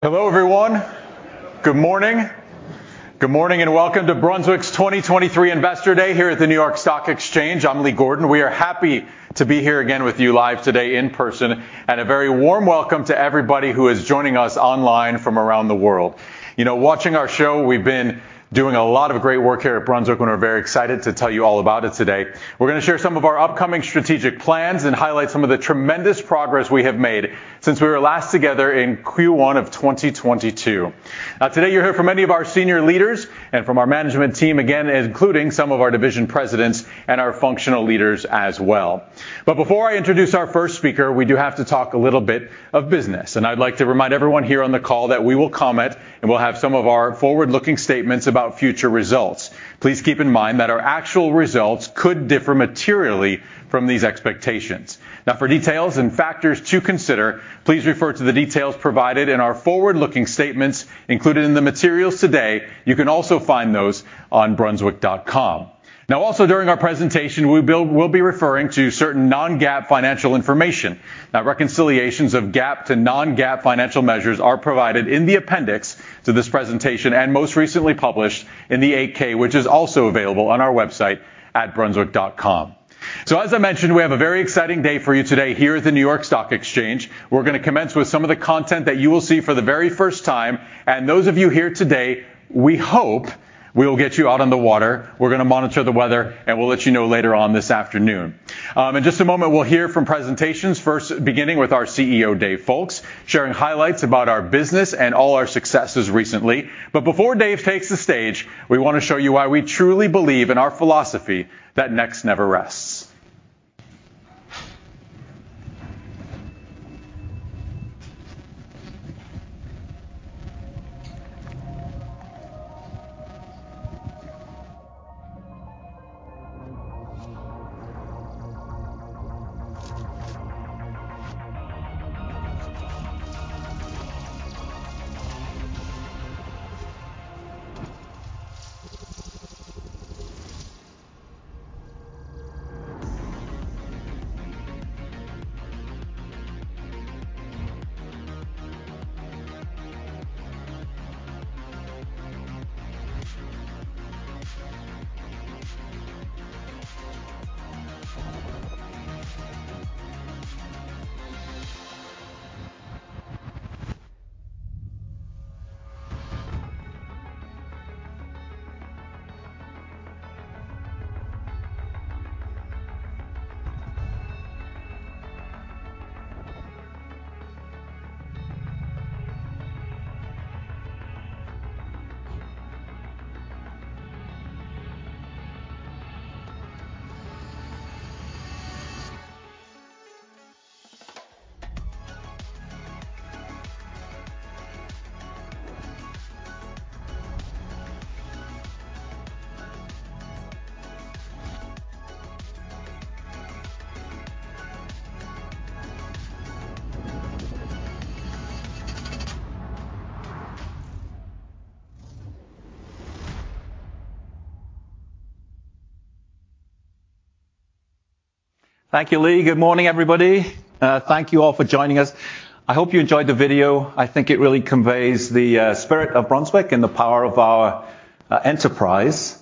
Hello everyone. Good morning. Good morning, and welcome to Brunswick's 2023 Investor Day here at the New York Stock Exchange. I'm Lee Gordon. We are happy to be here again with you live today in person, and a very warm welcome to everybody who is joining us online from around the world. You know, watching our show, we've been doing a lot of great work here at Brunswick, and we're very excited to tell you all about it today. We're gonna share some of our upcoming strategic plans and highlight some of the tremendous progress we have made since we were last together in Q1 of 2022. Today, you'll hear from many of our senior leaders and from our management team again, including some of our division presidents and our functional leaders as well. But before I introduce our first speaker, we do have to talk a little bit of business, and I'd like to remind everyone here on the call that we will comment, and we'll have some of our forward-looking statements about future results. Please keep in mind that our actual results could differ materially from these expectations. Now, for details and factors to consider, please refer to the details provided in our forward-looking statements included in the materials today. You can also find those on brunswick.com. Now, also during our presentation, we'll be referring to certain non-GAAP financial information. Now, reconciliations of GAAP to non-GAAP financial measures are provided in the appendix to this presentation and most recently published in the 8-K, which is also available on our website at brunswick.com. So as I mentioned, we have a very exciting day for you today here at the New York Stock Exchange. We're gonna commence with some of the content that you will see for the very first time, and those of you here today, we hope we will get you out on the water. We're gonna monitor the weather, and we'll let you know later on this afternoon. In just a moment, we'll hear from presentations, first, beginning with our CEO, Dave Foulkes, sharing highlights about our business and all our successes recently. But before Dave takes the stage, we wanna show you why we truly believe in our philosophy that Next Nnever Rests. Thank you, Lee. Good morning, everybody. Thank you all for joining us. I hope you enjoyed the video. I think it really conveys the spirit of Brunswick and the power of our enterprise.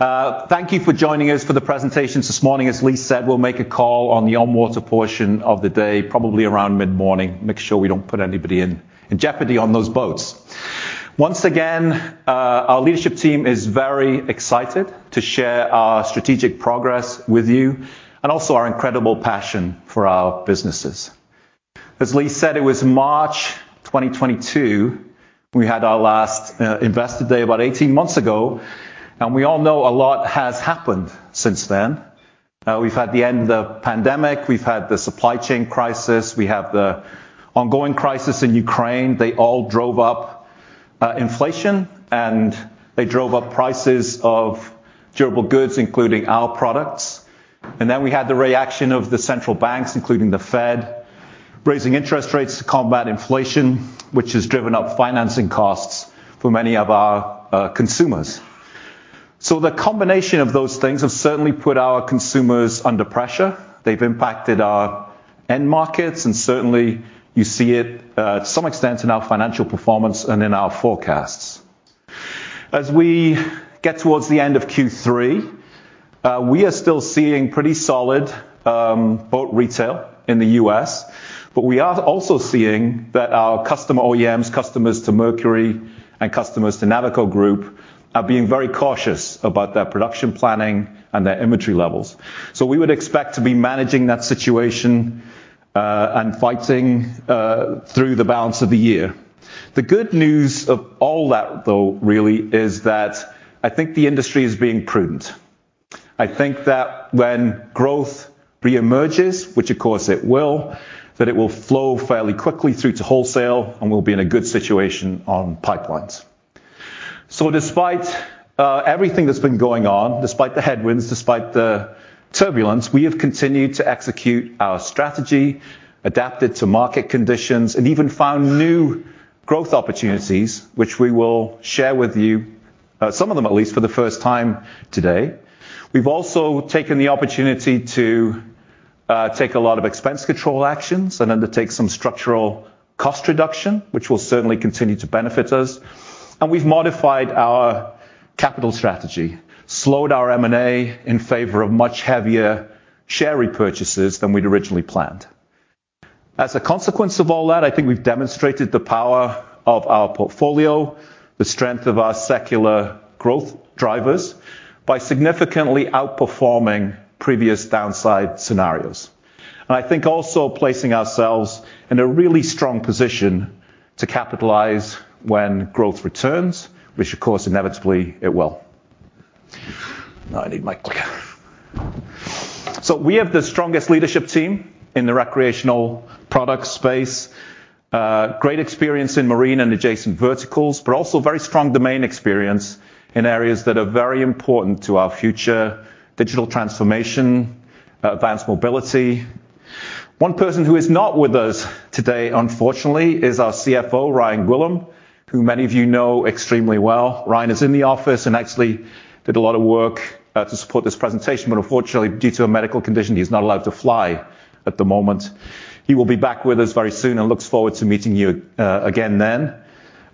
Thank you for joining us for the presentations this morning. As Lee said, we'll make a call on the on-water portion of the day, probably around mid-morning, make sure we don't put anybody in jeopardy on those boats. Once again, our leadership team is very excited to share our strategic progress with you and also our incredible passion for our businesses. As Lee said, it was March 2022, we had our last Investor Day, about 18 months ago, and we all know a lot has happened since then. We've had the end of the pandemic, we've had the supply chain crisis, we have the ongoing crisis in Ukraine. They all drove up inflation, and they drove up prices of durable goods, including our products. And then we had the reaction of the central banks, including the Fed, raising interest rates to combat inflation, which has driven up financing costs for many of our consumers. So the combination of those things have certainly put our consumers under pressure. They've impacted our end markets, and certainly, you see it to some extent in our financial performance and in our forecasts. As we get towards the end of Q3, we are still seeing pretty solid boat retail in the U.S., but we are also seeing that our customer OEMs, customers to Mercury and customers to Navico Group, are being very cautious about their production planning and their inventory levels. So we would expect to be managing that situation, and fighting, through the balance of the year. The good news of all that, though, really, is that I think the industry is being prudent. I think that when growth reemerges, which of course it will, that it will flow fairly quickly through to wholesale, and we'll be in a good situation on pipelines. So despite, everything that's been going on, despite the headwinds, despite the turbulence, we have continued to execute our strategy, adapted to market conditions, and even found new growth opportunities, which we will share with you, some of them, at least for the first time today. We've also taken the opportunity to take a lot of expense control actions and undertake some structural cost reduction, which will certainly continue to benefit us. We've modified our capital strategy, slowed our M&A in favor of much heavier share repurchases than we'd originally planned. As a consequence of all that, I think we've demonstrated the power of our portfolio, the strength of our secular growth drivers, by significantly outperforming previous downside scenarios. And I think also placing ourselves in a really strong position to capitalize when growth returns, which of course, inevitably it will. Now I need my mic. We have the strongest leadership team in the recreational product space. Great experience in marine and adjacent verticals, but also very strong domain experience in areas that are very important to our future: digital transformation, advanced mobility. One person who is not with us today, unfortunately, is our CFO, Ryan Gwillim, who many of you know extremely well. Ryan is in the office and actually did a lot of work to support this presentation, but unfortunately, due to a medical condition, he's not allowed to fly at the moment. He will be back with us very soon and looks forward to meeting you again then.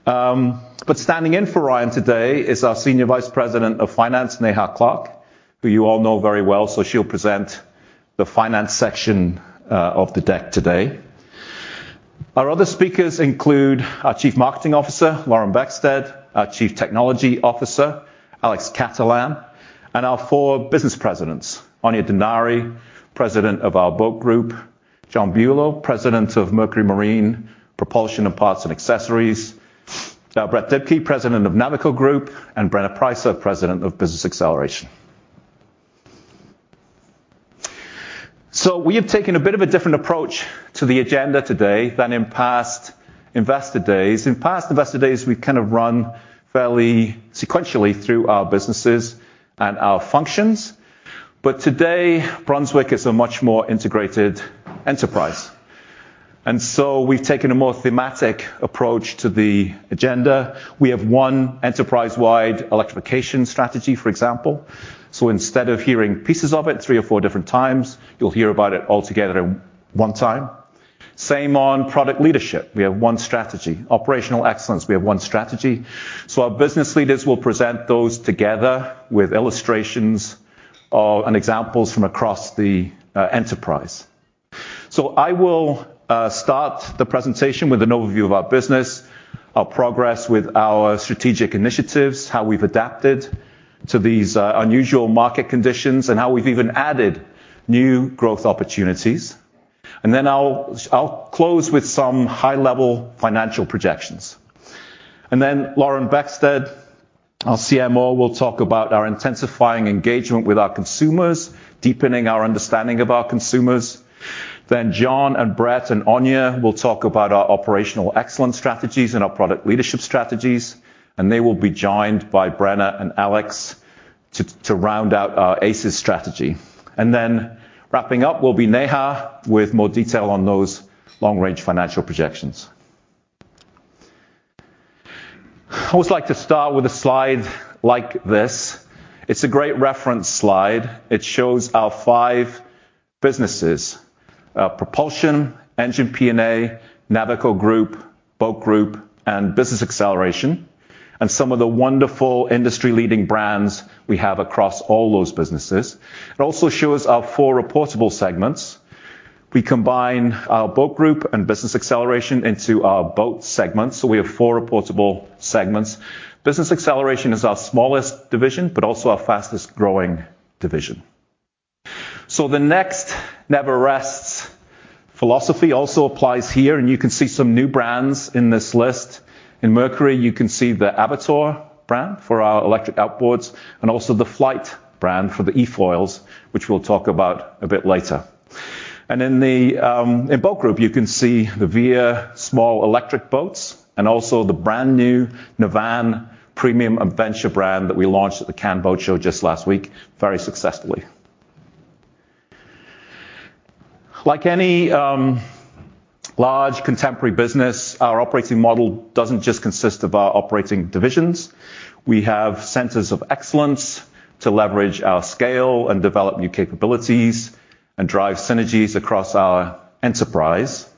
But standing in for Ryan today is our Senior Vice President of Finance, Neha Clark, who you all know very well, so she'll present the finance section of the deck today. Our other speakers include our Chief Marketing Officer, Lauren Beckstedt, our Chief Technology Officer, Alexandra Cattelan, and our four business presidents, Áine Denari, President of our Boat Group, John Buelow, President of Mercury Marine, Propulsion and Parts & Accessories, Brett Dibkey, President of Navico Group, and Brenna Preisser, President of Business Acceleration. So we have taken a bit of a different approach to the agenda today than in past Investor Days. In past Investor Days, we've kind of run fairly sequentially through our businesses and our functions, but today, Brunswick is a much more integrated enterprise, and so we've taken a more thematic approach to the agenda. We have one enterprise-wide electrification strategy, for example, so instead of hearing pieces of it three or four different times, you'll hear about it all together at one time. Same on product leadership. We have one strategy. Operational excellence, we have one strategy. So our business leaders will present those together with illustrations, and examples from across the enterprise. So I will start the presentation with an overview of our business, our progress with our strategic initiatives, how we've adapted to these unusual market conditions, and how we've even added new growth opportunities. And then I'll close with some high-level financial projections. And then Lauren Beckstedt, our CMO, will talk about our intensifying engagement with our consumers, deepening our understanding of our consumers. Then John and Brett and Áine will talk about our operational excellence strategies and our product leadership strategies, and they will be joined by Brenna and Alex to round out our ACES strategy. And then wrapping up will be Neha, with more detail on those long-range financial projections. I always like to start with a slide like this. It's a great reference slide. It shows our five businesses, Propulsion, Engine P&A, Navico Group, Boat Group, and Business Acceleration, and some of the wonderful industry-leading brands we have across all those businesses. It also shows our four reportable segments. We combine our Boat Group and Business Acceleration into our boat segment, so we have four reportable segments. Business Acceleration is our smallest division, but also our fastest-growing division. So the Next Never Rests philosophy also applies here, and you can see some new brands in this list. In Mercury, you can see the Avator brand for our electric outboards, and also the Flite brand for the eFoils, which we'll talk about a bit later. And in the Boat Group, you can see the Veer small electric boats and also the brand-new Navan premium adventure brand that we launched at the Cannes Boat Show just last week, very successfully. Like any large contemporary business, our operating model doesn't just consist of our operating divisions. We have centers of excellence to leverage our scale and develop new capabilities and drive synergies across our enterprise.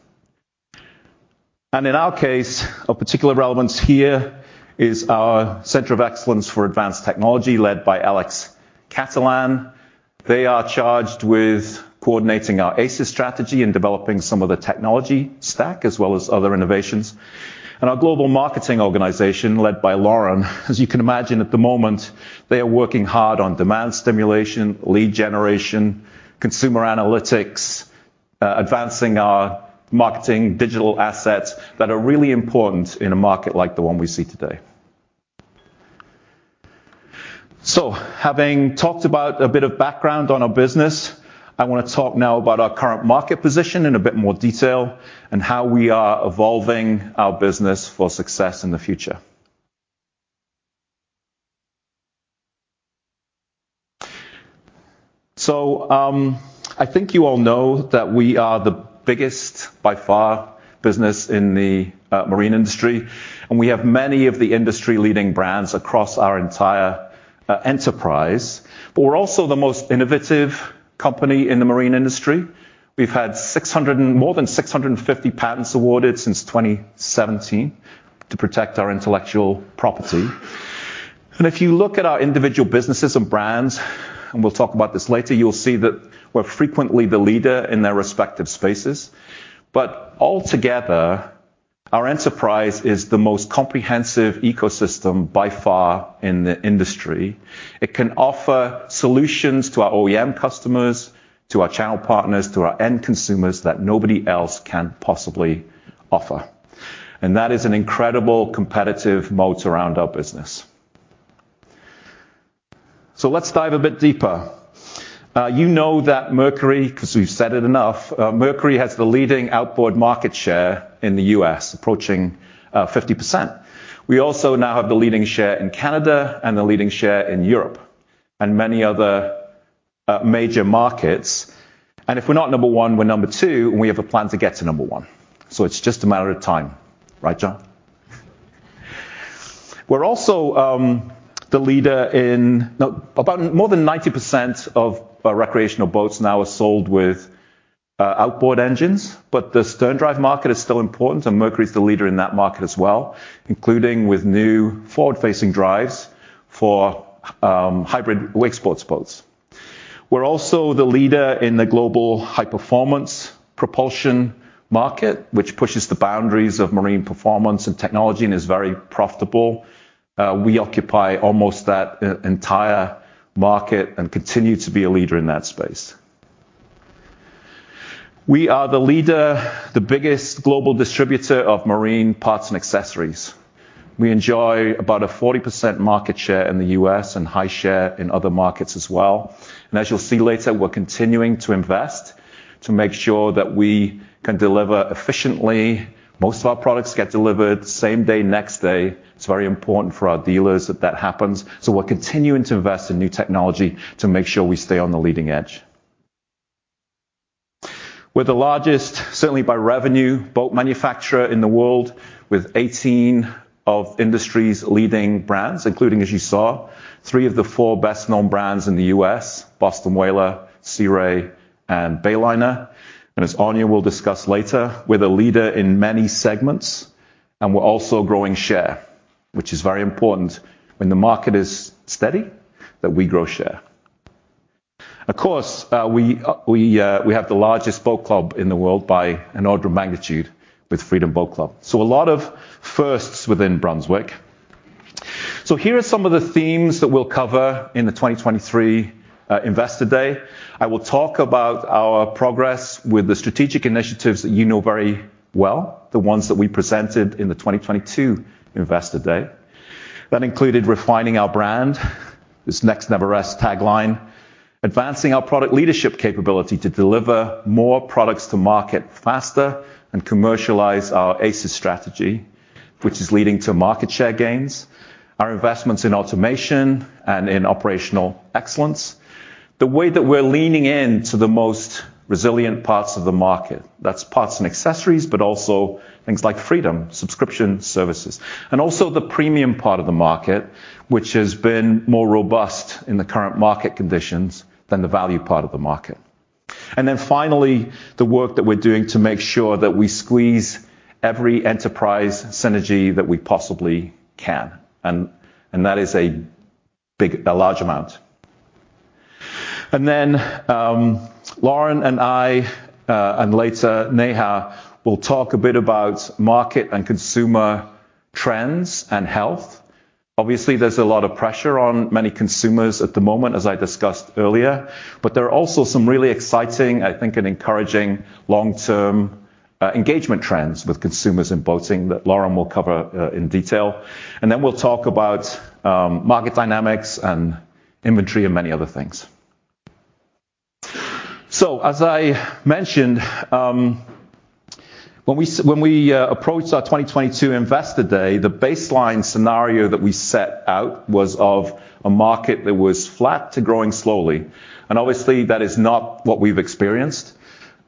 In our case, of particular relevance here is our Center of Excellence for Advanced Technology, led by Alexandra Cattelan. They are charged with coordinating our ACES strategy and developing some of the technology stack, as well as other innovations. Our global marketing organization, led by Lauren, as you can imagine, at the moment, they are working hard on demand stimulation, lead generation, consumer analytics, advancing our marketing digital assets that are really important in a market like the one we see today. So having talked about a bit of background on our business, I want to talk now about our current market position in a bit more detail and how we are evolving our business for success in the future. So, I think you all know that we are the biggest, by far, business in the marine industry, and we have many of the industry-leading brands across our entire enterprise, but we're also the most innovative company in the marine industry. We've had more than 650 patents awarded since 2017 to protect our intellectual property. And if you look at our individual businesses and brands, and we'll talk about this later, you'll see that we're frequently the leader in their respective spaces. But altogether, our enterprise is the most comprehensive ecosystem by far in the industry. It can offer solutions to our OEM customers, to our channel partners, to our end consumers, that nobody else can possibly offer, and that is an incredible competitive moat around our business. So let's dive a bit deeper. You know that Mercury, 'cause we've said it enough, Mercury has the leading outboard market share in the U.S., approaching 50%. We also now have the leading share in Canada and the leading share in Europe and many other major markets. And if we're not number one, we're number two, and we have a plan to get to number one. So it's just a matter of time. Right, John? We're also the leader in... Now, about more than 90% of recreational boats now are sold with outboard engines, but the sterndrive market is still important, and Mercury is the leader in that market as well, including with new forward-facing drives for hybrid wakesports boats. We're also the leader in the global high-performance propulsion market, which pushes the boundaries of marine performance and technology and is very profitable. We occupy almost that entire market and continue to be a leader in that space. We are the leader, the biggest global distributor of marine parts and accessories. We enjoy about a 40% market share in the U.S. and high share in other markets as well. And as you'll see later, we're continuing to invest to make sure that we can deliver efficiently. Most of our products get delivered same day, next day. It's very important for our dealers that that happens, so we're continuing to invest in new technology to make sure we stay on the leading edge. We're the largest, certainly by revenue, boat manufacturer in the world, with 18 of industry's leading brands, including, as you saw, three of the four best-known brands in the U.S.: Boston Whaler, Sea Ray, and Bayliner. And as Áine will discuss later, we're the leader in many segments, and we're also growing share, which is very important when the market is steady, that we grow share. Of course, we have the largest boat club in the world by an order of magnitude with Freedom Boat Club. So a lot of firsts within Brunswick. So here are some of the themes that we'll cover in the 2023 Investor Day. I will talk about our progress with the strategic initiatives that you know very well, the ones that we presented in the 2022 Investor Day. That included refining our brand, this Next Never Rests tagline, advancing our product leadership capability to deliver more products to market faster and commercialize our ACES strategy, which is leading to market share gains, our investments in automation and in operational excellence, the way that we're leaning into the most resilient parts of the market. That's parts and accessories, but also things like Freedom, subscription services, and also the premium part of the market, which has been more robust in the current market conditions than the value part of the market. Then finally, the work that we're doing to make sure that we squeeze every enterprise synergy that we possibly can, and that is a big, a large amount. Then, Lauren and I, and later Neha, will talk a bit about market and consumer trends and health. Obviously, there's a lot of pressure on many consumers at the moment, as I discussed earlier, but there are also some really exciting, I think, and encouraging long-term engagement trends with consumers in boating that Lauren will cover in detail. Then we'll talk about market dynamics and inventory and many other things. As I mentioned, when we approached our 2022 Investor Day, the baseline scenario that we set out was of a market that was flat to growing slowly, and obviously, that is not what we've experienced.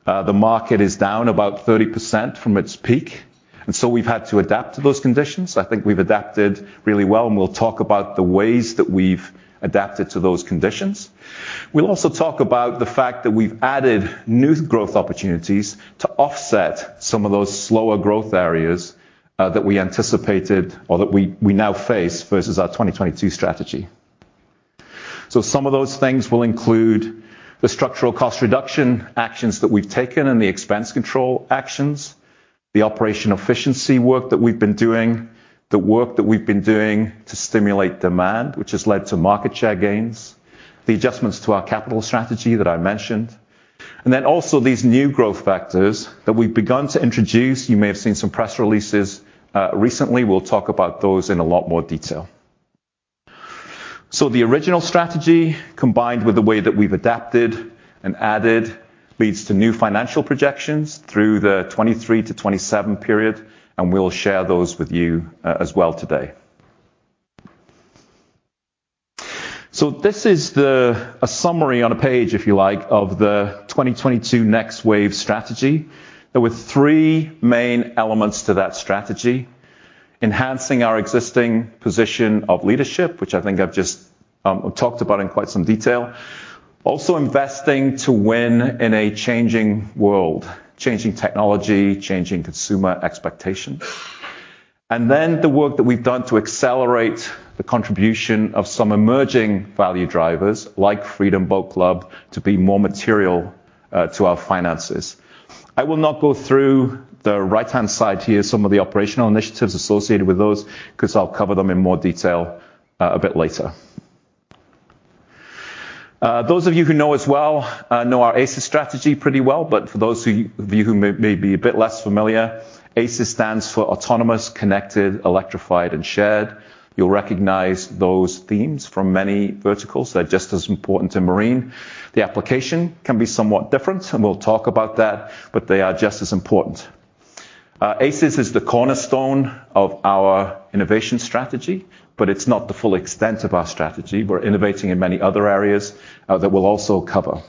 The market is down about 30% from its peak, and so we've had to adapt to those conditions. I think we've adapted really well, and we'll talk about the ways that we've adapted to those conditions. We'll also talk about the fact that we've added new growth opportunities to offset some of those slower growth areas that we anticipated or that we now face versus our 2022 strategy. So some of those things will include the structural cost reduction actions that we've taken and the expense control actions, the operation efficiency work that we've been doing, the work that we've been doing to stimulate demand, which has led to market share gains, the adjustments to our capital strategy that I mentioned, and then also these new growth factors that we've begun to introduce. You may have seen some press releases recently. We'll talk about those in a lot more detail. So the original strategy, combined with the way that we've adapted and added, leads to new financial projections through the 2023-2027 period, and we'll share those with you, as well today. So this is the... a summary on a page, if you like, of the 2022 Next Wave strategy. There were three main elements to that strategy... enhancing our existing position of leadership, which I think I've just talked about in quite some detail. Also, investing to win in a changing world, changing technology, changing consumer expectation. And then the work that we've done to accelerate the contribution of some emerging value drivers, like Freedom Boat Club, to be more material to our finances. I will not go through the right-hand side here, some of the operational initiatives associated with those, 'cause I'll cover them in more detail, a bit later. Those of you who know us well know our ACES strategy pretty well, but for those of you who may be a bit less familiar, ACES stands for Autonomous, Connected, Electrified, and Shared. You'll recognize those themes from many verticals. They're just as important to Marine. The application can be somewhat different, and we'll talk about that, but they are just as important. ACES is the cornerstone of our innovation strategy, but it's not the full extent of our strategy. We're innovating in many other areas that we'll also cover.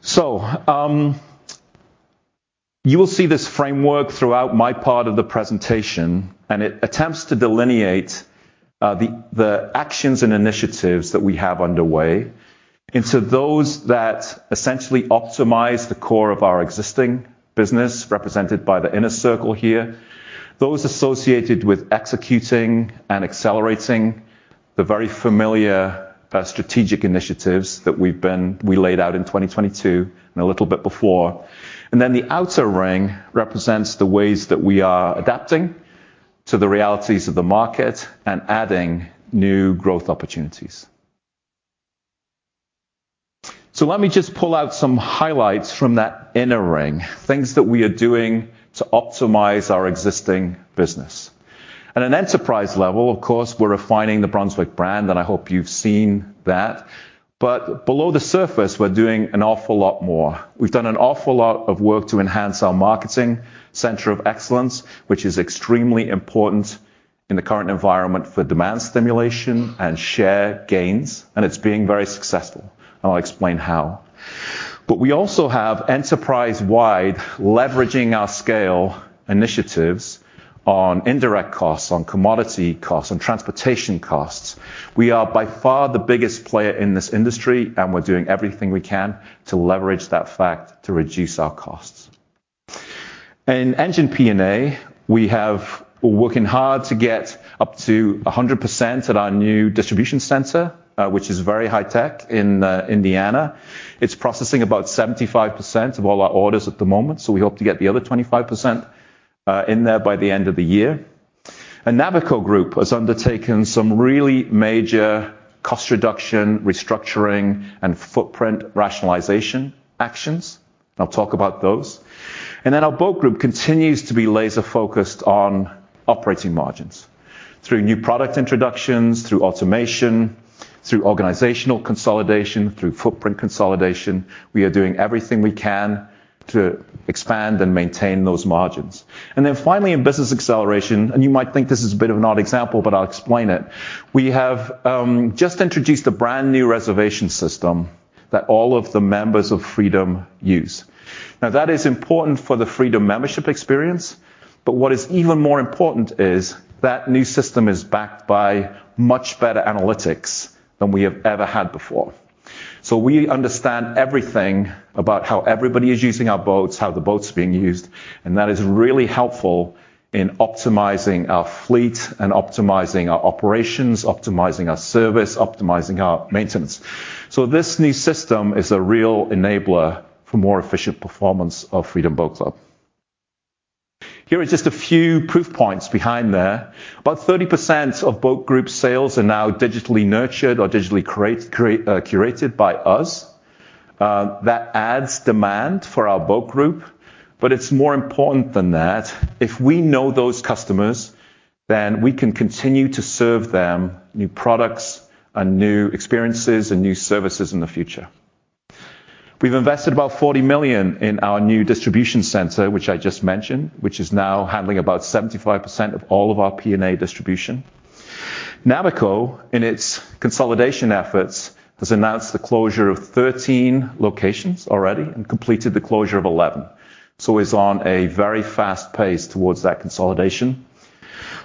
So, you will see this framework throughout my part of the presentation, and it attempts to delineate the actions and initiatives that we have underway into those that essentially optimize the core of our existing business, represented by the inner circle here. Those associated with executing and accelerating the very familiar strategic initiatives that we've laid out in 2022 and a little bit before. Then the outer ring represents the ways that we are adapting to the realities of the market and adding new growth opportunities. Let me just pull out some highlights from that inner ring, things that we are doing to optimize our existing business. At an enterprise level, of course, we're refining the Brunswick brand, and I hope you've seen that. But below the surface, we're doing an awful lot more. We've done an awful lot of work to enhance our marketing center of excellence, which is extremely important in the current environment for demand stimulation and share gains, and it's being very successful, and I'll explain how. But we also have enterprise-wide leveraging our scale initiatives on indirect costs, on commodity costs, on transportation costs. We are by far the biggest player in this industry, and we're doing everything we can to leverage that fact to reduce our costs. In Engine P&A, we have-- we're working hard to get up to 100% at our new distribution center, which is very high tech in Indiana. It's processing about 75% of all our orders at the moment, so we hope to get the other 25%, in there by the end of the year. And Navico Group has undertaken some really major cost reduction, restructuring, and footprint rationalization actions. I'll talk about those. And then our Boat Group continues to be laser-focused on operating margins through new product introductions, through automation, through organizational consolidation, through footprint consolidation. We are doing everything we can to expand and maintain those margins. And then finally, in Business Acceleration, and you might think this is a bit of an odd example, but I'll explain it. We have just introduced a brand-new reservation system that all of the members of Freedom use. Now, that is important for the Freedom membership experience, but what is even more important is that new system is backed by much better analytics than we have ever had before. So we understand everything about how everybody is using our boats, how the boat's being used, and that is really helpful in optimizing our fleet and optimizing our operations, optimizing our service, optimizing our maintenance. So this new system is a real enabler for more efficient performance of Freedom Boat Club. Here is just a few proof points behind there. About 30% of Boat Group sales are now digitally nurtured or digitally created, curated by us. That adds demand for our Boat Group, but it's more important than that. If we know those customers, then we can continue to serve them new products and new experiences and new services in the future. We've invested about $40 million in our new distribution center, which I just mentioned, which is now handling about 75% of all of our P&A distribution. Navico, in its consolidation efforts, has announced the closure of 13 locations already and completed the closure of 11, so is on a very fast pace towards that consolidation.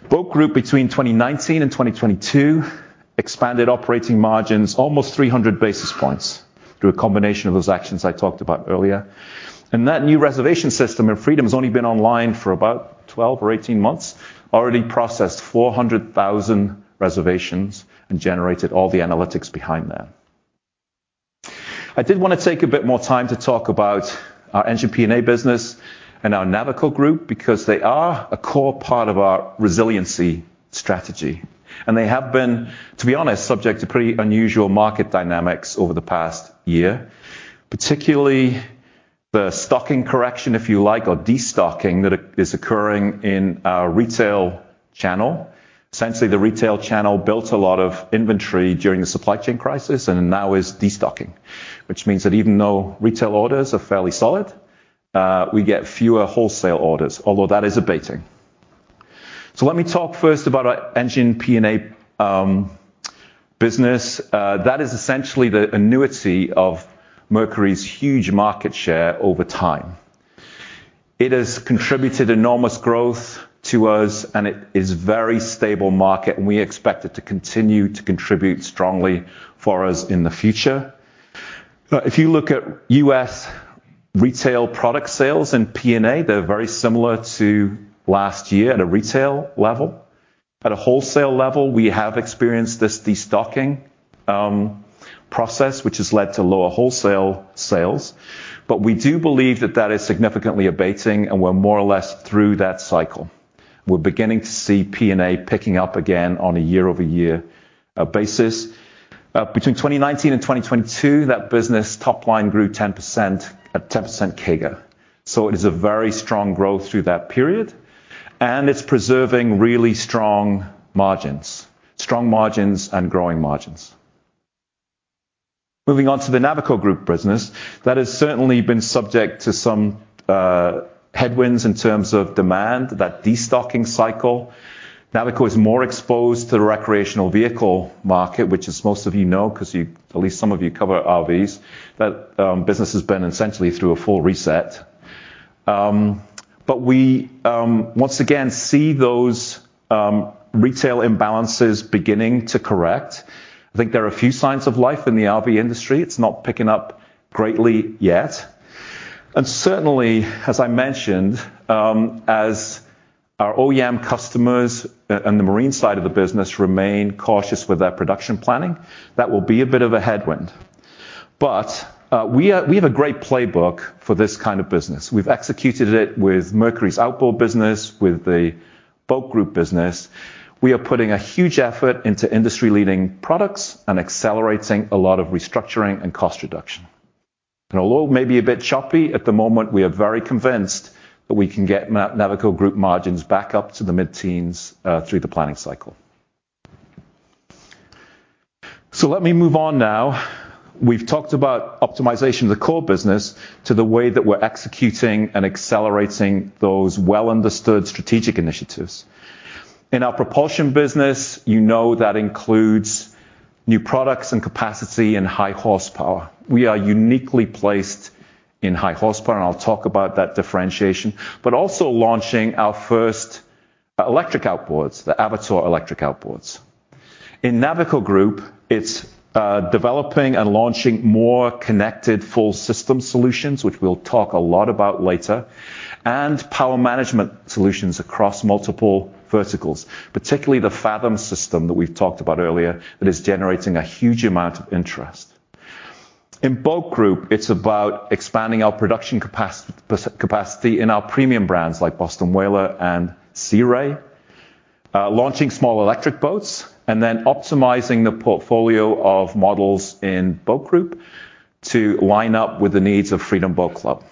Boat Group, between 2019 and 2022, expanded operating margins almost 300 basis points through a combination of those actions I talked about earlier, and that new reservation system, and Freedom's only been online for about 12 or 18 months, already processed 400,000 reservations and generated all the analytics behind that. I did want to take a bit more time to talk about our Engine P&A business and our Navico Group because they are a core part of our resiliency strategy, and they have been, to be honest, subject to pretty unusual market dynamics over the past year, particularly the stocking correction, if you like, or destocking, that is occurring in our retail channel. Essentially, the retail channel built a lot of inventory during the supply chain crisis and now is destocking, which means that even though retail orders are fairly solid, we get fewer wholesale orders, although that is abating. So let me talk first about our Engine P&A business. That is essentially the annuity of Mercury's huge market share over time. It has contributed enormous growth to us, and it is very stable market, and we expect it to continue to contribute strongly for us in the future. If you look at U.S. retail product sales and P&A, they're very similar to last year at a retail level. At a wholesale level, we have experienced this destocking process, which has led to lower wholesale sales, but we do believe that that is significantly abating, and we're more or less through that cycle. We're beginning to see P&A picking up again on a year-over-year basis. Between 2019 and 2022, that business top line grew 10% at 10% CAGR. So it is a very strong growth through that period, and it's preserving really strong margins. Strong margins and growing margins. Moving on to the Navico Group business, that has certainly been subject to some headwinds in terms of demand, that destocking cycle. Navico is more exposed to the recreational vehicle market, which as most of you know, 'cause you, at least some of you cover RVs. That business has been essentially through a full reset. But we once again see those retail imbalances beginning to correct. I think there are a few signs of life in the RV industry. It's not picking up greatly yet. Certainly, as I mentioned, as our OEM customers and the marine side of the business remain cautious with their production planning, that will be a bit of a headwind. But we have a great playbook for this kind of business. We've executed it with Mercury's outboard business, with the Boat Group business. We are putting a huge effort into industry-leading products and accelerating a lot of restructuring and cost reduction. And although it may be a bit choppy at the moment, we are very convinced that we can get Navico Group margins back up to the mid-teens through the planning cycle. So let me move on now. We've talked about optimization of the core business to the way that we're executing and accelerating those well-understood strategic initiatives. In our propulsion business, you know, that includes new products and capacity and high horsepower. We are uniquely placed in high horsepower, and I'll talk about that differentiation, but also launching our first electric outboards, the Avator electric outboards. In Navico Group, it's developing and launching more connected full system solutions, which we'll talk a lot about later, and power management solutions across multiple verticals, particularly the Fathom system that we've talked about earlier, that is generating a huge amount of interest. In Boat Group, it's about expanding our production capacity in our premium brands like Boston Whaler and Sea Ray, launching small electric boats, and then optimizing the portfolio of models in Boat Group to line up with the needs of Freedom Boat Club.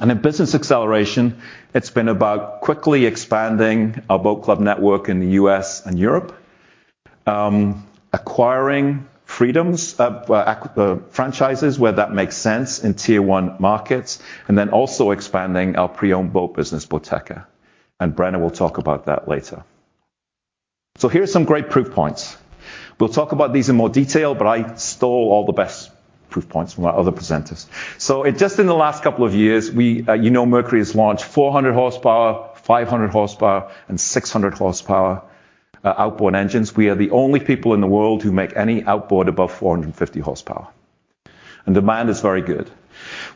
In Business Acceleration, it's been about quickly expanding our boat club network in the U.S. and Europe, acquiring Freedom's franchises, where that makes sense in tier one markets, and then also expanding our pre-owned boat business, Boateka, and Brenna will talk about that later. Here are some great proof points. We'll talk about these in more detail, but I stole all the best proof points from our other presenters. Just in the last couple of years, we, you know, Mercury has launched 400 hp, 500 hp, and 600 hp outboard engines. We are the only people in the world who make any outboard above 450 hp, and demand is very good.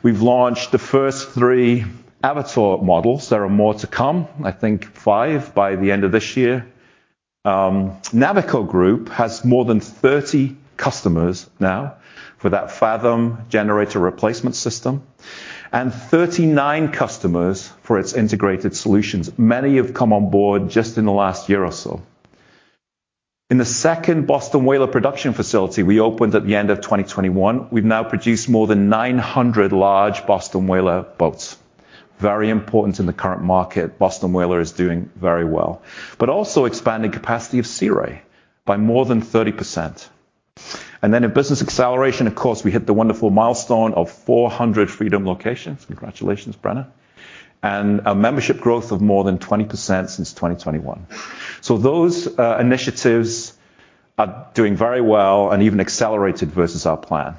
We've launched the first three Avator models. There are more to come, I think five by the end of this year. Navico Group has more than 30 customers now for that Fathom generator replacement system, and 39 customers for its integrated solutions. Many have come on board just in the last year or so. In the second Boston Whaler production facility, we opened at the end of 2021, we've now produced more than 900 large Boston Whaler boats. Very important in the current market. Boston Whaler is doing very well, but also expanding capacity of Sea Ray by more than 30%. And then in Business Acceleration, of course, we hit the wonderful milestone of 400 Freedom locations. Congratulations, Brenna. And a membership growth of more than 20% since 2021. So those initiatives are doing very well and even accelerated versus our plan.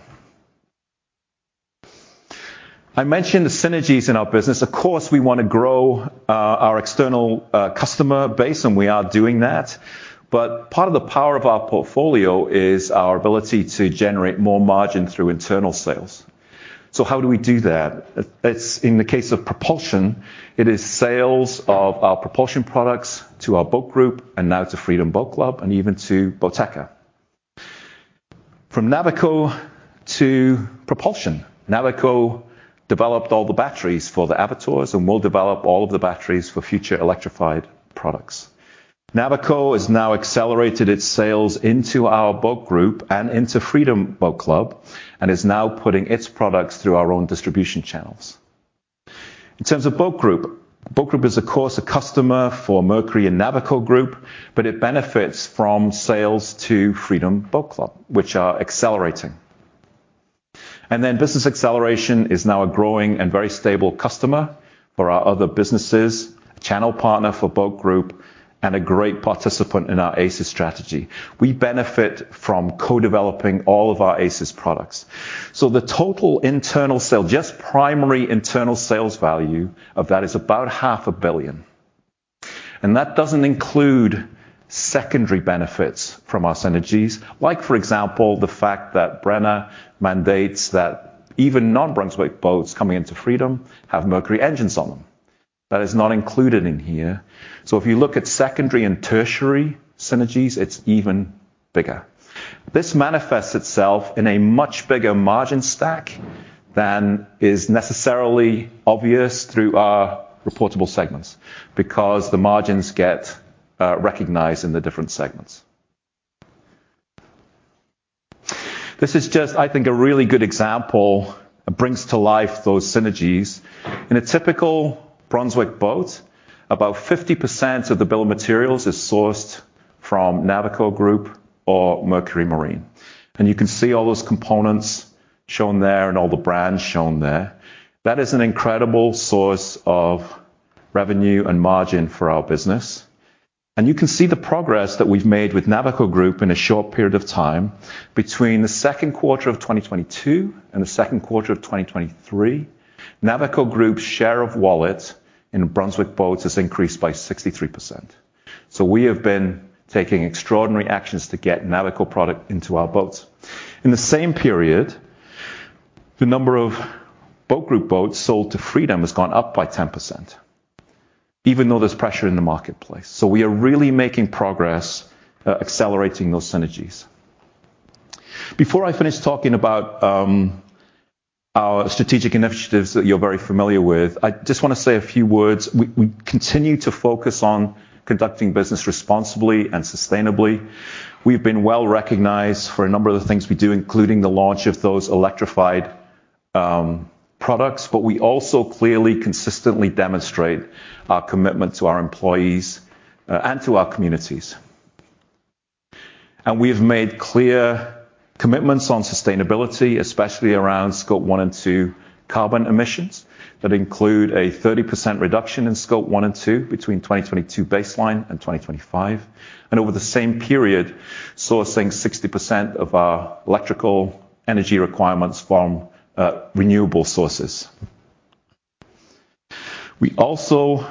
I mentioned the synergies in our business. Of course, we want to grow our external customer base, and we are doing that, but part of the power of our portfolio is our ability to generate more margin through internal sales. So how do we do that? It's in the case of propulsion, it is sales of our propulsion products to our Boat Group and now to Freedom Boat Club and even to Boateka. From Navico to Propulsion, Navico developed all the batteries for the Avator and will develop all of the batteries for future electrified products. Navico has now accelerated its sales into our Boat Group and into Freedom Boat Club and is now putting its products through our own distribution channels. In terms of Boat Group, Boat Group is, of course, a customer for Mercury and Navico Group, but it benefits from sales to Freedom Boat Club, which are accelerating. And then Business Acceleration is now a growing and very stable customer for our other businesses, a channel partner for Boat Group, and a great participant in our ACES strategy. We benefit from co-developing all of our ACES products. So the total internal sale, just primary internal sales value of that is about $500 million, and that doesn't include secondary benefits from our synergies. Like, for example, the fact that Brenna mandates that even non-Brunswick boats coming into Freedom have Mercury engines on them. That is not included in here. So if you look at secondary and tertiary synergies, it's even bigger. This manifests itself in a much bigger margin stack than is necessarily obvious through our reportable segments, because the margins get recognized in the different segments. This is just, I think, a really good example that brings to life those synergies. In a typical Brunswick boat, about 50% of the bill of materials is sourced from Navico Group or Mercury Marine, and you can see all those components shown there and all the brands shown there. That is an incredible source of revenue and margin for our business. And you can see the progress that we've made with Navico Group in a short period of time. Between the second quarter of 2022 and the second quarter of 2023, Navico Group's share of wallet in Brunswick Boats has increased by 63%. So we have been taking extraordinary actions to get Navico product into our boats. In the same period, the number of Boat Group boats sold to Freedom has gone up by 10%, even though there's pressure in the marketplace. So we are really making progress, accelerating those synergies. Before I finish talking about our strategic initiatives that you're very familiar with, I just wanna say a few words. We, we continue to focus on conducting business responsibly and sustainably. We've been well-recognized for a number of the things we do, including the launch of those electrified products, but we also clearly, consistently demonstrate our commitment to our employees and to our communities. And we have made clear commitments on sustainability, especially around Scope 1 and 2 carbon emissions, that include a 30% reduction in Scope 1 and 2 between 2022 baseline and 2025, and over the same period, sourcing 60% of our electrical energy requirements from renewable sources. We also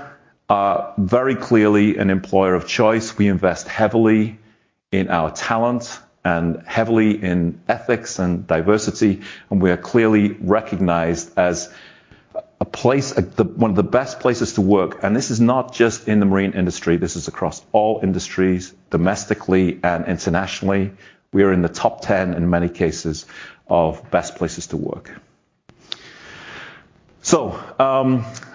are very clearly an employer of choice. We invest heavily in our talent and heavily in ethics and diversity, and we are clearly recognized as a place, the... One of the best places to work, and this is not just in the marine industry. This is across all industries, domestically and internationally. We are in the top 10 in many cases of best places to work. So,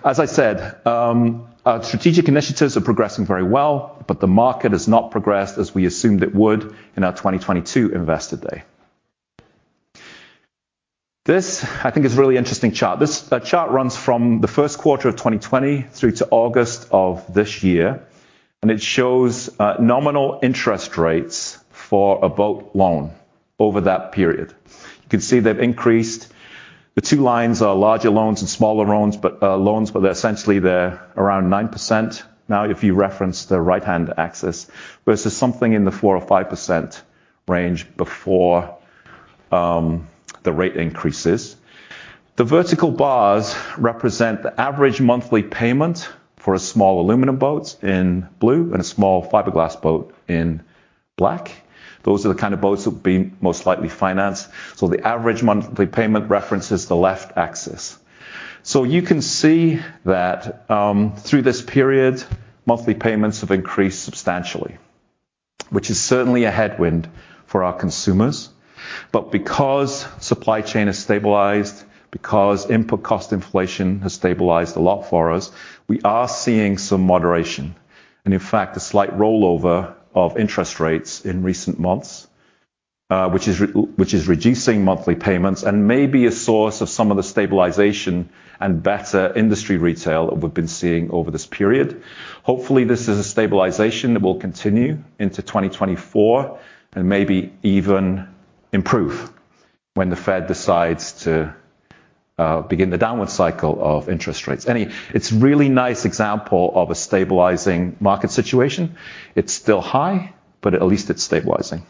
as I said, our strategic initiatives are progressing very well, but the market has not progressed as we assumed it would in our 2022 Investor Day. This, I think, is a really interesting chart. This chart runs from the first quarter of 2020 through to August of this year, and it shows nominal interest rates for a boat loan over that period. You can see they've increased. The two lines are larger loans and smaller loans, but loans, but essentially they're around 9%. Now, if you reference the right-hand axis versus something in the 4%-5% range before the rate increases. The vertical bars represent the average monthly payment for a small aluminum boat in blue and a small fiberglass boat in black. Those are the kind of boats that would be most likely financed, so the average monthly payment references the left axis. So you can see that through this period, monthly payments have increased substantially, which is certainly a headwind for our consumers. But because supply chain has stabilized, because input cost inflation has stabilized a lot for us, we are seeing some moderation, and in fact, a slight rollover of interest rates in recent months, which is reducing monthly payments and may be a source of some of the stabilization and better industry retail that we've been seeing over this period. Hopefully, this is a stabilization that will continue into 2024 and maybe even improve when the Fed decides to begin the downward cycle of interest rates. It's a really nice example of a stabilizing market situation. It's still high, but at least it's stabilizing.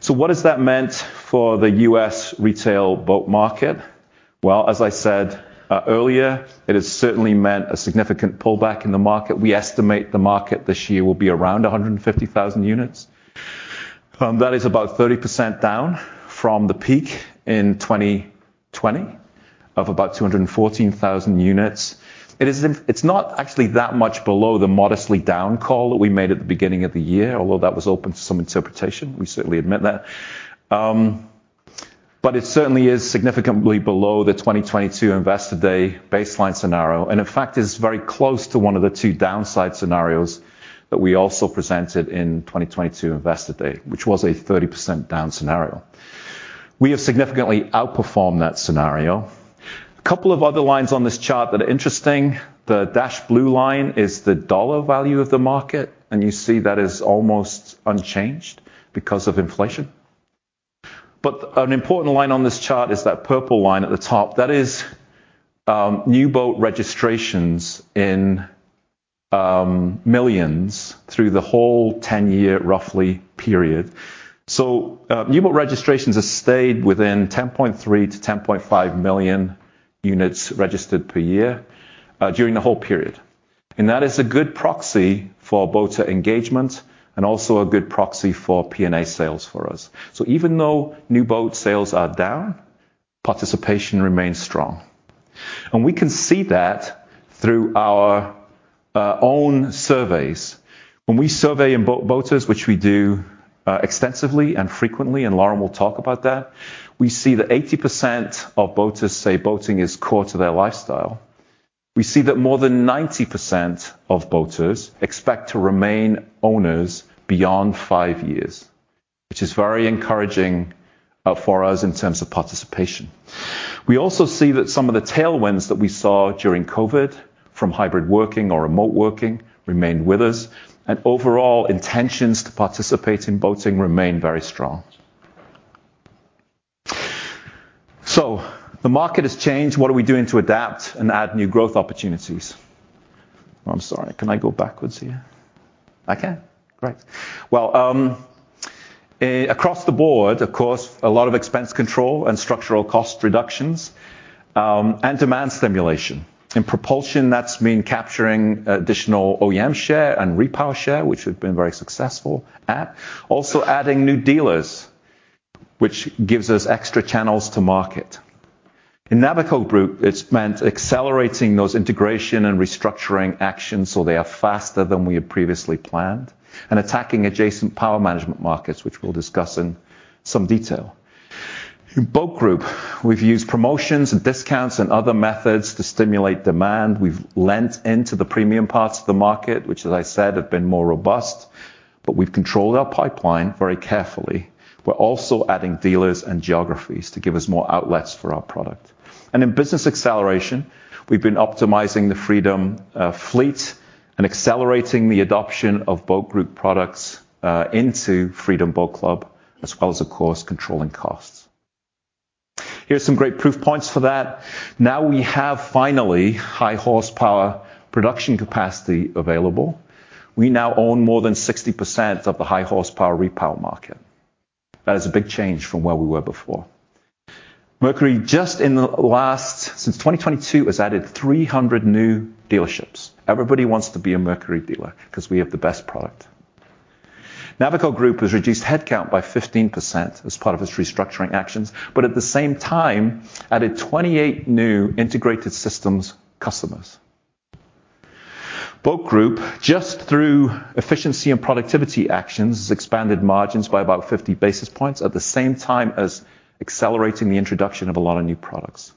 So what has that meant for the U.S. retail boat market? Well, as I said earlier, it has certainly meant a significant pullback in the market. We estimate the market this year will be around 150,000 units. That is about 30% down from the peak in 2020 of about 214,000 units. It's not actually that much below the modestly down call that we made at the beginning of the year, although that was open to some interpretation. We certainly admit that. But it certainly is significantly below the 2022 Investor Day baseline scenario, and in fact, is very close to one of the two downside scenarios that we also presented in 2022 Investor Day, which was a 30% down scenario. We have significantly outperformed that scenario.... A couple of other lines on this chart that are interesting. The dashed blue line is the dollar value of the market, and you see that is almost unchanged because of inflation. But an important line on this chart is that purple line at the top. That is, new boat registrations in millions through the whole 10-year, roughly, period. So, new boat registrations have stayed within 10.3 million-10.5 million units registered per year during the whole period. That is a good proxy for boater engagement and also a good proxy for P&A sales for us. So even though new boat sales are down, participation remains strong. And we can see that through our own surveys. When we survey boaters, which we do extensively and frequently, and Lauren will talk about that, we see that 80% of boaters say boating is core to their lifestyle. We see that more than 90% of boaters expect to remain owners beyond five years, which is very encouraging for us in terms of participation. We also see that some of the tailwinds that we saw during COVID, from hybrid working or remote working, remain with us, and overall intentions to participate in boating remain very strong. So the market has changed. What are we doing to adapt and add new growth opportunities? I'm sorry, can I go backwards here? I can. Great. Well, across the board, of course, a lot of expense control and structural cost reductions, and demand stimulation. In propulsion, that means capturing additional OEM share and repower share, which we've been very successful at. Also adding new dealers, which gives us extra channels to market. In Navico Group, it's meant accelerating those integration and restructuring actions so they are faster than we had previously planned, and attacking adjacent power management markets, which we'll discuss in some detail. In Boat Group, we've used promotions and discounts and other methods to stimulate demand. We've leaned into the premium parts of the market, which, as I said, have been more robust, but we've controlled our pipeline very carefully. We're also adding dealers and geographies to give us more outlets for our product. In Business Acceleration, we've been optimizing the Freedom fleet and accelerating the adoption of Boat Group products into Freedom Boat Club, as well as, of course, controlling costs. Here's some great proof points for that. Now we have finally high horsepower production capacity available. We now own more than 60% of the high horsepower repower market. That is a big change from where we were before. Mercury, just since 2022, has added 300 new dealerships. Everybody wants to be a Mercury dealer 'cause we have the best product. Navico Group has reduced headcount by 15% as part of its restructuring actions, but at the same time, added 28 new integrated systems customers. Boat Group, just through efficiency and productivity actions, expanded margins by about 50 basis points, at the same time as accelerating the introduction of a lot of new products.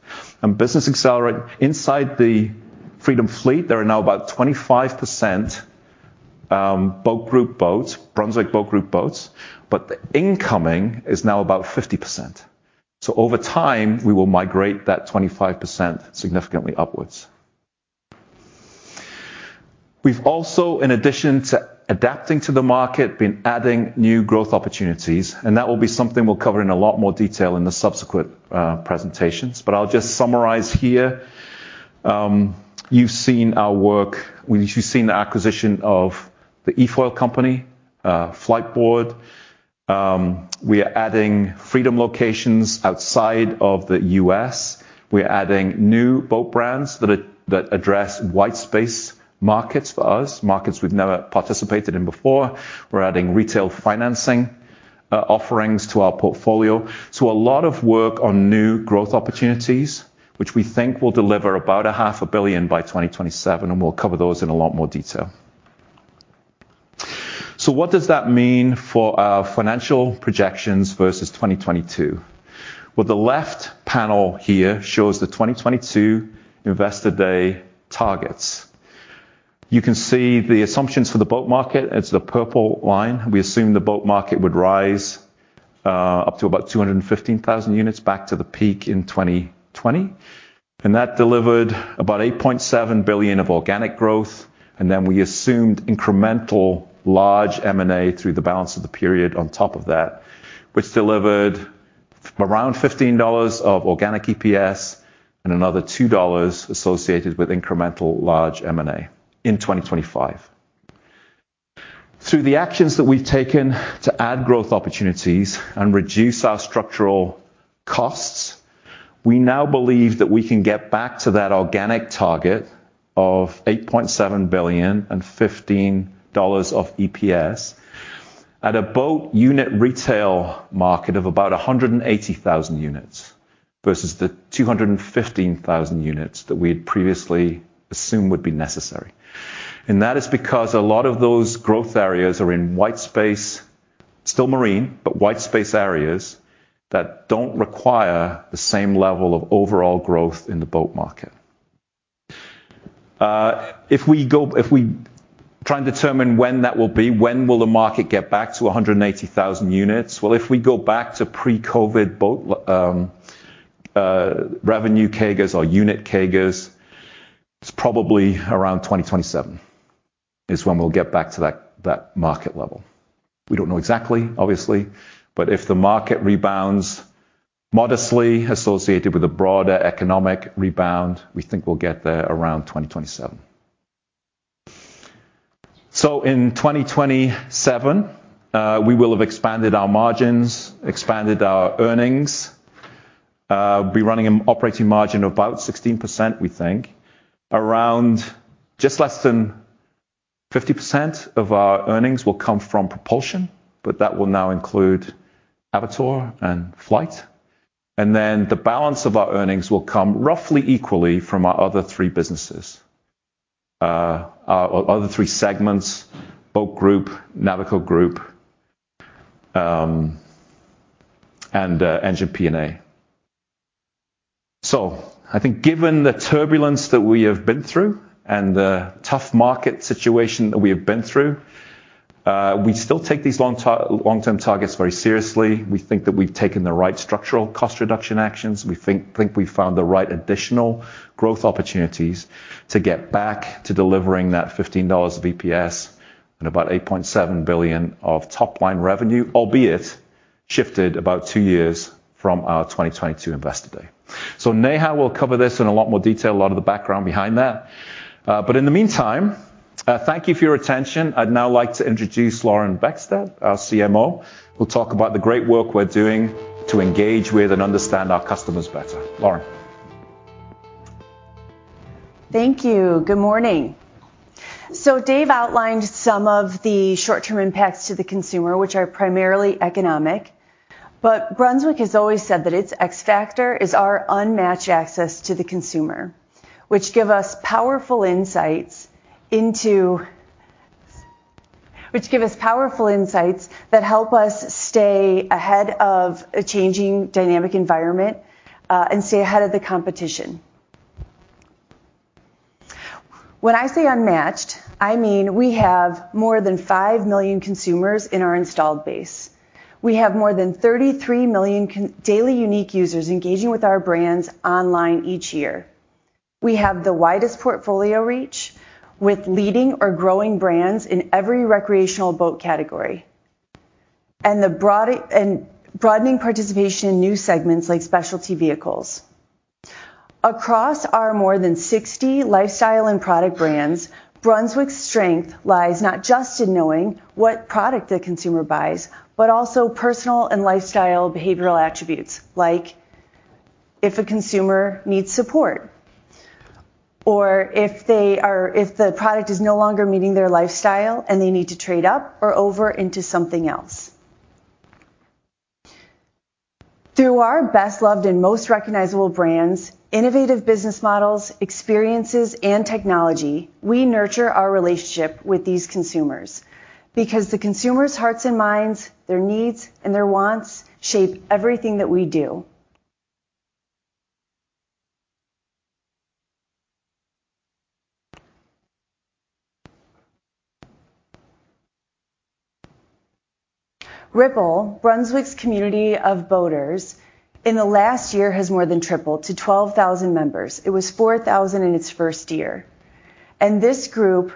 Business Acceleration, inside the Freedom fleet, there are now about 25%, Boat Group boats, Brunswick Boat Group boats, but the incoming is now about 50%. So over time, we will migrate that 25% significantly upwards. We've also, in addition to adapting to the market, been adding new growth opportunities, and that will be something we'll cover in a lot more detail in the subsequent presentations. But I'll just summarize here. You've seen our work. You've seen the acquisition of the eFoil company, Fliteboard. We are adding Freedom locations outside of the U.S. We are adding new boat brands that address white space markets for us, markets we've never participated in before. We're adding retail financing offerings to our portfolio. So a lot of work on new growth opportunities, which we think will deliver about $500 million by 2027, and we'll cover those in a lot more detail. So what does that mean for our financial projections versus 2022? Well, the left panel here shows the 2022 Investor Day targets. You can see the assumptions for the boat market, it's the purple line. We assumed the boat market would rise up to about 215,000 units, back to the peak in 2020, and that delivered about $8.7 billion of organic growth. Then we assumed incremental large M&A through the balance of the period on top of that, which delivered around $15 of organic EPS and another $2 associated with incremental large M&A in 2025. Through the actions that we've taken to add growth opportunities and reduce our structural costs, we now believe that we can get back to that organic target of $8.7 billion and $15 of EPS at a boat unit retail market of about 180,000 units, versus the 215,000 units that we had previously assumed would be necessary. That is because a lot of those growth areas are in white space, still marine, but white space areas that don't require the same level of overall growth in the boat market. If we try and determine when that will be, when will the market get back to 180,000 units? Well, if we go back to pre-COVID boat revenue CAGRs or unit CAGRs, it's probably around 2027, is when we'll get back to that market level. We don't know exactly, obviously, but if the market rebounds modestly associated with a broader economic rebound, we think we'll get there around 2027. So in 2027, we will have expanded our margins, expanded our earnings, we'll be running an operating margin of about 16%, we think. Around just less than 50% of our earnings will come from propulsion, but that will now include Avator and Flite. Then the balance of our earnings will come roughly equally from our other three segments, Boat Group, Navico Group, and Engine P&A. So I think given the turbulence that we have been through and the tough market situation that we have been through, we still take these long-term targets very seriously. We think that we've taken the right structural cost reduction actions. We think we've found the right additional growth opportunities to get back to delivering that $15 EPS and about $8.7 billion of top-line revenue, albeit shifted about two years from our 2022 Investor Day. So Neha will cover this in a lot more detail, a lot of the background behind that. But in the meantime, thank you for your attention. I'd now like to introduce Lauren Beckstedt, our CMO, who'll talk about the great work we're doing to engage with and understand our customers better. Lauren. Thank you. Good morning. So Dave outlined some of the short-term impacts to the consumer, which are primarily economic. But Brunswick has always said that its X factor is our unmatched access to the consumer, which give us powerful insights into... Which give us powerful insights that help us stay ahead of a changing dynamic environment, and stay ahead of the competition. When I say unmatched, I mean, we have more than 5 million consumers in our installed base. We have more than 33 million daily unique users engaging with our brands online each year. We have the widest portfolio reach, with leading or growing brands in every recreational boat category, and broadening participation in new segments like specialty vehicles. Across our more than 60 lifestyle and product brands, Brunswick's strength lies not just in knowing what product the consumer buys, but also personal and lifestyle behavioral attributes, like if a consumer needs support or if the product is no longer meeting their lifestyle and they need to trade up or over into something else. Through our best loved and most recognizable brands, innovative business models, experiences, and technology, we nurture our relationship with these consumers because the consumers' hearts and minds, their needs and their wants, shape everything that we do. Ripl, Brunswick's community of boaters, in the last year, has more than tripled to 12,000 members. It was 4,000 in its first year. This group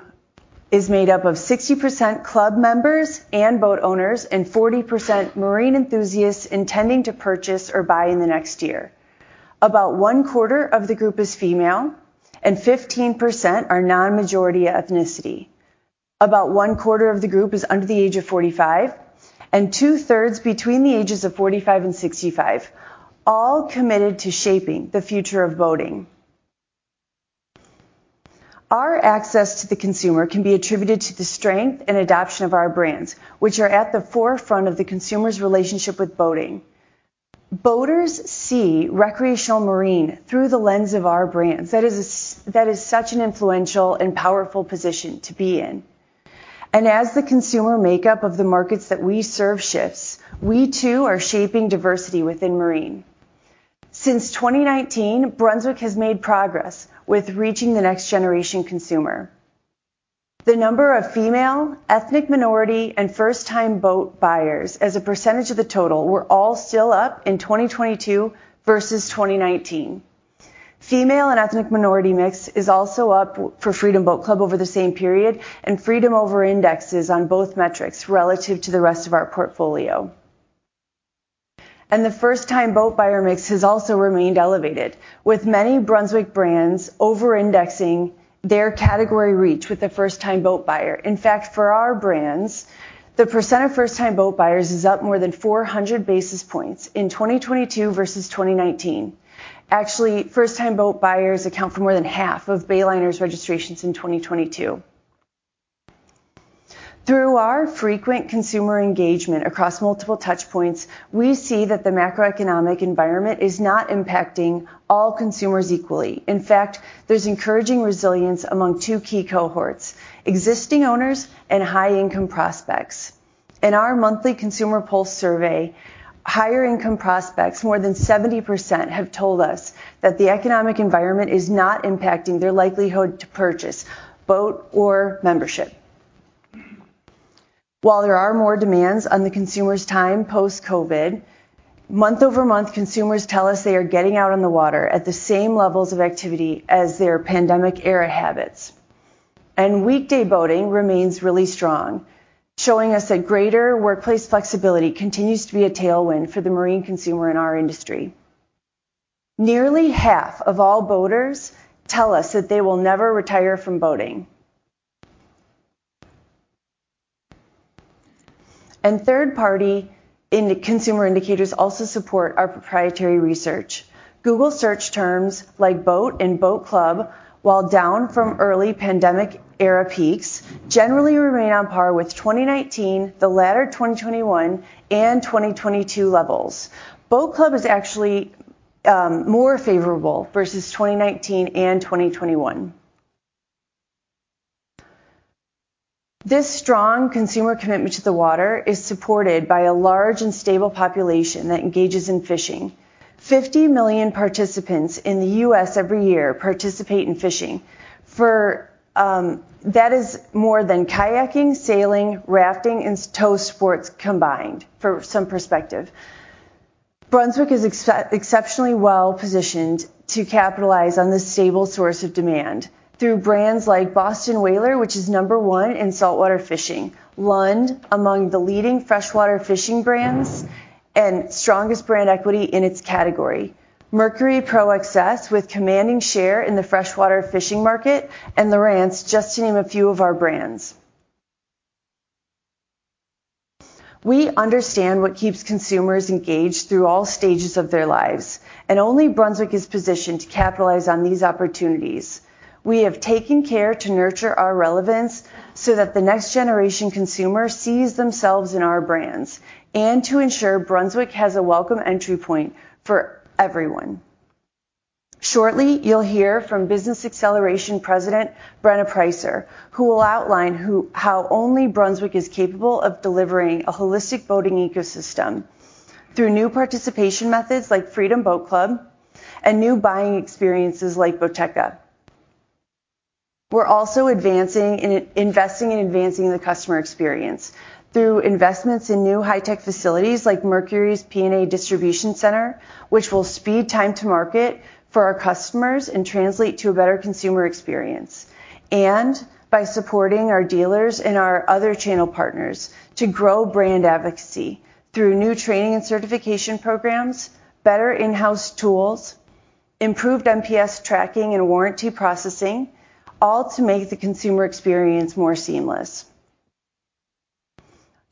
is made up of 60% club members and boat owners, and 40% marine enthusiasts intending to purchase or buy in the next year. About one quarter of the group is female, and 15% are non-majority ethnicity. About one quarter of the group is under the age of 45, and two-thirds between the ages of 45 and 65, all committed to shaping the future of boating. Our access to the consumer can be attributed to the strength and adoption of our brands, which are at the forefront of the consumer's relationship with boating. Boaters see recreational marine through the lens of our brands. That is such an influential and powerful position to be in. And as the consumer makeup of the markets that we serve shifts, we too are shaping diversity within marine. Since 2019, Brunswick has made progress with reaching the next generation consumer. The number of female, ethnic minority, and first-time boat buyers as a percentage of the total, were all still up in 2022 versus 2019. Female and ethnic minority mix is also up for Freedom Boat Club over the same period, and Freedom over-indexes on both metrics relative to the rest of our portfolio. And the first-time boat buyer mix has also remained elevated, with many Brunswick brands over-indexing their category reach with the first-time boat buyer. In fact, for our brands, the percent of first-time boat buyers is up more than 400 basis points in 2022 versus 2019. Actually, first-time boat buyers account for more than half of Bayliner’s registrations in 2022. Through our frequent consumer engagement across multiple touchpoints, we see that the macroeconomic environment is not impacting all consumers equally. In fact, there's encouraging resilience among two key cohorts: existing owners and high-income prospects. In our monthly consumer pulse survey, higher income prospects, more than 70%, have told us that the economic environment is not impacting their likelihood to purchase boat or membership. While there are more demands on the consumer's time post-COVID, month-over-month, consumers tell us they are getting out on the water at the same levels of activity as their pandemic-era habits. Weekday boating remains really strong, showing us that greater workplace flexibility continues to be a tailwind for the marine consumer in our industry. Nearly half of all boaters tell us that they will never retire from boating. Third party independent consumer indicators also support our proprietary research. Google search terms like "boat" and "boat club," while down from early pandemic-era peaks, generally remain on par with 2019, the latter 2021 and 2022 levels. Boat club is actually more favorable versus 2019 and 2021. This strong consumer commitment to the water is supported by a large and stable population that engages in fishing. 50 million participants in the U.S. every year participate in fishing. For that is more than kayaking, sailing, rafting, and tow sports combined, for some perspective. Brunswick is exceptionally well-positioned to capitalize on this stable source of demand through brands like Boston Whaler, which is number one in saltwater fishing. Lund, among the leading freshwater fishing brands and strongest brand equity in its category. Mercury Pro XS, with commanding share in the freshwater fishing market, and Lowrance, just to name a few of our brands. We understand what keeps consumers engaged through all stages of their lives, and only Brunswick is positioned to capitalize on these opportunities. We have taken care to nurture our relevance so that the next generation consumer sees themselves in our brands, and to ensure Brunswick has a welcome entry point for everyone. Shortly, you'll hear from Business Acceleration President, Brenna Preisser, who will outline how only Brunswick is capable of delivering a holistic boating ecosystem through new participation methods like Freedom Boat Club and new buying experiences like Boateka. We're also advancing, investing and advancing the customer experience through investments in new high-tech facilities like Mercury's P&A Distribution Center, which will speed time to market for our customers and translate to a better consumer experience. By supporting our dealers and our other channel partners to grow brand advocacy through new training and certification programs, better in-house tools, improved MPS tracking and warranty processing, all to make the consumer experience more seamless.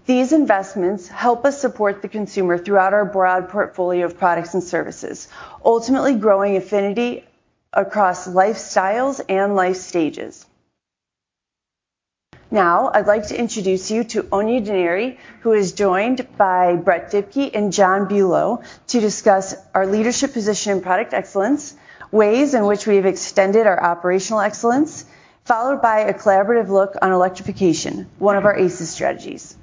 These investments help us support the consumer throughout our broad portfolio of products and services, ultimately growing affinity across lifestyles and life stages. Now, I'd like to introduce you to Áine Denari, who is joined by Brett Dibkey and John Buelow, to discuss our leadership position and product excellence, ways in which we've extended our operational excellence, followed by a collaborative look on electrification, one of our ACES strategies.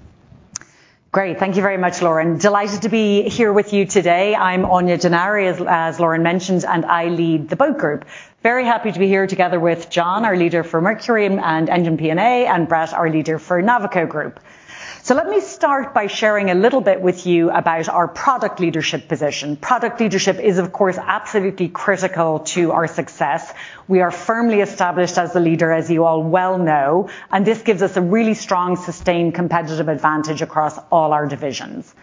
Great. Thank you very much, Lauren. Delighted to be here with you today. I'm Áine Denari, as Lauren mentioned, and I lead the Boat Group. Very happy to be here together with John, our leader for Mercury and Engine P&A, and Brett, our leader for Navico Group. So let me start by sharing a little bit with you about our product leadership position. Product leadership is, of course, absolutely critical to our success. We are firmly established as a leader, as you all well know, and this gives us a really strong, sustained competitive advantage across all our divisions.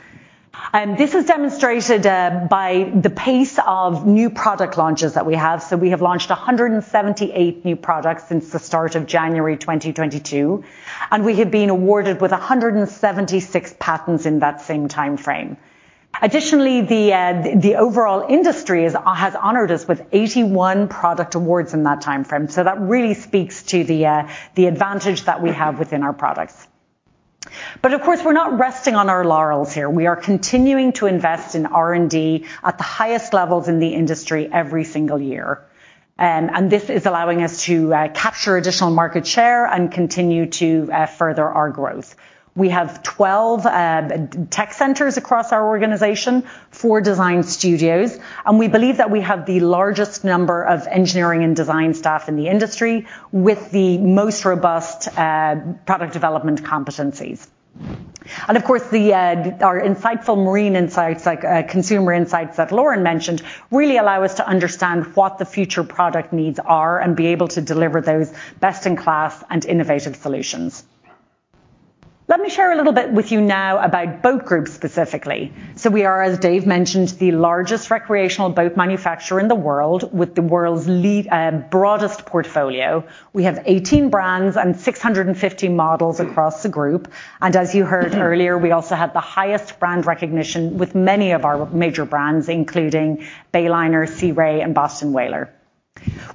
And this is demonstrated by the pace of new product launches that we have. So we have launched 178 new products since the start of January 2022, and we have been awarded with 176 patents in that same time frame. Additionally, the overall industry has honored us with 81 product awards in that time frame, so that really speaks to the advantage that we have within our products. But of course, we're not resting on our laurels here. We are continuing to invest in R&D at the highest levels in the industry every single year. And this is allowing us to capture additional market share and continue to further our growth. We have 12 tech centers across our organization, four design studios, and we believe that we have the largest number of engineering and design staff in the industry, with the most robust product development competencies. And of course, our insightful marine insights, like consumer insights that Lauren mentioned, really allow us to understand what the future product needs are and be able to deliver those best-in-class and innovative solutions. Let me share a little bit with you now about Boat Group, specifically. We are, as Dave mentioned, the largest recreational boat manufacturer in the world, with the world's leading broadest portfolio. We have 18 brands and 650 models across the group. And as you heard earlier, we also have the highest brand recognition with many of our major brands, including Bayliner, Sea Ray, and Boston Whaler.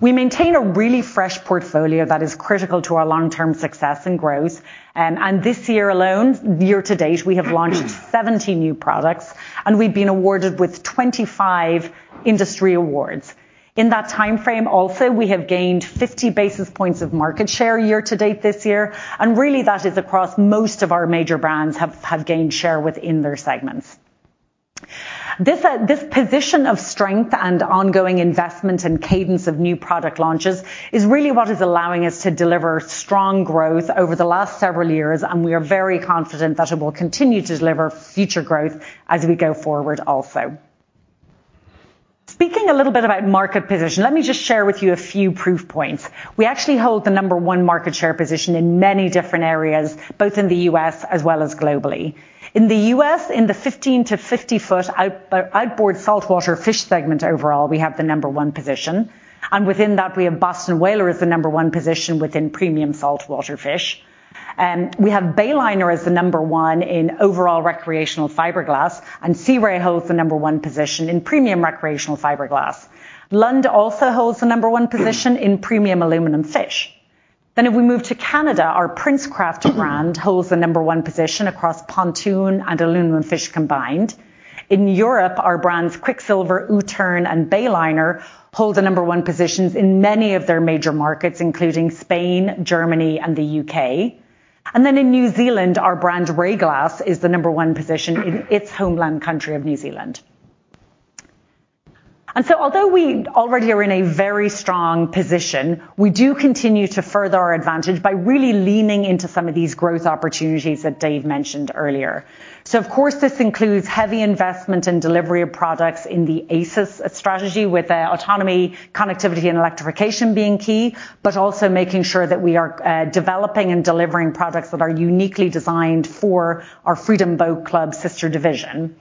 We maintain a really fresh portfolio that is critical to our long-term success and growth. And this year alone, year to date, we have launched 70 new products, and we've been awarded with 25 industry awards. In that time frame also, we have gained 50 basis points of market share year to date this year, and really that is across most of our major brands have, have gained share within their segments. This, this position of strength and ongoing investment and cadence of new product launches is really what is allowing us to deliver strong growth over the last several years, and we are very confident that it will continue to deliver future growth as we go forward also. Speaking a little bit about market position, let me just share with you a few proof points. We actually hold the number one market share position in many different areas, both in the U.S. as well as globally. In the U.S., in the 15- to 50-foot outboard saltwater fish segment overall, we have the number one position, and within that, we have Boston Whaler as the number one position within premium saltwater fish. We have Bayliner as the number one in overall recreational fiberglass, and Sea Ray holds the number one position in premium recreational fiberglass. Lund also holds the number one position in premium aluminum fish. Then if we move to Canada, our Princecraft brand holds the number one position across pontoon and aluminum fish combined. In Europe, our brands, Quicksilver, Uttern, and Bayliner, hold the number one positions in many of their major markets, including Spain, Germany, and the U.K. And then in New Zealand, our brand, Rayglass, is the number one position in its homeland country of New Zealand. And so although we already are in a very strong position, we do continue to further our advantage by really leaning into some of these growth opportunities that Dave mentioned earlier. So of course, this includes heavy investment in delivery of products in the ACES strategy, with autonomy, connectivity, and electrification being key, but also making sure that we are developing and delivering products that are uniquely designed for our Freedom Boat Club sister division.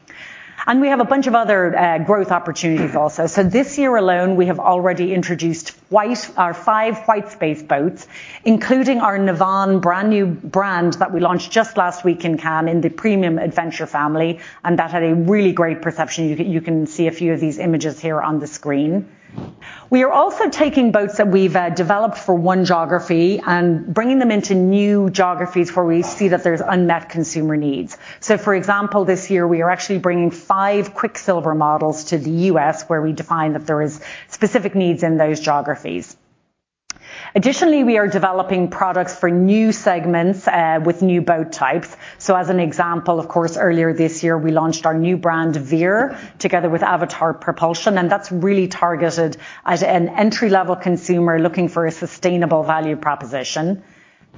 And we have a bunch of other growth opportunities also. So this year alone, we have already introduced our five white space boats, including our Navan brand-new brand that we launched just last week in Cannes, in the Premium Adventure family, and that had a really great perception. You can see a few of these images here on the screen. We are also taking boats that we've developed for one geography and bringing them into new geographies where we see that there's unmet consumer needs. So for example, this year, we are actually bringing five Quicksilver models to the U.S., where we define that there is specific needs in those geographies. Additionally, we are developing products for new segments with new boat types. So as an example, of course, earlier this year, we launched our new brand, Veer, together with Avator Propulsion, and that's really targeted at an entry-level consumer looking for a sustainable value proposition.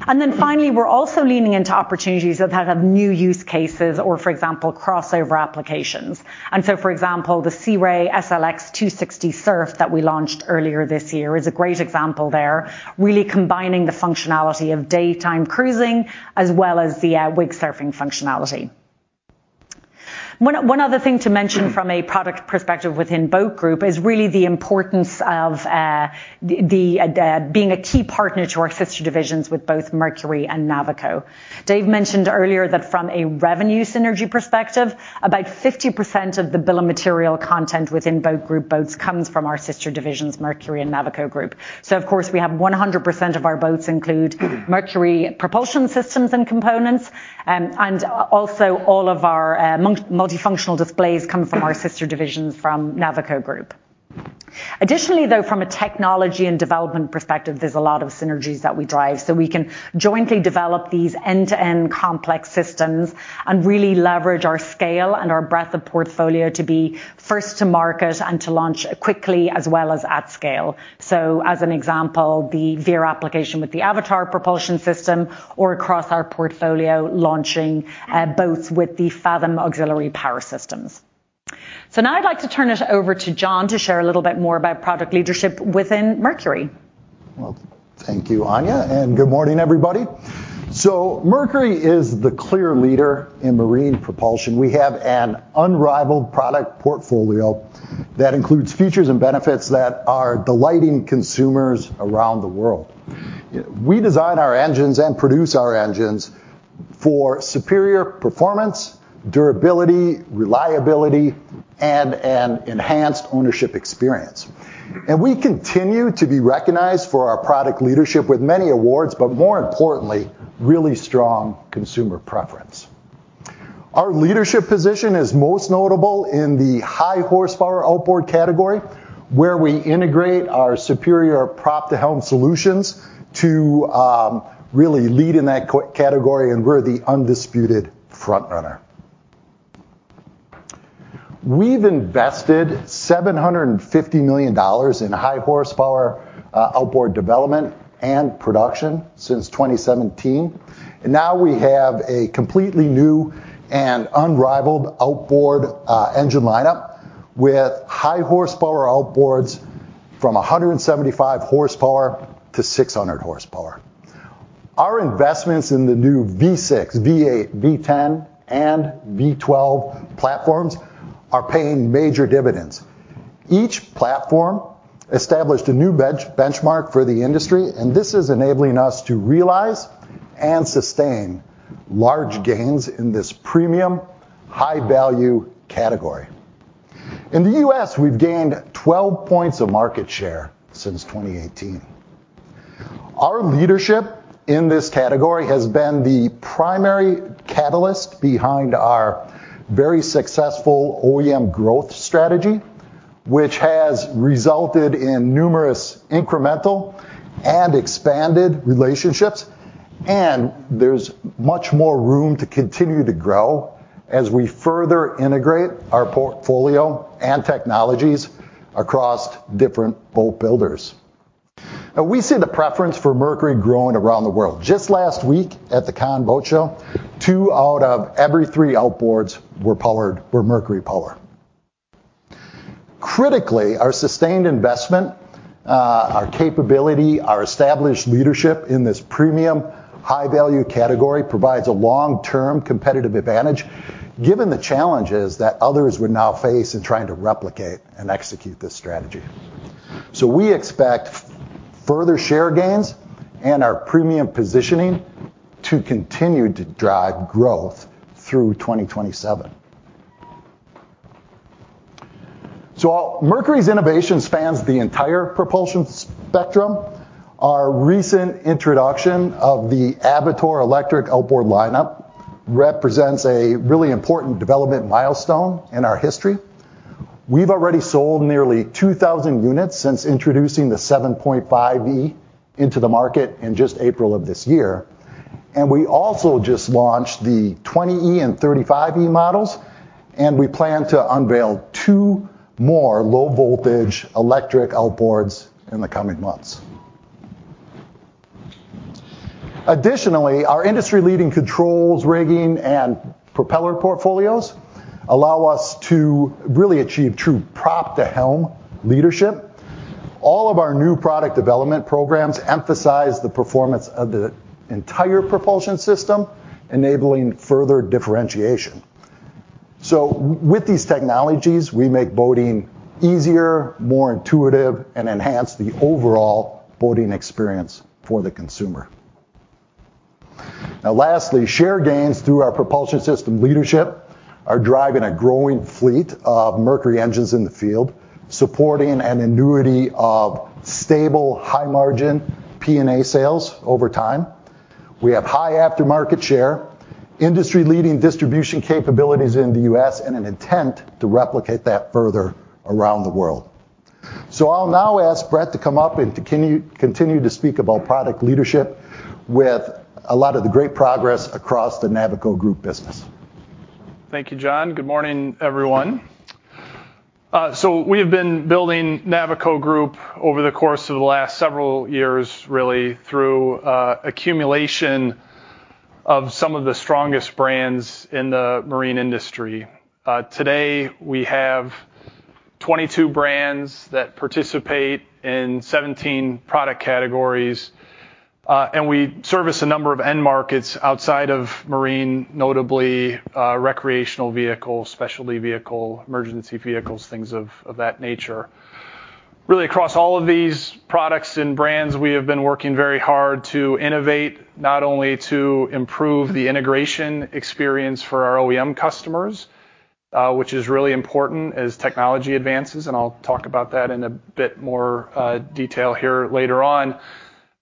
And then finally, we're also leaning into opportunities that have new use cases or, for example, crossover applications. And so, for example, the Sea Ray SLX 260 Surf that we launched earlier this year is a great example there, really combining the functionality of daytime cruising as well as the wake surfing functionality. One other thing to mention from a product perspective within Boat Group is really the importance of being a key partner to our sister divisions with both Mercury and Navico. Dave mentioned earlier that from a revenue synergy perspective, about 50% of the bill of material content within Boat Group boats comes from our sister divisions, Mercury and Navico Group. So of course, we have 100% of our boats include Mercury propulsion systems and components, and also all of our multifunctional displays come from our sister divisions from Navico Group. Additionally, though, from a technology and development perspective, there's a lot of synergies that we drive, so we can jointly develop these end-to-end complex systems and really leverage our scale and our breadth of portfolio to be first to market and to launch quickly as well as at scale. So as an example, the Veer application with the Avator propulsion system or across our portfolio, launching boats with the Fathom auxiliary power systems. So now I'd like to turn it over to John to share a little bit more about product leadership within Mercury. Well, thank you, Áine, and good morning, everybody. Mercury is the clear leader in marine propulsion. We have an unrivaled product portfolio that includes features and benefits that are delighting consumers around the world. We design our engines and produce our engines for superior performance, durability, reliability, and an enhanced ownership experience. We continue to be recognized for our product leadership with many awards, but more importantly, really strong consumer preference. Our leadership position is most notable in the high horsepower outboard category, where we integrate our superior prop-to-helm solutions to really lead in that category, and we're the undisputed front runner. We've invested $750 million in high horsepower outboard development and production since 2017, and now we have a completely new and unrivaled outboard engine lineup with high horsepower outboards from 175 hp to 600 hp. Our investments in the new V6, V8, V10, and V12 platforms are paying major dividends. Each platform established a new benchmark for the industry, and this is enabling us to realize and sustain large gains in this premium, high-value category. In the U.S., we've gained 12 points of market share since 2018. Our leadership in this category has been the primary catalyst behind our very successful OEM growth strategy... which has resulted in numerous incremental and expanded relationships, and there's much more room to continue to grow as we further integrate our portfolio and technologies across different boat builders. Now, we see the preference for Mercury growing around the world. Just last week, at the Cannes Boat Show, two out of every three outboards were powered, were Mercury power. Critically, our sustained investment, our capability, our established leadership in this premium high-value category provides a long-term competitive advantage, given the challenges that others would now face in trying to replicate and execute this strategy. So we expect further share gains and our premium positioning to continue to drive growth through 2027. So while Mercury's innovation spans the entire propulsion spectrum, our recent introduction of the Avator electric outboard lineup represents a really important development milestone in our history. We've already sold nearly 2,000 units since introducing the 7.5e into the market in just April of this year, and we also just launched the 20e and 35e models, and we plan to unveil two more low-voltage electric outboards in the coming months. Additionally, our industry-leading controls, rigging, and propeller portfolios allow us to really achieve true prop-to-helm leadership. All of our new product development programs emphasize the performance of the entire propulsion system, enabling further differentiation. So with these technologies, we make boating easier, more intuitive, and enhance the overall boating experience for the consumer. Now, lastly, share gains through our propulsion system leadership are driving a growing fleet of Mercury engines in the field, supporting an annuity of stable, high-margin P&A sales over time. We have high aftermarket share, industry-leading distribution capabilities in the U.S., and an intent to replicate that further around the world. So I'll now ask Brett to come up and continue to speak about product leadership with a lot of the great progress across the Navico Group business. Thank you, John. Good morning, everyone. So we have been building Navico Group over the course of the last several years, really through accumulation of some of the strongest brands in the marine industry. Today, we have 22 brands that participate in 17 product categories, and we service a number of end markets outside of marine, notably recreational vehicle, specialty vehicle, emergency vehicles, things of that nature. Really, across all of these products and brands, we have been working very hard to innovate, not only to improve the integration experience for our OEM customers, which is really important as technology advances, and I'll talk about that in a bit more detail here later on,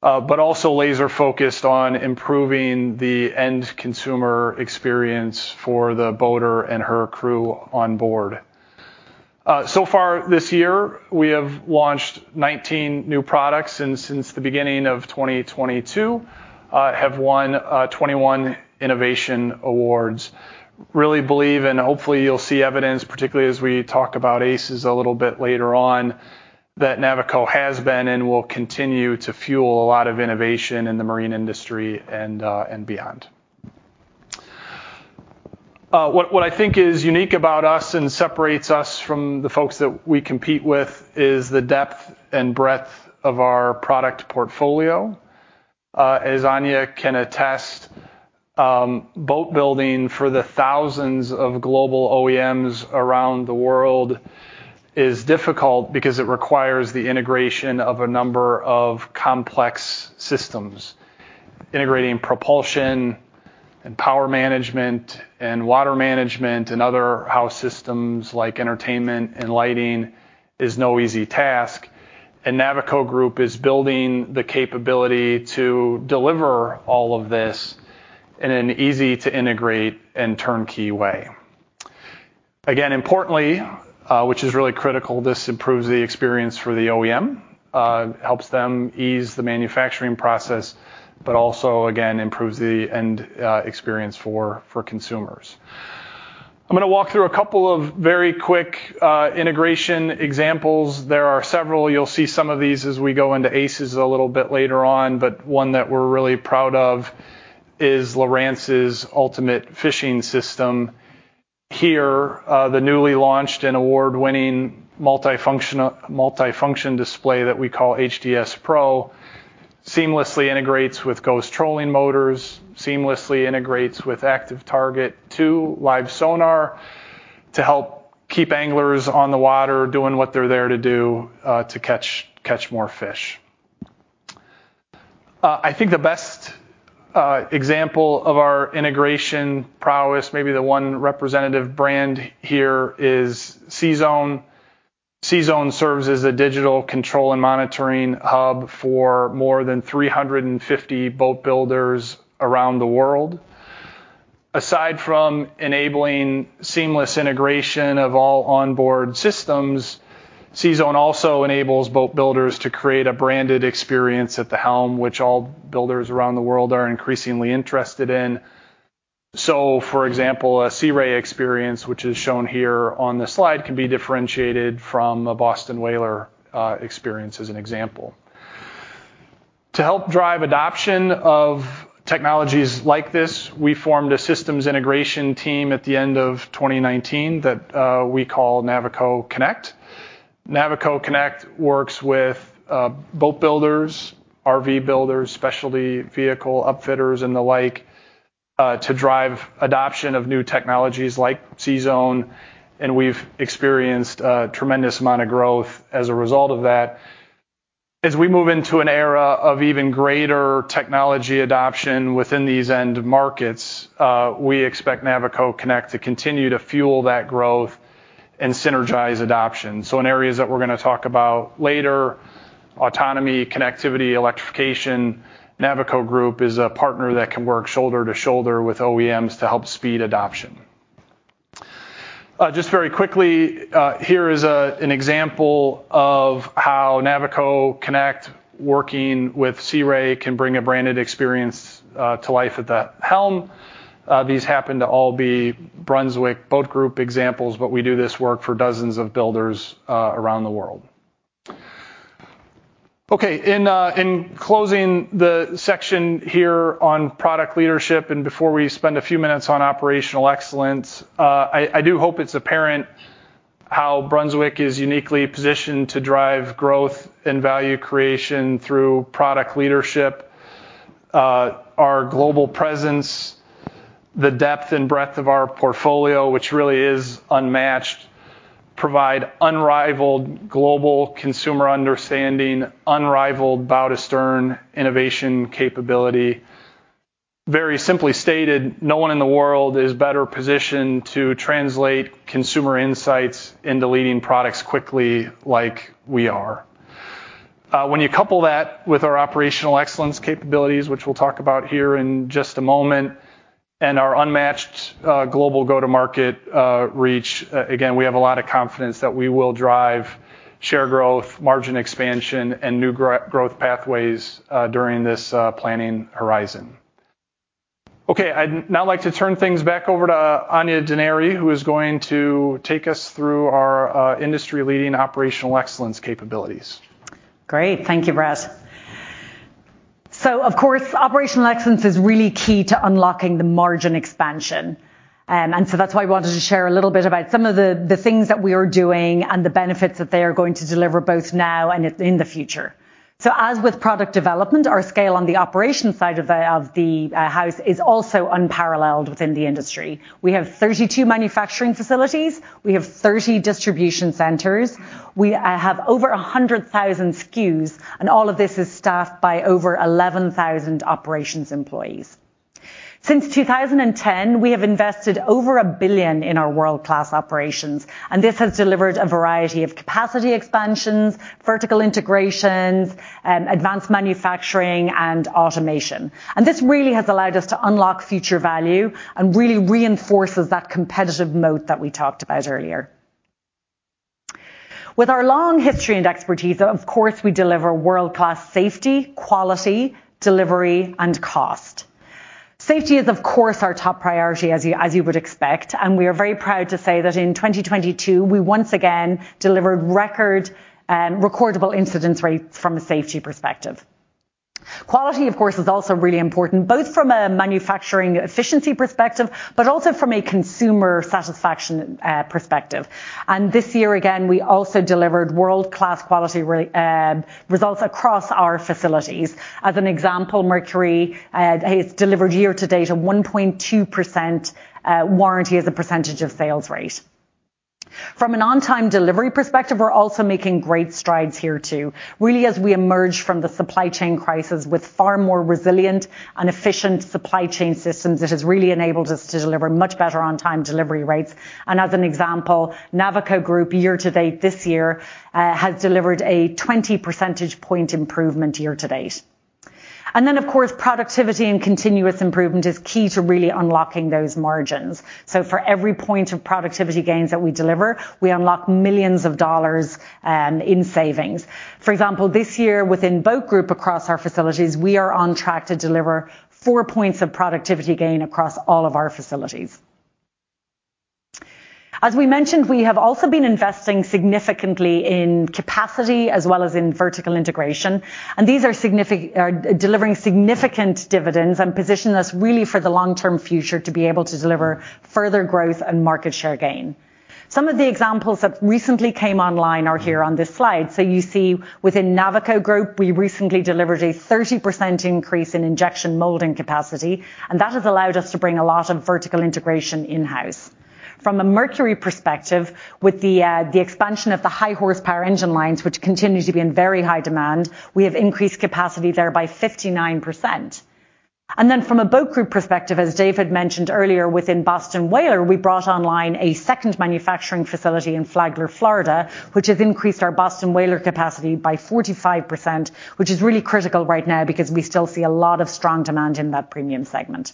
but also laser-focused on improving the end consumer experience for the boater and her crew on board. So far this year, we have launched 19 new products, and since the beginning of 2022, have won 21 innovation awards. Really believe, and hopefully, you'll see evidence, particularly as we talk about ACES a little bit later on, that Navico has been and will continue to fuel a lot of innovation in the marine industry and beyond. What I think is unique about us and separates us from the folks that we compete with is the depth and breadth of our product portfolio. As Áine can attest, boat building for the thousands of global OEMs around the world is difficult because it requires the integration of a number of complex systems. Integrating propulsion and power management and water management and other house systems like entertainment and lighting is no easy task, and Navico Group is building the capability to deliver all of this in an easy-to-integrate and turnkey way. Again, importantly, which is really critical, this improves the experience for the OEM, helps them ease the manufacturing process, but also, again, improves the end experience for consumers. I'm going to walk through a couple of very quick integration examples. There are several. You'll see some of these as we go into ACES a little bit later on, but one that we're really proud of is Lowrance's Ultimate Fishing System. Here, the newly launched and award-winning multifunction display that we call HDS Pro seamlessly integrates with Ghost trolling motors, seamlessly integrates with ActiveTarget 2 live sonar to help keep anglers on the water, doing what they're there to do, to catch more fish. I think the best example of our integration prowess, maybe the one representative brand here is CZone. CZone serves as a digital control and monitoring hub for more than 350 boat builders around the world. Aside from enabling seamless integration of all onboard systems, CZone also enables boat builders to create a branded experience at the helm, which all builders around the world are increasingly interested in. So, for example, a Sea Ray experience, which is shown here on the slide, can be differentiated from a Boston Whaler experience as an example. To help drive adoption of technologies like this, we formed a systems integration team at the end of 2019 that we call Navico Connect. Navico Connect works with boat builders, RV builders, specialty vehicle upfitters, and the like to drive adoption of new technologies like CZone, and we've experienced a tremendous amount of growth as a result of that. As we move into an era of even greater technology adoption within these end markets, we expect Navico Connect to continue to fuel that growth and synergize adoption. So in areas that we're gonna talk about later, autonomy, connectivity, electrification, Navico Group is a partner that can work shoulder to shoulder with OEMs to help speed adoption. Just very quickly, here is an example of how Navico Connect, working with Sea Ray, can bring a branded experience to life at the helm. These happen to all be Brunswick Boat Group examples, but we do this work for dozens of builders around the world. Okay, in closing the section here on product leadership, and before we spend a few minutes on operational excellence, I, I do hope it's apparent how Brunswick is uniquely positioned to drive growth and value creation through product leadership. Our global presence, the depth and breadth of our portfolio, which really is unmatched, provide unrivaled global consumer understanding, unrivaled bow to stern innovation capability. Very simply stated, no one in the world is better positioned to translate consumer insights into leading products quickly like we are. When you couple that with our operational excellence capabilities, which we'll talk about here in just a moment, and our unmatched global go-to-market reach, again, we have a lot of confidence that we will drive share growth, margin expansion, and new growth pathways during this planning horizon. Okay, I'd now like to turn things back over to Áine Denari, who is going to take us through our industry-leading operational excellence capabilities. Great. Thank you, Brett. So of course, operational excellence is really key to unlocking the margin expansion. And so that's why I wanted to share a little bit about some of the, the things that we are doing and the benefits that they are going to deliver, both now and in the future. So as with product development, our scale on the operations side of the house is also unparalleled within the industry. We have 32 manufacturing facilities. We have 30 distribution centers. We have over 100,000 SKUs, and all of this is staffed by over 11,000 operations employees. Since 2010, we have invested over $1 billion in our world-class operations, and this has delivered a variety of capacity expansions, vertical integrations, advanced manufacturing, and automation. This really has allowed us to unlock future value and really reinforces that competitive moat that we talked about earlier. With our long history and expertise, of course, we deliver world-class safety, quality, delivery, and cost. Safety is, of course, our top priority, as you would expect, and we are very proud to say that in 2022, we once again delivered recordable incident rates from a safety perspective. Quality, of course, is also really important, both from a manufacturing efficiency perspective, but also from a consumer satisfaction perspective. This year, again, we also delivered world-class quality results across our facilities. As an example, Mercury has delivered year to date a 1.2% warranty as a percentage of sales rate. From an on-time delivery perspective, we're also making great strides here, too. Really, as we emerge from the supply chain crisis with far more resilient and efficient supply chain systems, it has really enabled us to deliver much better on-time delivery rates. And as an example, Navico Group, year to date, this year, has delivered a 20 percentage point improvement year to date. And then, of course, productivity and continuous improvement is key to really unlocking those margins. So for every point of productivity gains that we deliver, we unlock millions of dollars in savings. For example, this year, within Boat Group, across our facilities, we are on track to deliver 4 points of productivity gain across all of our facilities. As we mentioned, we have also been investing significantly in capacity as well as in vertical integration, and these are signific... are delivering significant dividends and position us really for the long-term future to be able to deliver further growth and market share gain. Some of the examples that recently came online are here on this slide. So you see within Navico Group, we recently delivered a 30% increase in injection molding capacity, and that has allowed us to bring a lot of vertical integration in-house. From a Mercury perspective, with the expansion of the high horsepower engine lines, which continue to be in very high demand, we have increased capacity there by 59%. And then from a Boat Group perspective, as Dave had mentioned earlier, within Boston Whaler, we brought online a second manufacturing facility in Flagler, Florida, which has increased our Boston Whaler capacity by 45%, which is really critical right now because we still see a lot of strong demand in that premium segment....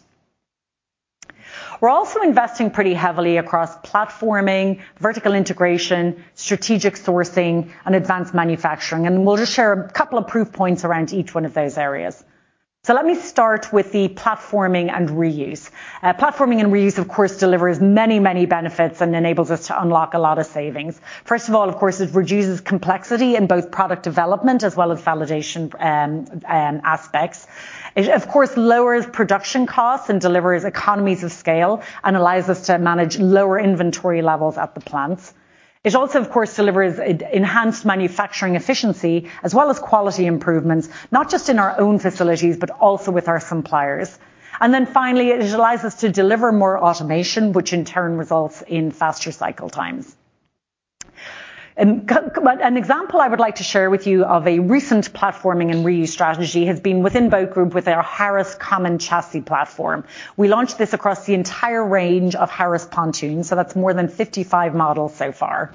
We're also investing pretty heavily across platforming, vertical integration, strategic sourcing, and advanced manufacturing. And we'll just share a couple of proof points around each one of those areas. So let me start with the platforming and reuse. Platforming and reuse, of course, delivers many, many benefits and enables us to unlock a lot of savings. First of all, of course, it reduces complexity in both product development as well as validation, aspects. It, of course, lowers production costs and delivers economies of scale and allows us to manage lower inventory levels at the plants. It also, of course, delivers e-enhanced manufacturing efficiency as well as quality improvements, not just in our own facilities, but also with our suppliers. And then finally, it allows us to deliver more automation, which in turn results in faster cycle times. But an example I would like to share with you of a recent platforming and reuse strategy has been within Boat Group with our Harris common chassis platform. We launched this across the entire range of Harris pontoons, so that's more than 55 models so far.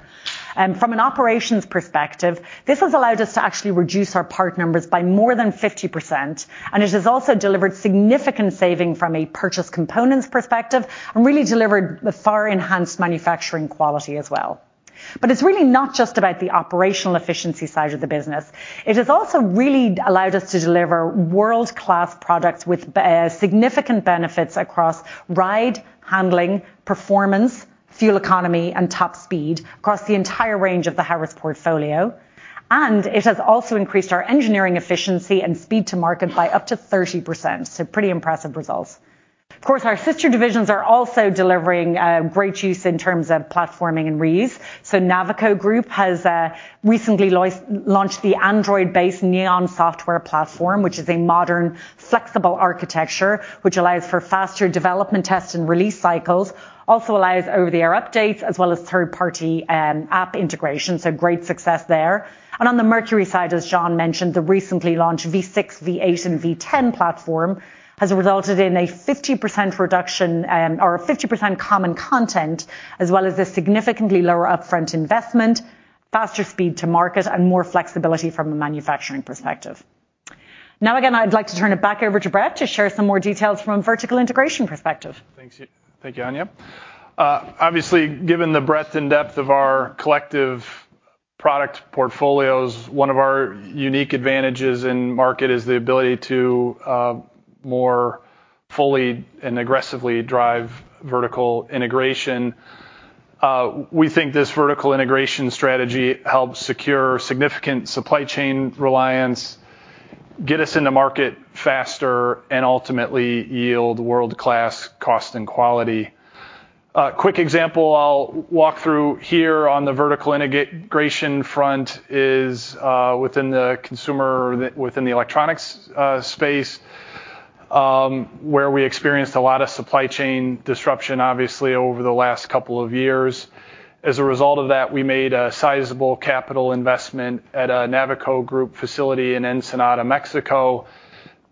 From an operations perspective, this has allowed us to actually reduce our part numbers by more than 50%, and it has also delivered significant saving from a purchase components perspective and really delivered a far enhanced manufacturing quality as well. But it's really not just about the operational efficiency side of the business. It has also really allowed us to deliver world-class products with significant benefits across ride, handling, performance, fuel economy, and top speed across the entire range of the Harris portfolio. And it has also increased our engineering efficiency and speed to market by up to 30%, so pretty impressive results. Of course, our sister divisions are also delivering great use in terms of platforming and reuse. So Navico Group has recently launched the Android-based Neon software platform, which is a modern, flexible architecture, which allows for faster development, test, and release cycles. Also allows over-the-air updates as well as third-party app integration, so great success there. And on the Mercury side, as John mentioned, the recently launched V6, V8, and V10 platform has resulted in a 50% reduction or a 50% common content, as well as a significantly lower upfront investment, faster speed to market, and more flexibility from a manufacturing perspective. Now, again, I'd like to turn it back over to Brett to share some more details from a vertical integration perspective. Thanks, thank you, Áine. Obviously, given the breadth and depth of our collective product portfolios, one of our unique advantages in market is the ability to more fully and aggressively drive vertical integration. We think this vertical integration strategy helps secure significant supply chain reliance, get us into market faster, and ultimately yield world-class cost and quality. Quick example I'll walk through here on the vertical integration front is within the consumer, within the electronics space, where we experienced a lot of supply chain disruption, obviously, over the last couple of years. As a result of that, we made a sizable capital investment at a Navico Group facility in Ensenada, Mexico,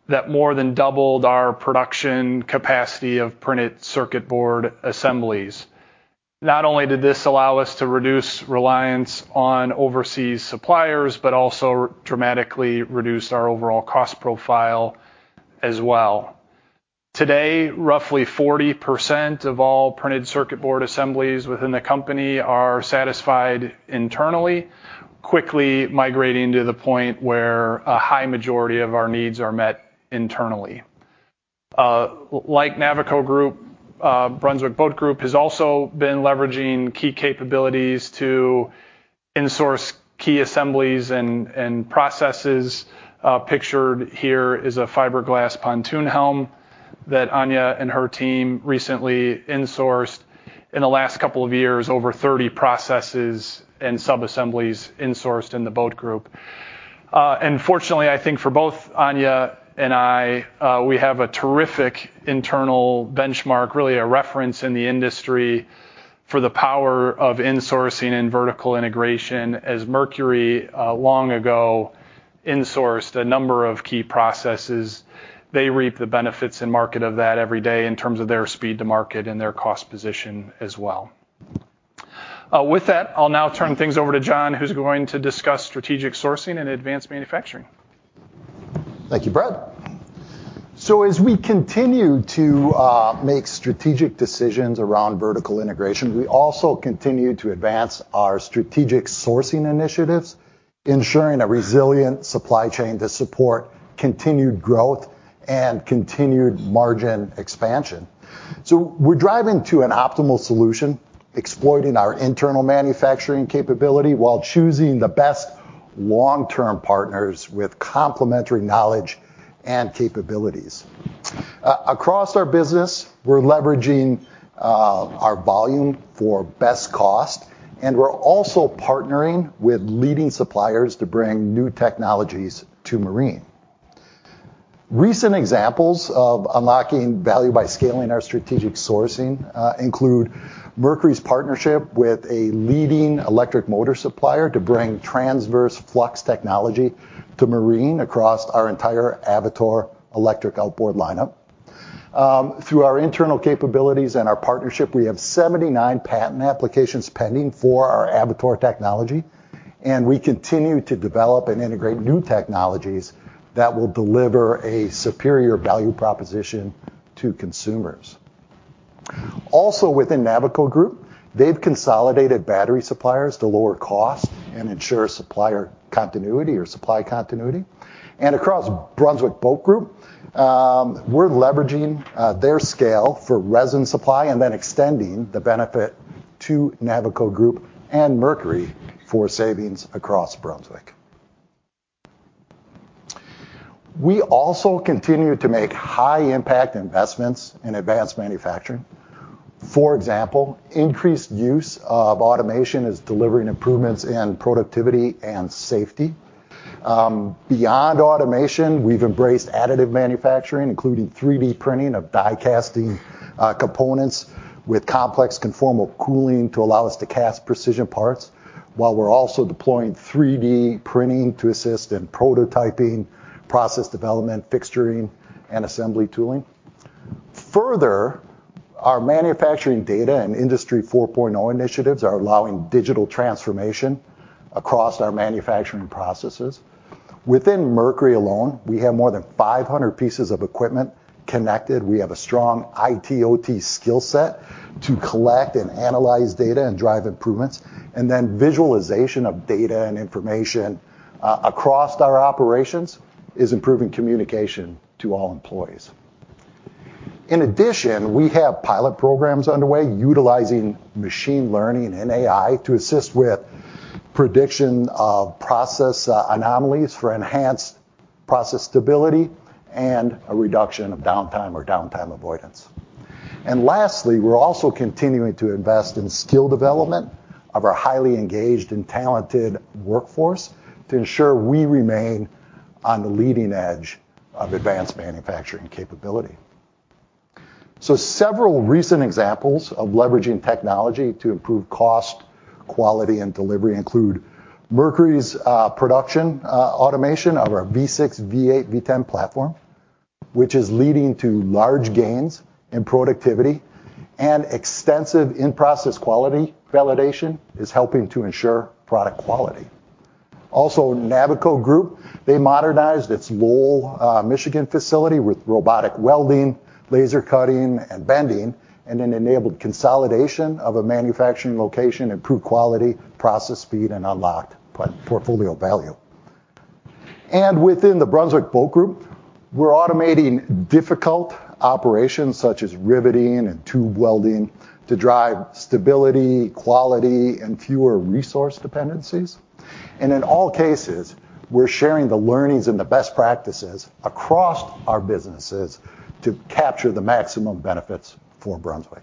that more than doubled our production capacity of printed circuit board assemblies. Not only did this allow us to reduce reliance on overseas suppliers, but also dramatically reduced our overall cost profile as well. Today, roughly 40% of all printed circuit board assemblies within the company are satisfied internally, quickly migrating to the point where a high majority of our needs are met internally. Like Navico Group, Brunswick Boat Group has also been leveraging key capabilities to insource key assemblies and processes. Pictured here is a fiberglass pontoon helm that Áine and her team recently insourced. In the last couple of years, over 30 processes and subassemblies insourced in the Boat Group. And fortunately, I think for both Áine and I, we have a terrific internal benchmark, really a reference in the industry for the power of insourcing and vertical integration, as Mercury long ago insourced a number of key processes. They reap the benefits and market of that every day in terms of their speed to market and their cost position as well. With that, I'll now turn things over to John, who's going to discuss strategic sourcing and advanced manufacturing. Thank you, Brett. So as we continue to make strategic decisions around vertical integration, we also continue to advance our strategic sourcing initiatives, ensuring a resilient supply chain to support continued growth and continued margin expansion. So we're driving to an optimal solution, exploiting our internal manufacturing capability while choosing the best long-term partners with complementary knowledge and capabilities. Across our business, we're leveraging our volume for best cost, and we're also partnering with leading suppliers to bring new technologies to marine. Recent examples of unlocking value by scaling our strategic sourcing include Mercury's partnership with a leading electric motor supplier to bring transverse flux technology to marine across our entire Avator electric outboard lineup. Through our internal capabilities and our partnership, we have 79 patent applications pending for our Avator technology. and we continue to develop and integrate new technologies that will deliver a superior value proposition to consumers. Also, within Navico Group, they've consolidated battery suppliers to lower costs and ensure supplier continuity or supply continuity. And across Brunswick Boat Group, we're leveraging their scale for resin supply and then extending the benefit to Navico Group and Mercury for savings across Brunswick. We also continue to make high-impact investments in advanced manufacturing. For example, increased use of automation is delivering improvements in productivity and safety. Beyond automation, we've embraced additive manufacturing, including 3D printing of die casting components with complex conformal cooling to allow us to cast precision parts, while we're also deploying 3D printing to assist in prototyping, process development, fixturing, and assembly tooling. Further, our manufacturing data and Industry 4.0 initiatives are allowing digital transformation across our manufacturing processes. Within Mercury alone, we have more than 500 pieces of equipment connected. We have a strong IT/OT skill set to collect and analyze data and drive improvements, and then visualization of data and information across our operations is improving communication to all employees. In addition, we have pilot programs underway utilizing machine learning and AI to assist with prediction of process anomalies for enhanced process stability and a reduction of downtime or downtime avoidance. And lastly, we're also continuing to invest in skill development of our highly engaged and talented workforce to ensure we remain on the leading edge of advanced manufacturing capability. So several recent examples of leveraging technology to improve cost, quality, and delivery include Mercury's production automation of our V6, V8, V10 platform, which is leading to large gains in productivity, and extensive in-process quality validation is helping to ensure product quality. Also, Navico Group, they modernized its Lowell, Michigan facility with robotic welding, laser cutting, and bending, and then enabled consolidation of a manufacturing location, improved quality, process speed, and unlocked portfolio value. And within the Brunswick Boat Group, we're automating difficult operations such as riveting and tube welding to drive stability, quality, and fewer resource dependencies. And in all cases, we're sharing the learnings and the best practices across our businesses to capture the maximum benefits for Brunswick.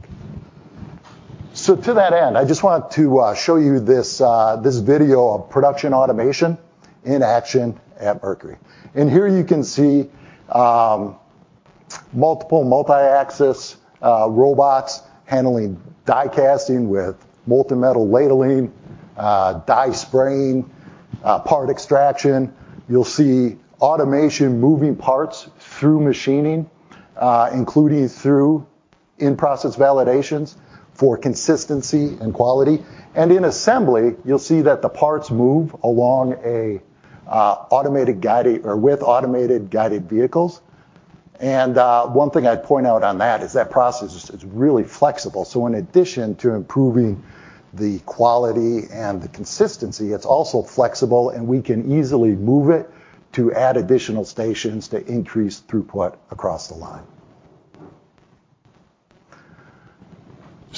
So to that end, I just want to show you this video of production automation in action at Mercury. And here you can see, multiple multi-axis, robots handling die casting with multi-metal plating, die spraying, part extraction. You'll see automation moving parts through machining, including through in-process validations for consistency and quality. And in assembly, you'll see that the parts move along a, automated guided or with automated guided vehicles. And, one thing I'd point out on that is that process is really flexible.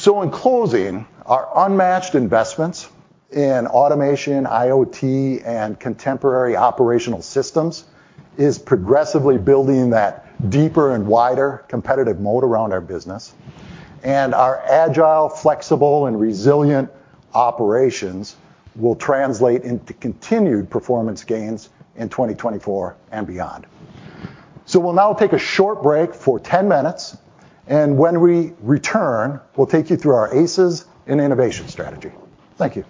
So in closing, our unmatched investments in automation, IoT, and contemporary operational systems is progressively building that deeper and wider competitive moat around our business, and our agile, flexible, and resilient operations will translate into continued performance gains in 2024 and beyond. We'll now take a short break for 10 minutes, and when we return, we'll take you through ACES and innovation strategy. Thank you.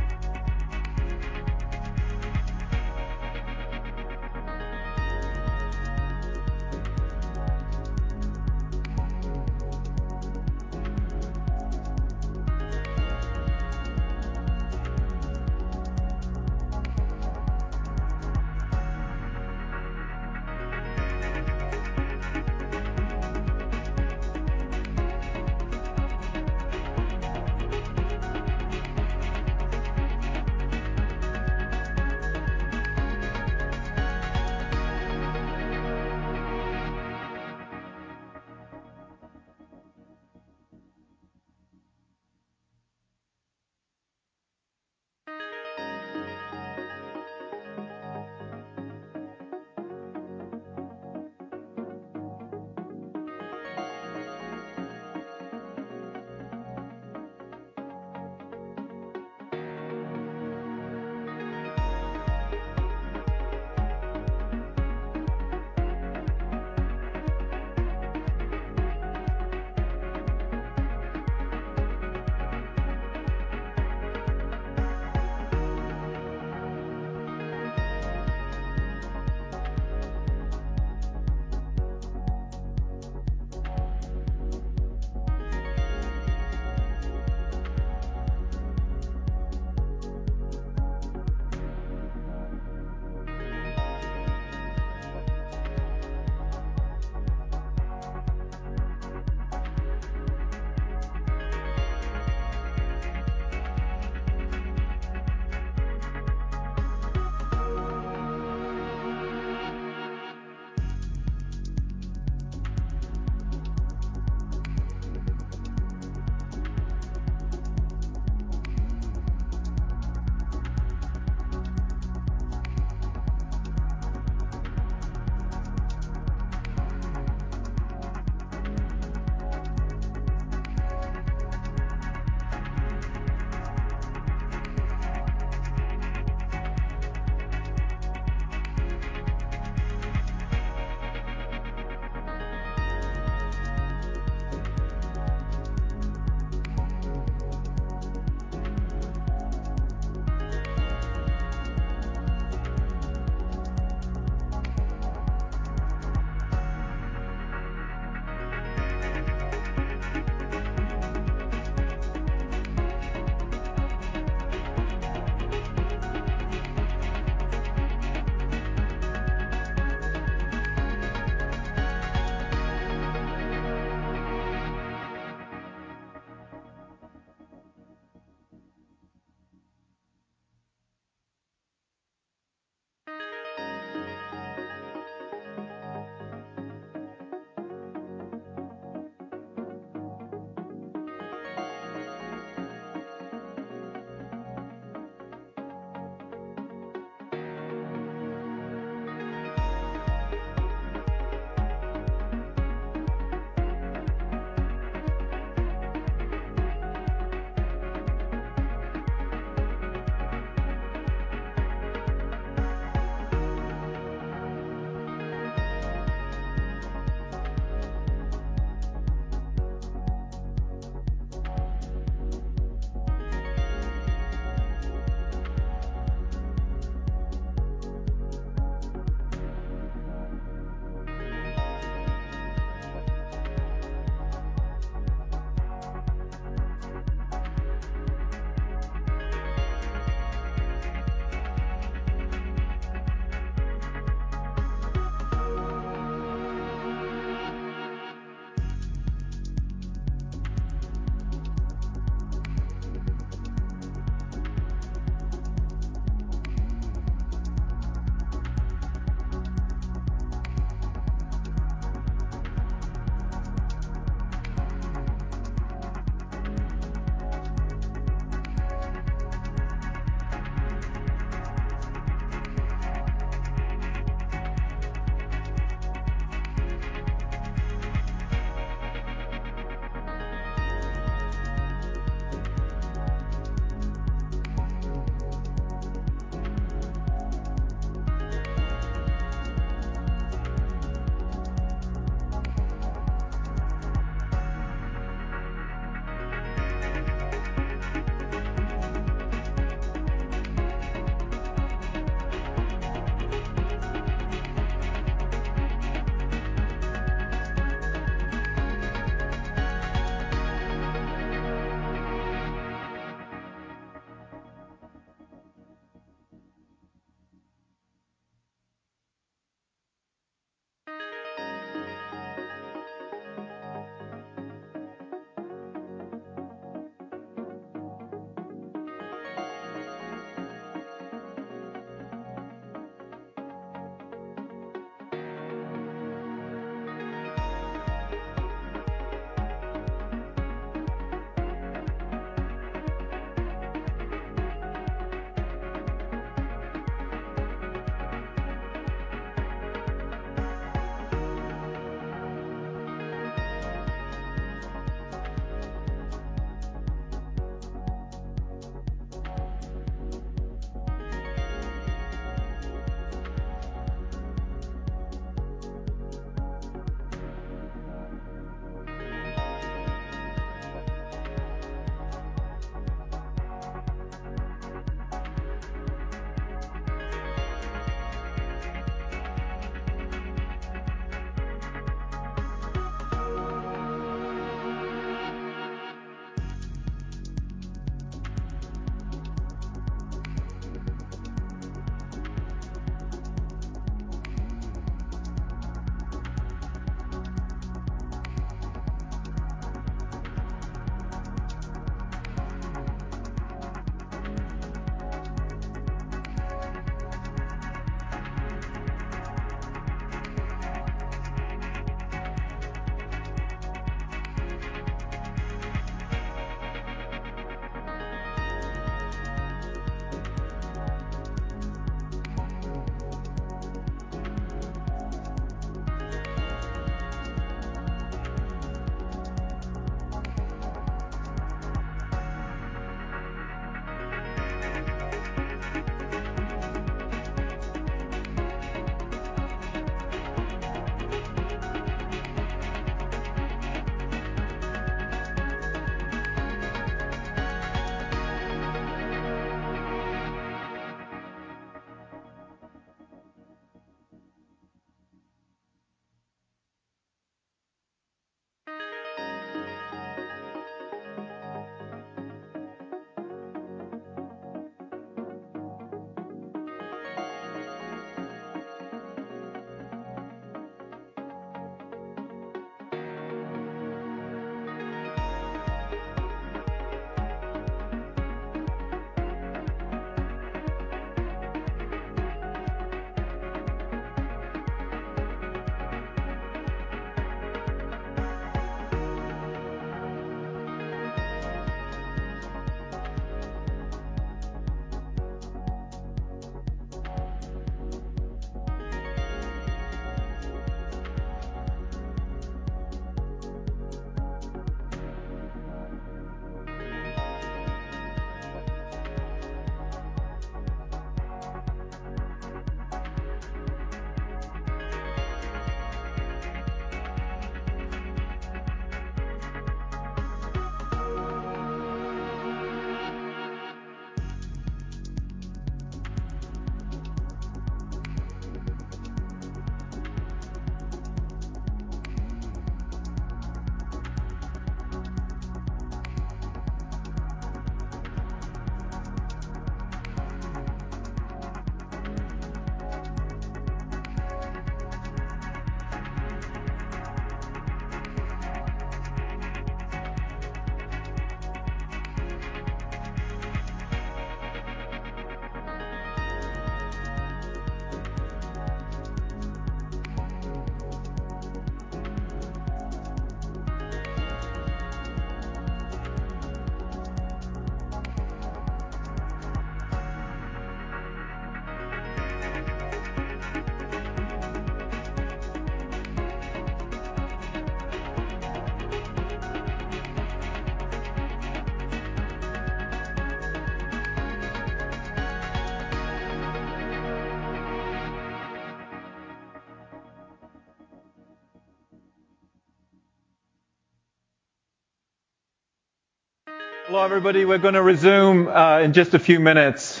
Hello, everybody. We're gonna resume in just a few minutes.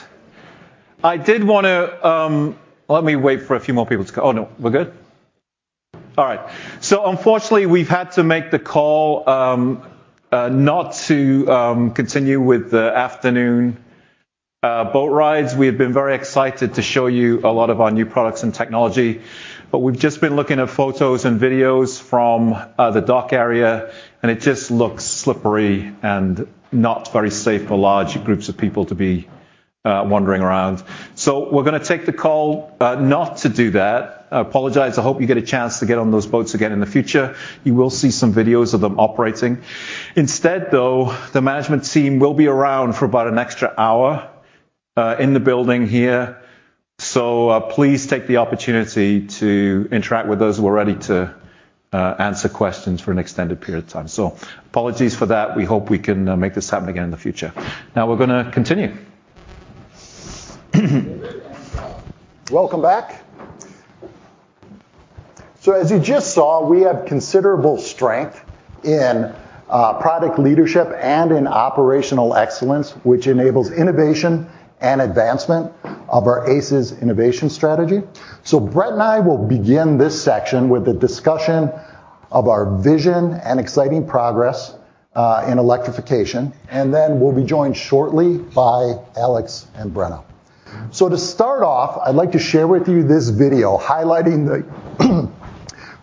I did wanna. Let me wait for a few more people to come. Oh, no, we're good? All right. So unfortunately, we've had to make the call not to continue with the afternoon boat rides. We have been very excited to show you a lot of our new products and technology, but we've just been looking at photos and videos from the dock area, and it just looks slippery and not very safe for large groups of people to be wandering around. So we're gonna take the call not to do that. I apologize. I hope you get a chance to get on those boats again in the future. You will see some videos of them operating. Instead, though, the management team will be around for about an extra hour, in the building here. So, please take the opportunity to interact with us. We're ready to answer questions for an extended period of time. So apologies for that. We hope we can make this happen again in the future. Now, we're gonna continue. Welcome back. So as you just saw, we have considerable strength in product leadership and in operational excellence, which enables innovation and advancement of our ACES innovation strategy. So Brett and I will begin this section with a discussion of our vision and exciting progress in electrification, and then we'll be joined shortly by Alex and Brenna. So to start off, I'd like to share with you this video highlighting the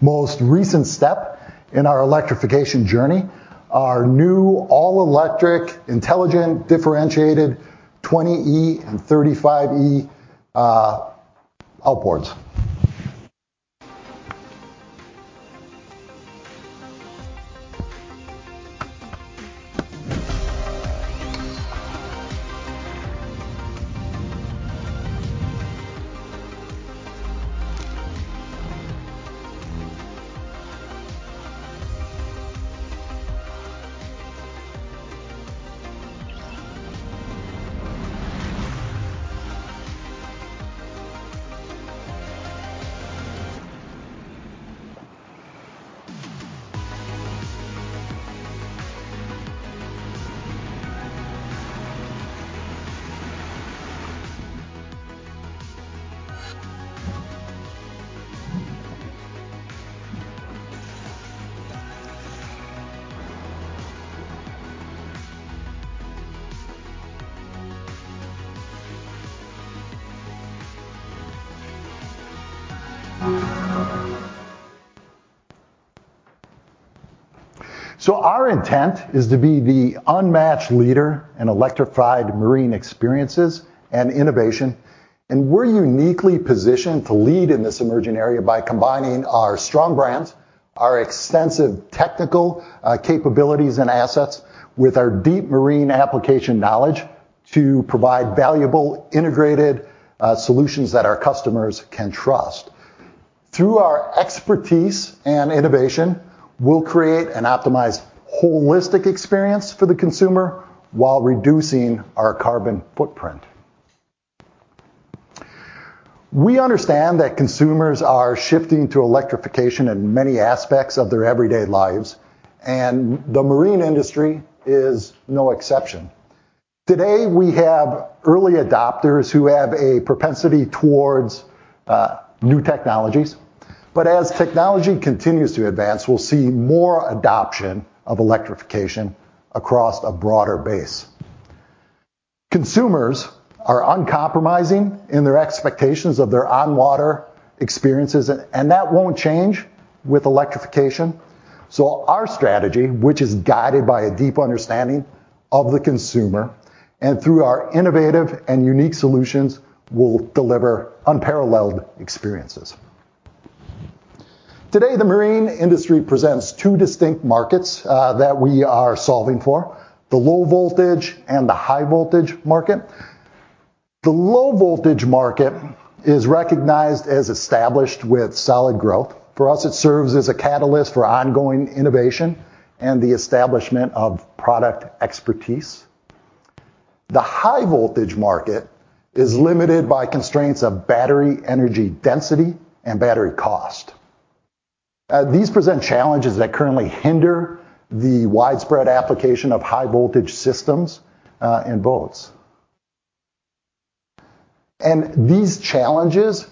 most recent step in our electrification journey, our new all-electric, intelligent, differentiated, 20e and 35e outboards. So our intent is to be the unmatched leader in electrified marine experiences and innovation, and we're uniquely positioned to lead in this emerging area by combining our strong brands, our extensive technical capabilities and assets, with our deep marine application knowledge to provide valuable integrated solutions that our customers can trust. Through our expertise and innovation, we'll create and optimize holistic experience for the consumer while reducing our carbon footprint. We understand that consumers are shifting to electrification in many aspects of their everyday lives, and the marine industry is no exception. Today, we have early adopters who have a propensity towards new technologies, but as technology continues to advance, we'll see more adoption of electrification across a broader base. Consumers are uncompromising in their expectations of their on-water experiences, and that won't change with electrification. So our strategy, which is guided by a deep understanding of the consumer and through our innovative and unique solutions, will deliver unparalleled experiences. Today, the marine industry presents two distinct markets that we are solving for: the low-voltage and the high-voltage market. The low-voltage market is recognized as established with solid growth. For us, it serves as a catalyst for ongoing innovation and the establishment of product expertise. The high-voltage market is limited by constraints of battery energy density and battery cost. These present challenges that currently hinder the widespread application of high-voltage systems in boats. And these challenges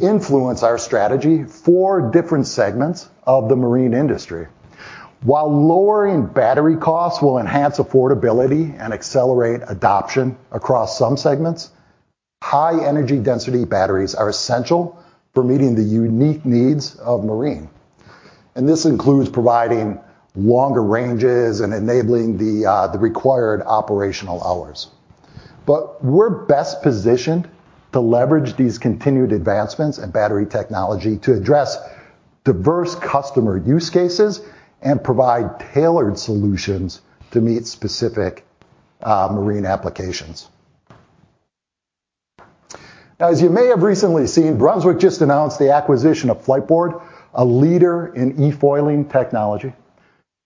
influence our strategy for different segments of the marine industry. While lowering battery costs will enhance affordability and accelerate adoption across some segments, high energy density batteries are essential for meeting the unique needs of marine, and this includes providing longer ranges and enabling the required operational hours. But we're best positioned to leverage these continued advancements in battery technology to address diverse customer use cases and provide tailored solutions to meet specific marine applications. Now, as you may have recently seen, Brunswick just announced the acquisition of Fliteboard, a leader in eFoiling technology.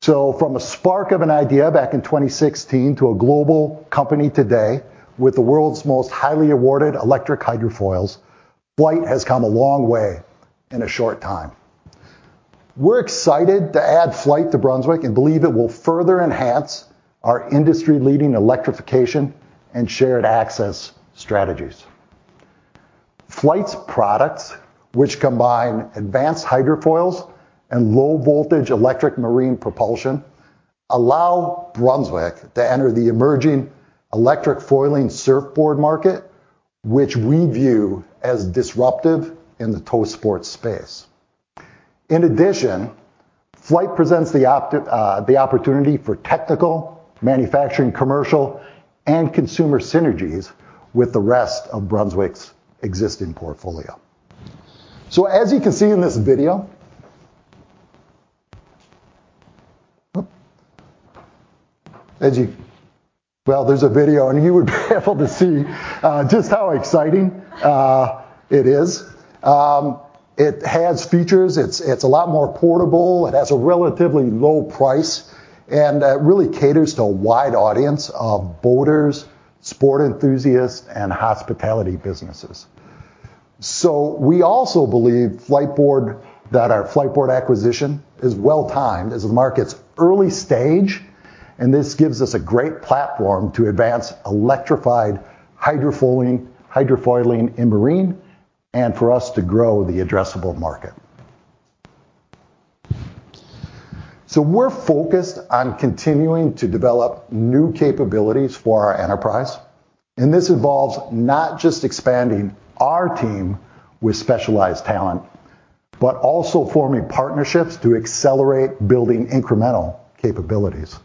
So from a spark of an idea back in 2016 to a global company today, with the world's most highly awarded electric hydrofoils, Flite has come a long way in a short time. We're excited to add Flite to Brunswick and believe it will further enhance our industry-leading electrification and shared access strategies. Flite's products, which combine advanced hydrofoils and low-voltage electric marine propulsion, allow Brunswick to enter the emerging electric foiling surfboard market, which we view as disruptive in the tow sports space. In addition, Flite presents the opportunity for technical, manufacturing, commercial, and consumer synergies with the rest of Brunswick's existing portfolio. So as you can see in this video... there's a video, and you would be able to see just how exciting it is. It has features. It's a lot more portable. It has a relatively low price and really caters to a wide audience of boaters, sport enthusiasts, and hospitality businesses. So we also believe Fliteboard, that our Fliteboard acquisition is well-timed, as the market's early stage, and this gives us a great platform to advance electrified hydrofoiling, hydrofoiling in marine, and for us to grow the addressable market. So we're focused on continuing to develop new capabilities for our enterprise, and this involves not just expanding our team with specialized talent, but also forming partnerships to accelerate building incremental capabilities.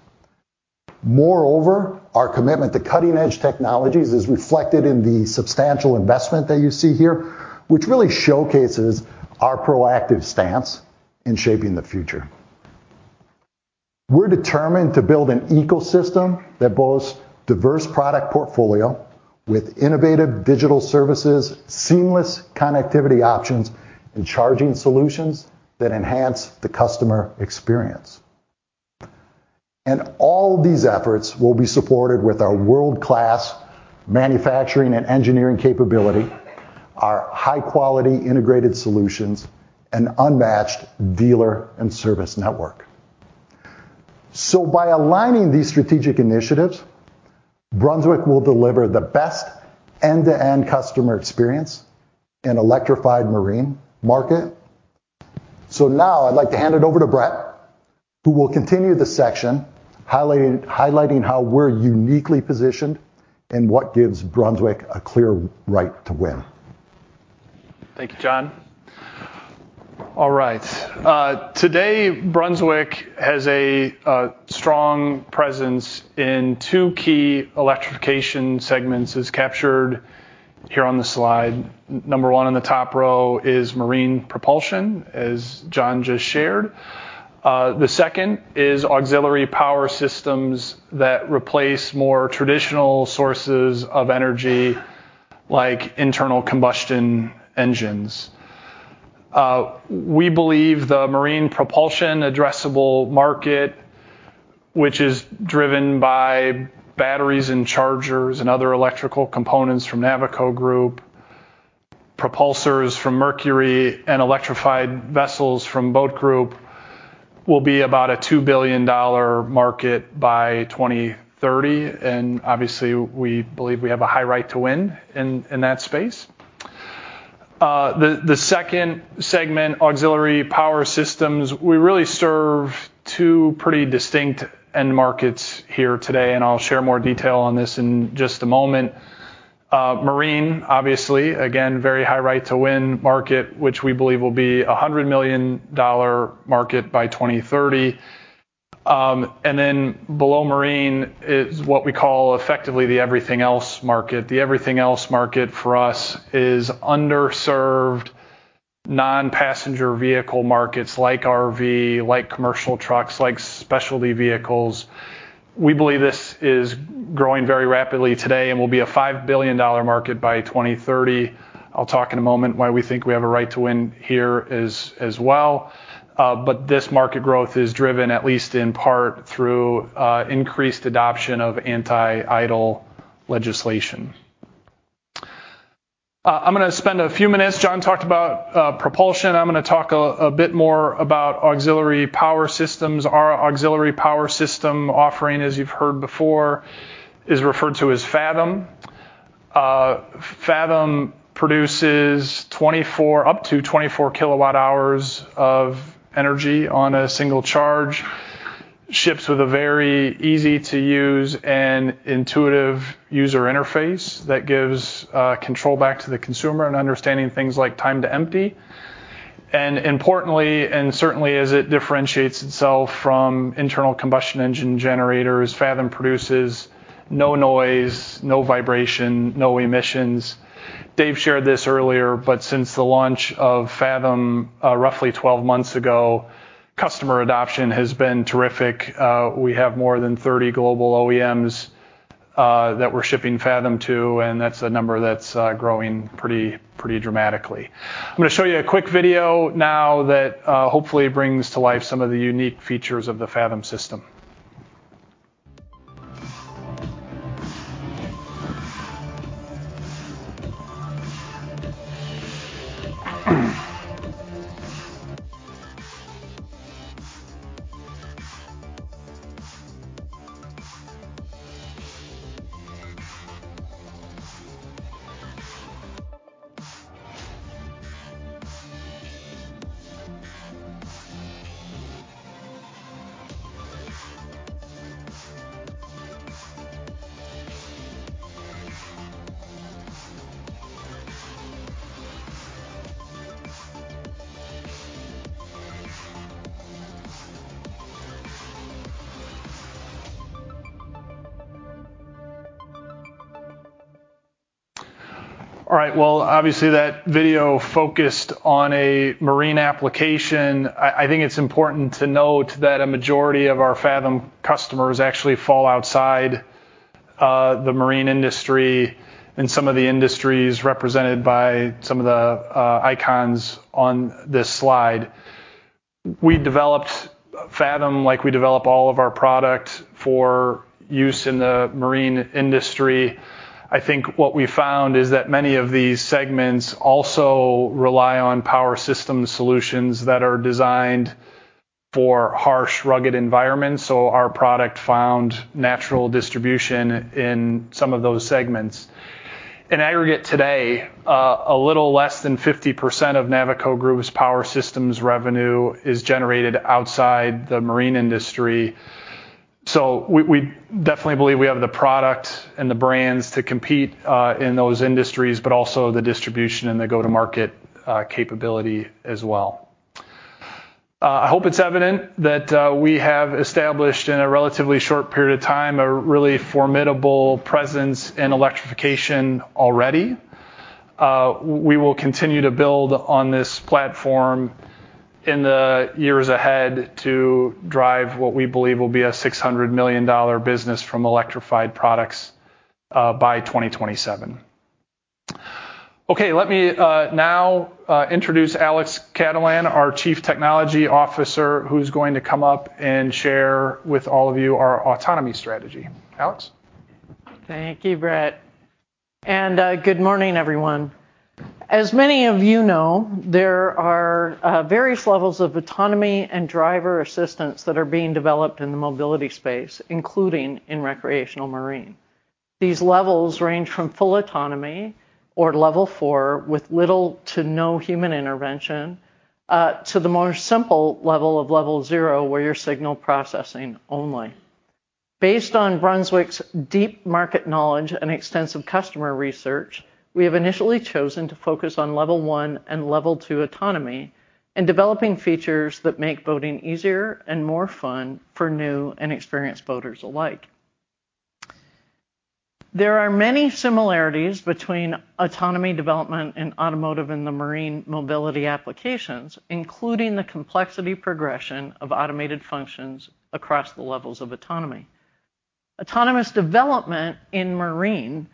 Moreover, our commitment to cutting-edge technologies is reflected in the substantial investment that you see here, which really showcases our proactive stance in shaping the future. We're determined to build an ecosystem that boasts diverse product portfolio with innovative digital services, seamless connectivity options, and charging solutions that enhance the customer experience. All these efforts will be supported with our world-class manufacturing and engineering capability, our high-quality integrated solutions, and unmatched dealer and service network. By aligning these strategic initiatives, Brunswick will deliver the best end-to-end customer experience in electrified marine market. Now I'd like to hand it over to Brett, who will continue the section, highlighting how we're uniquely positioned and what gives Brunswick a clear right to win. Thank you, John. All right. Today, Brunswick has a strong presence in two key electrification segments, as captured here on the slide. Number one on the top row is marine propulsion, as John just shared. The second is auxiliary power systems that replace more traditional sources of energy, like internal combustion engines. We believe the marine propulsion addressable market, which is driven by batteries and chargers and other electrical components from Navico Group, propulsors from Mercury, and electrified vessels from Boat Group, will be about a $2 billion market by 2030, and obviously, we believe we have a high right to win in that space. The second segment, auxiliary power systems, we really serve two pretty distinct end markets here today, and I'll share more detail on this in just a moment. Marine, obviously, again, very high right to win market, which we believe will be a $100 million market by 2030. Below marine is what we call effectively the everything else market. The everything else market for us is underserved, non-passenger vehicle markets like RV, like commercial trucks, like specialty vehicles. We believe this is growing very rapidly today and will be a $5 billion market by 2030. I'll talk in a moment why we think we have a right to win here as well. This market growth is driven, at least in part, through increased adoption of anti-idle legislation. I'm gonna spend a few minutes. Jon talked about propulsion. I'm gonna talk a bit more about auxiliary power systems. Our auxiliary power system offering, as you've heard before, is referred to as Fathom. Fathom produces up to 24 kWh of energy on a single charge, ships with a very easy-to-use and intuitive user interface that gives control back to the consumer and understanding things like time to empty. And importantly, and certainly as it differentiates itself from internal combustion engine generators, Fathom produces no noise, no vibration, no emissions. Dave shared this earlier, but since the launch of Fathom, roughly 12 months ago, customer adoption has been terrific. We have more than 30 global OEMs that we're shipping Fathom to, and that's a number that's growing pretty, pretty dramatically. I'm gonna show you a quick video now that hopefully brings to life some of the unique features of the Fathom system. All right. Well, obviously, that video focused on a marine application. I think it's important to note that a majority of our Fathom customers actually fall outside the marine industry and some of the industries represented by some of the icons on this slide. We developed Fathom, like we develop all of our product, for use in the marine industry. I think what we found is that many of these segments also rely on power system solutions that are designed for harsh, rugged environments, so our product found natural distribution in some of those segments. In aggregate today, a little less than 50% of Navico Group's power systems revenue is generated outside the marine industry. So we definitely believe we have the product and the brands to compete in those industries, but also the distribution and the go-to-market capability as well. I hope it's evident that, we have established, in a relatively short period of time, a really formidable presence in electrification already.... we will continue to build on this platform in the years ahead to drive what we believe will be a $600 million business from electrified products, by 2027. Okay, let me, now, introduce Alexandra Cattelan, our Chief Technology Officer, who's going to come up and share with all of you our autonomy strategy. Alex? Thank you, Brett, and good morning, everyone. As many of you know, there are various levels of autonomy and driver assistance that are being developed in the mobility space, including in recreational marine. These levels range from full autonomy or Level 4, with little to no human intervention to the more simple level of Level 0, where you're signal processing only. Based on Brunswick's deep market knowledge and extensive customer research, we have initially chosen to focus on Level 1 and Level 2 autonomy, and developing features that make boating easier and more fun for new and experienced boaters alike. There are many similarities between autonomy development and automotive in the marine mobility applications, including the complexity progression of automated functions across the levels of autonomy. Autonomous development in marine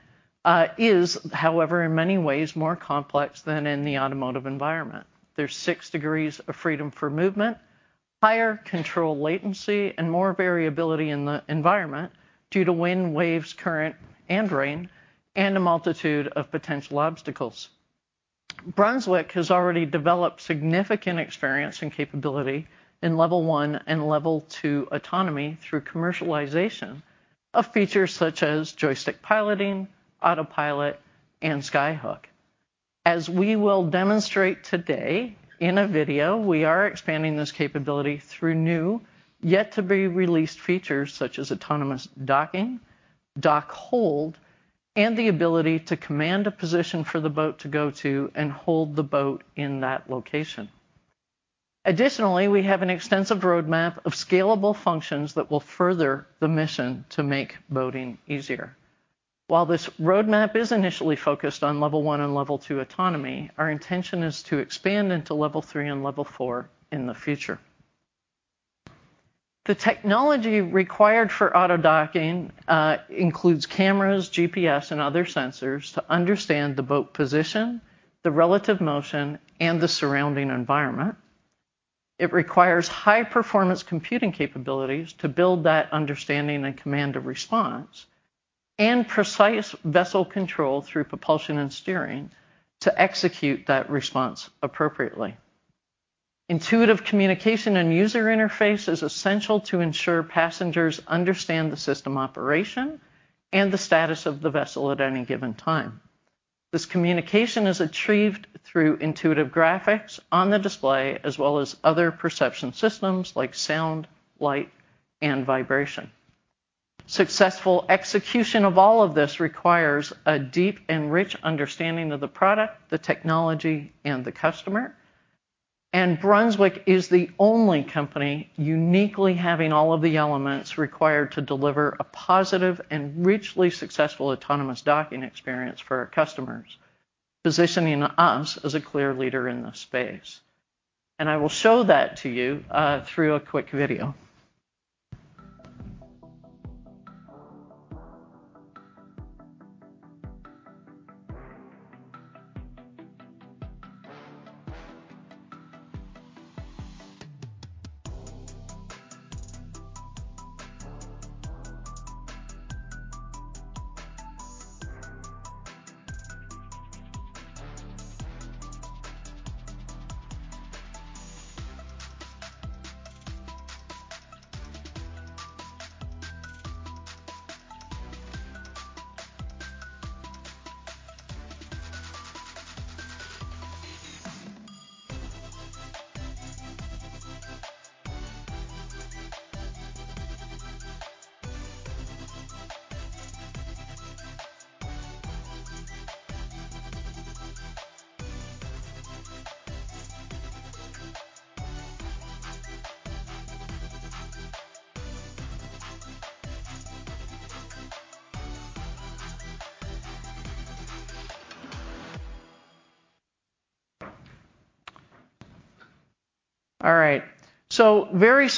is, however, in many ways, more complex than in the automotive environment. There's six degrees of freedom for movement, higher control latency, and more variability in the environment due to wind, waves, current, and rain, and a multitude of potential obstacles. Brunswick has already developed significant experience and capability in Level 1 and Level 2 autonomy through commercialization of features such as Joystick Piloting, autopilot, and Skyhook. As we will demonstrate today in a video, we are expanding this capability through new, yet-to-be-released features such as autonomous docking, dock hold, and the ability to command a position for the boat to go to and hold the boat in that location. Additionally, we have an extensive roadmap of scalable functions that will further the mission to make boating easier. While this roadmap is initially focused on Level 1 and Level 2 autonomy, our intention is to expand into Level 3 and Level 4 in the future. The technology required for auto docking includes cameras, GPS, and other sensors to understand the boat position, the relative motion, and the surrounding environment. It requires high-performance computing capabilities to build that understanding and command a response, and precise vessel control through propulsion and steering to execute that response appropriately. Intuitive communication and user interface is essential to ensure passengers understand the system operation and the status of the vessel at any given time. This communication is achieved through intuitive graphics on the display, as well as other perception systems like sound, light, and vibration. Successful execution of all of this requires a deep and rich understanding of the product, the technology, and the customer. And Brunswick is the only company uniquely having all of the elements required to deliver a positive and richly successful autonomous docking experience for our customers, positioning us as a clear leader in this space. And I will show that to you through a quick video.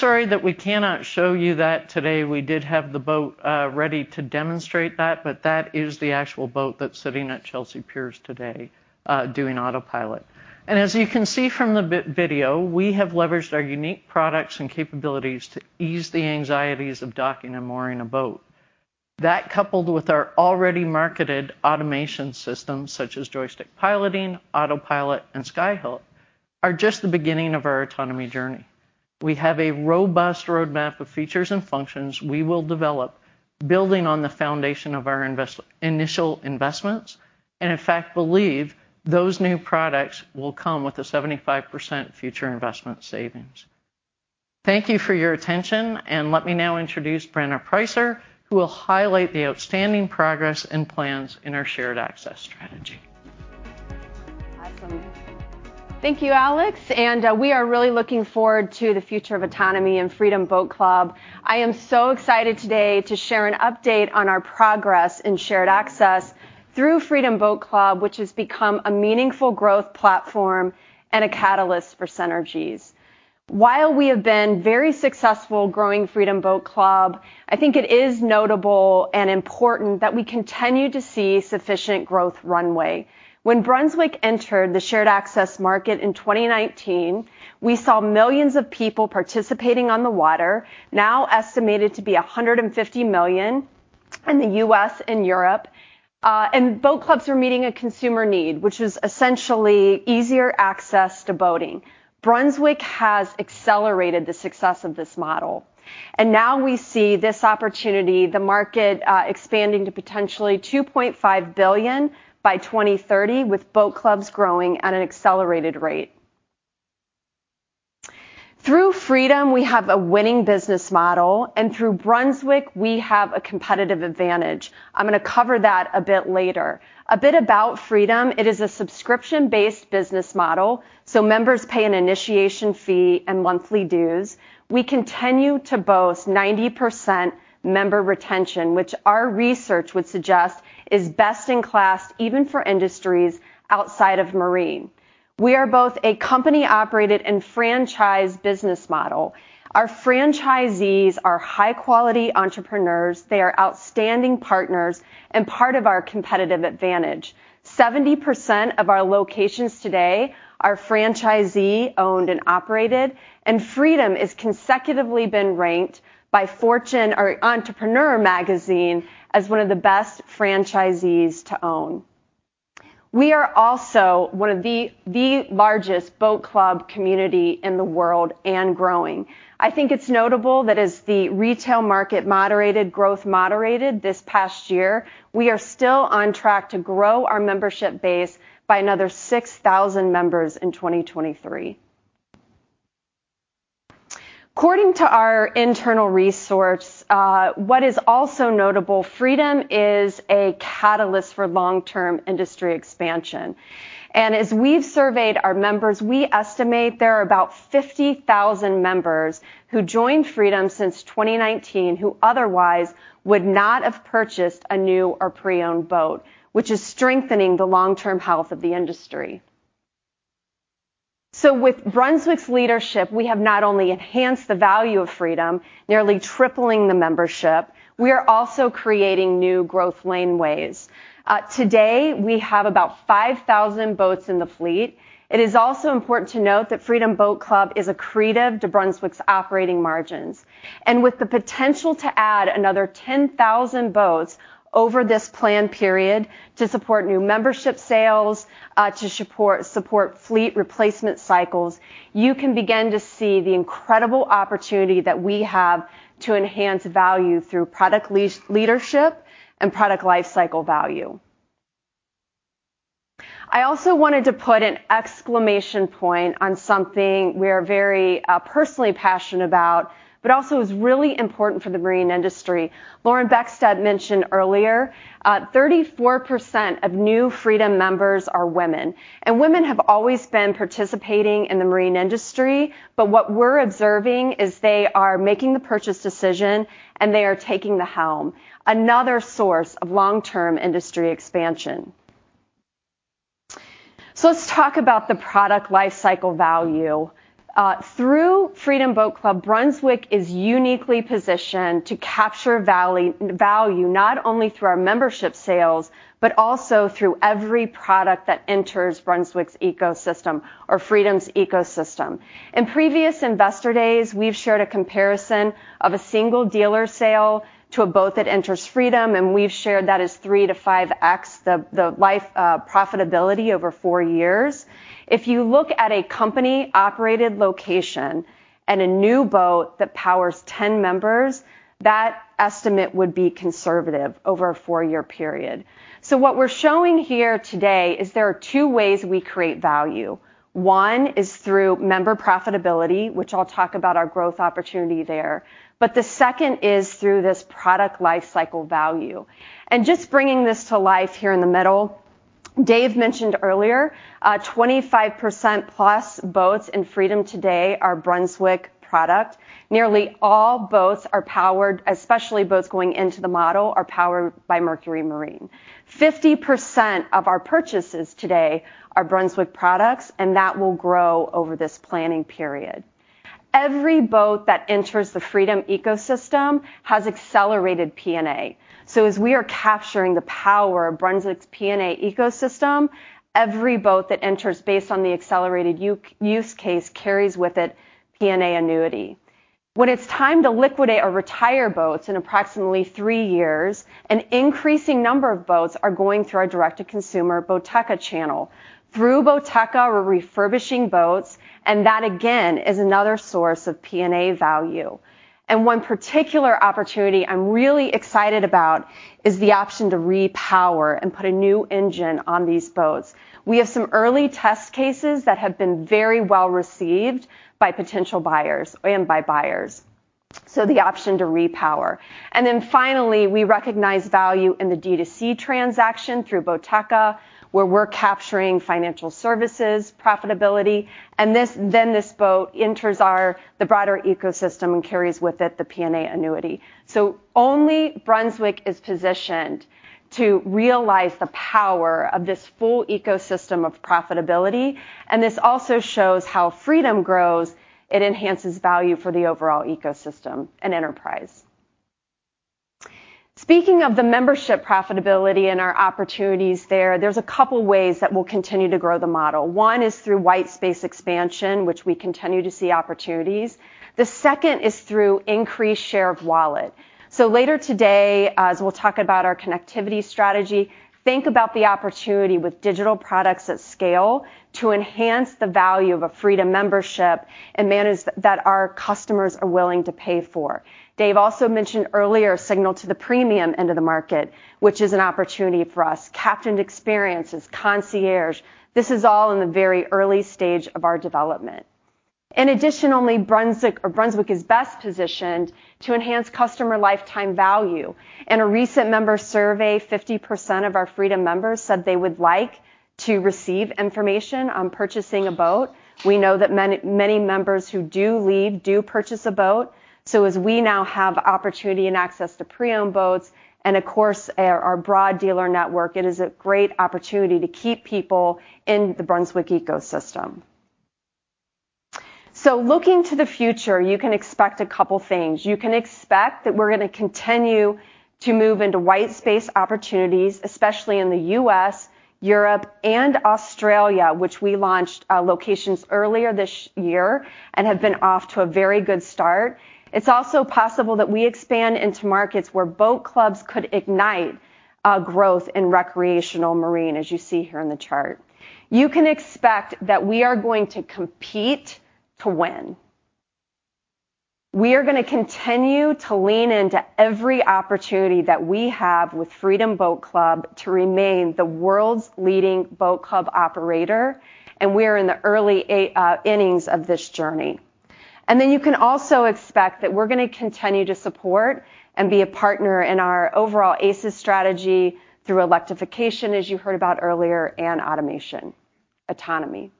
All right. So very sorry that we cannot show you that today. We did have the boat ready to demonstrate that, but that is the actual boat that's sitting at Chelsea Piers today doing autopilot. And as you can see from the video, we have leveraged our unique products and capabilities to ease the anxieties of docking and mooring a boat. That, coupled with our already marketed automation systems, such as Joystick Piloting, autopilot, and Skyhook, are just the beginning of our autonomy journey. We have a robust roadmap of features and functions we will develop, building on the foundation of our initial investments, and in fact, believe those new products will come with a 75% future investment savings. Thank you for your attention, and let me now introduce Brenna Preisser, who will highlight the outstanding progress and plans in our shared access strategy.... Thank you, Alex, and we are really looking forward to the future of autonomy and Freedom Boat Club. I am so excited today to share an update on our progress in shared access through Freedom Boat Club, which has become a meaningful growth platform and a catalyst for synergies. While we have been very successful growing Freedom Boat Club, I think it is notable and important that we continue to see sufficient growth runway. When Brunswick entered the shared access market in 2019, we saw millions of people participating on the water, now estimated to be 150 million in the U.S. and Europe. Boat clubs are meeting a consumer need, which is essentially easier access to boating. Brunswick has accelerated the success of this model, and now we see this opportunity, the market, expanding to potentially $2.5 billion by 2030, with boat clubs growing at an accelerated rate. Through Freedom, we have a winning business model, and through Brunswick, we have a competitive advantage. I'm going to cover that a bit later. A bit about Freedom: it is a subscription-based business model, so members pay an initiation fee and monthly dues. We continue to boast 90% member retention, which our research would suggest is best-in-class, even for industries outside of marine. We are both a company-operated and franchised business model. Our franchisees are high-quality entrepreneurs. They are outstanding partners and part of our competitive advantage. 70% of our locations today are franchisee-owned and operated, and Freedom has consecutively been ranked by Fortune or Entrepreneur magazine as one of the best franchisees to own. We are also one of the largest boat club community in the world and growing. I think it's notable that as the retail market moderated, growth moderated this past year, we are still on track to grow our membership base by another 6,000 members in 2023. According to our internal resource, what is also notable, Freedom is a catalyst for long-term industry expansion. And as we've surveyed our members, we estimate there are about 50,000 members who joined Freedom since 2019, who otherwise would not have purchased a new or pre-owned boat, which is strengthening the long-term health of the industry. With Brunswick's leadership, we have not only enhanced the value of Freedom, nearly tripling the membership, we are also creating new growth lanes. Today, we have about 5,000 boats in the fleet. It is also important to note that Freedom Boat Club is accretive to Brunswick's operating margins, and with the potential to add another 10,000 boats over this plan period to support new membership sales, to support fleet replacement cycles, you can begin to see the incredible opportunity that we have to enhance value through product leadership and product lifecycle value. I also wanted to put an exclamation point on something we are very personally passionate about, but also is really important for the marine industry. Lauren Beckstedt mentioned earlier, 34% of new Freedom members are women, and women have always been participating in the marine industry, but what we're observing is they are making the purchase decision, and they are taking the helm, another source of long-term industry expansion. So let's talk about the product lifecycle value. Through Freedom Boat Club, Brunswick is uniquely positioned to capture value, value, not only through our membership sales, but also through every product that enters Brunswick's ecosystem or Freedom's ecosystem. In previous Investor Days, we've shared a comparison of a single dealer sale to a boat that enters Freedom, and we've shared that is 3-5x the, the life profitability over four years. If you look at a company-operated location and a new boat that powers 10 members, that estimate would be conservative over a four-year period. So what we're showing here today is there are two ways we create value. One is through member profitability, which I'll talk about our growth opportunity there, but the second is through this product lifecycle value. And just bringing this to life here in the middle, Dave mentioned earlier, 25%+boats in Freedom today are Brunswick product. Nearly all boats are powered, especially boats going into the model, are powered by Mercury Marine. 50% of our purchases today are Brunswick products, and that will grow over this planning period. Every boat that enters the Freedom ecosystem has accelerated P&A. So as we are capturing the power of Brunswick's P&A ecosystem, every boat that enters based on the accelerated use case carries with it P&A annuity. When it's time to liquidate or retire boats in approximately three years, an increasing number of boats are going through our direct-to-consumer Boateka channel. Through Boateka, we're refurbishing boats, and that again is another source of P&A value. One particular opportunity I'm really excited about is the option to repower and put a new engine on these boats. We have some early test cases that have been very well received by potential buyers and by buyers. So the option to repower. And then finally, we recognize value in the D2C transaction through Boateka, where we're capturing financial services profitability, and then this boat enters the broader ecosystem and carries with it the P&A annuity. So only Brunswick is positioned to realize the power of this full ecosystem of profitability, and this also shows how Freedom grows. It enhances value for the overall ecosystem and enterprise. Speaking of the membership profitability and our opportunities there, there's a couple ways that we'll continue to grow the model. One is through white space expansion, which we continue to see opportunities. The second is through increased share of wallet. So later today, as we'll talk about our connectivity strategy, think about the opportunity with digital products at scale to enhance the value of a Freedom membership in manners that our customers are willing to pay for. Dave also mentioned earlier, a signal to the premium end of the market, which is an opportunity for us. Captained experiences, concierge, this is all in the very early stage of our development. In addition, only Brunswick is best positioned to enhance customer lifetime value. In a recent member survey, 50% of our Freedom members said they would like to receive information on purchasing a boat. We know that many, many members who do leave, do purchase a boat, so as we now have opportunity and access to pre-owned boats and of course, our, our broad dealer network, it is a great opportunity to keep people in the Brunswick ecosystem. So looking to the future, you can expect a couple things. You can expect that we're going to continue to move into white space opportunities, especially in the U.S., Europe, and Australia, which we launched locations earlier this year and have been off to a very good start. It's also possible that we expand into markets where boat clubs could ignite growth in recreational marine, as you see here in the chart. You can expect that we are going to compete to win. We are going to continue to lean into every opportunity that we have with Freedom Boat Club to remain the world's leading boat club operator, and we are in the early innings of this journey. And then you can also expect that we're going to continue to support and be a partner in our overall ACES strategy through electrification, as you heard about earlier, and automation, autonomy.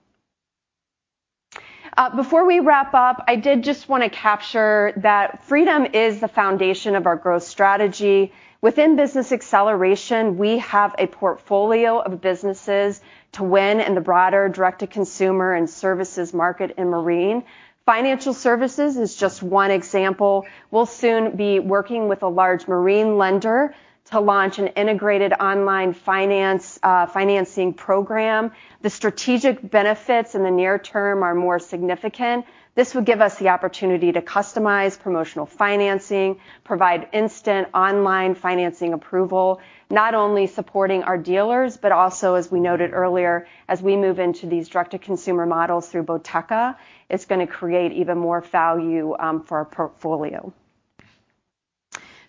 Before we wrap up, I did just want to capture that Freedom is the foundation of our growth strategy. Within Business Acceleration, we have a portfolio of businesses to win in the broader direct-to-consumer and services market in marine. Financial services is just one example. We'll soon be working with a large marine lender to launch an integrated online finance financing program. The strategic benefits in the near term are more significant. This would give us the opportunity to customize promotional financing, provide instant online financing approval, not only supporting our dealers, but also, as we noted earlier, as we move into these direct-to-consumer models through Boateka, it's going to create even more value for our portfolio.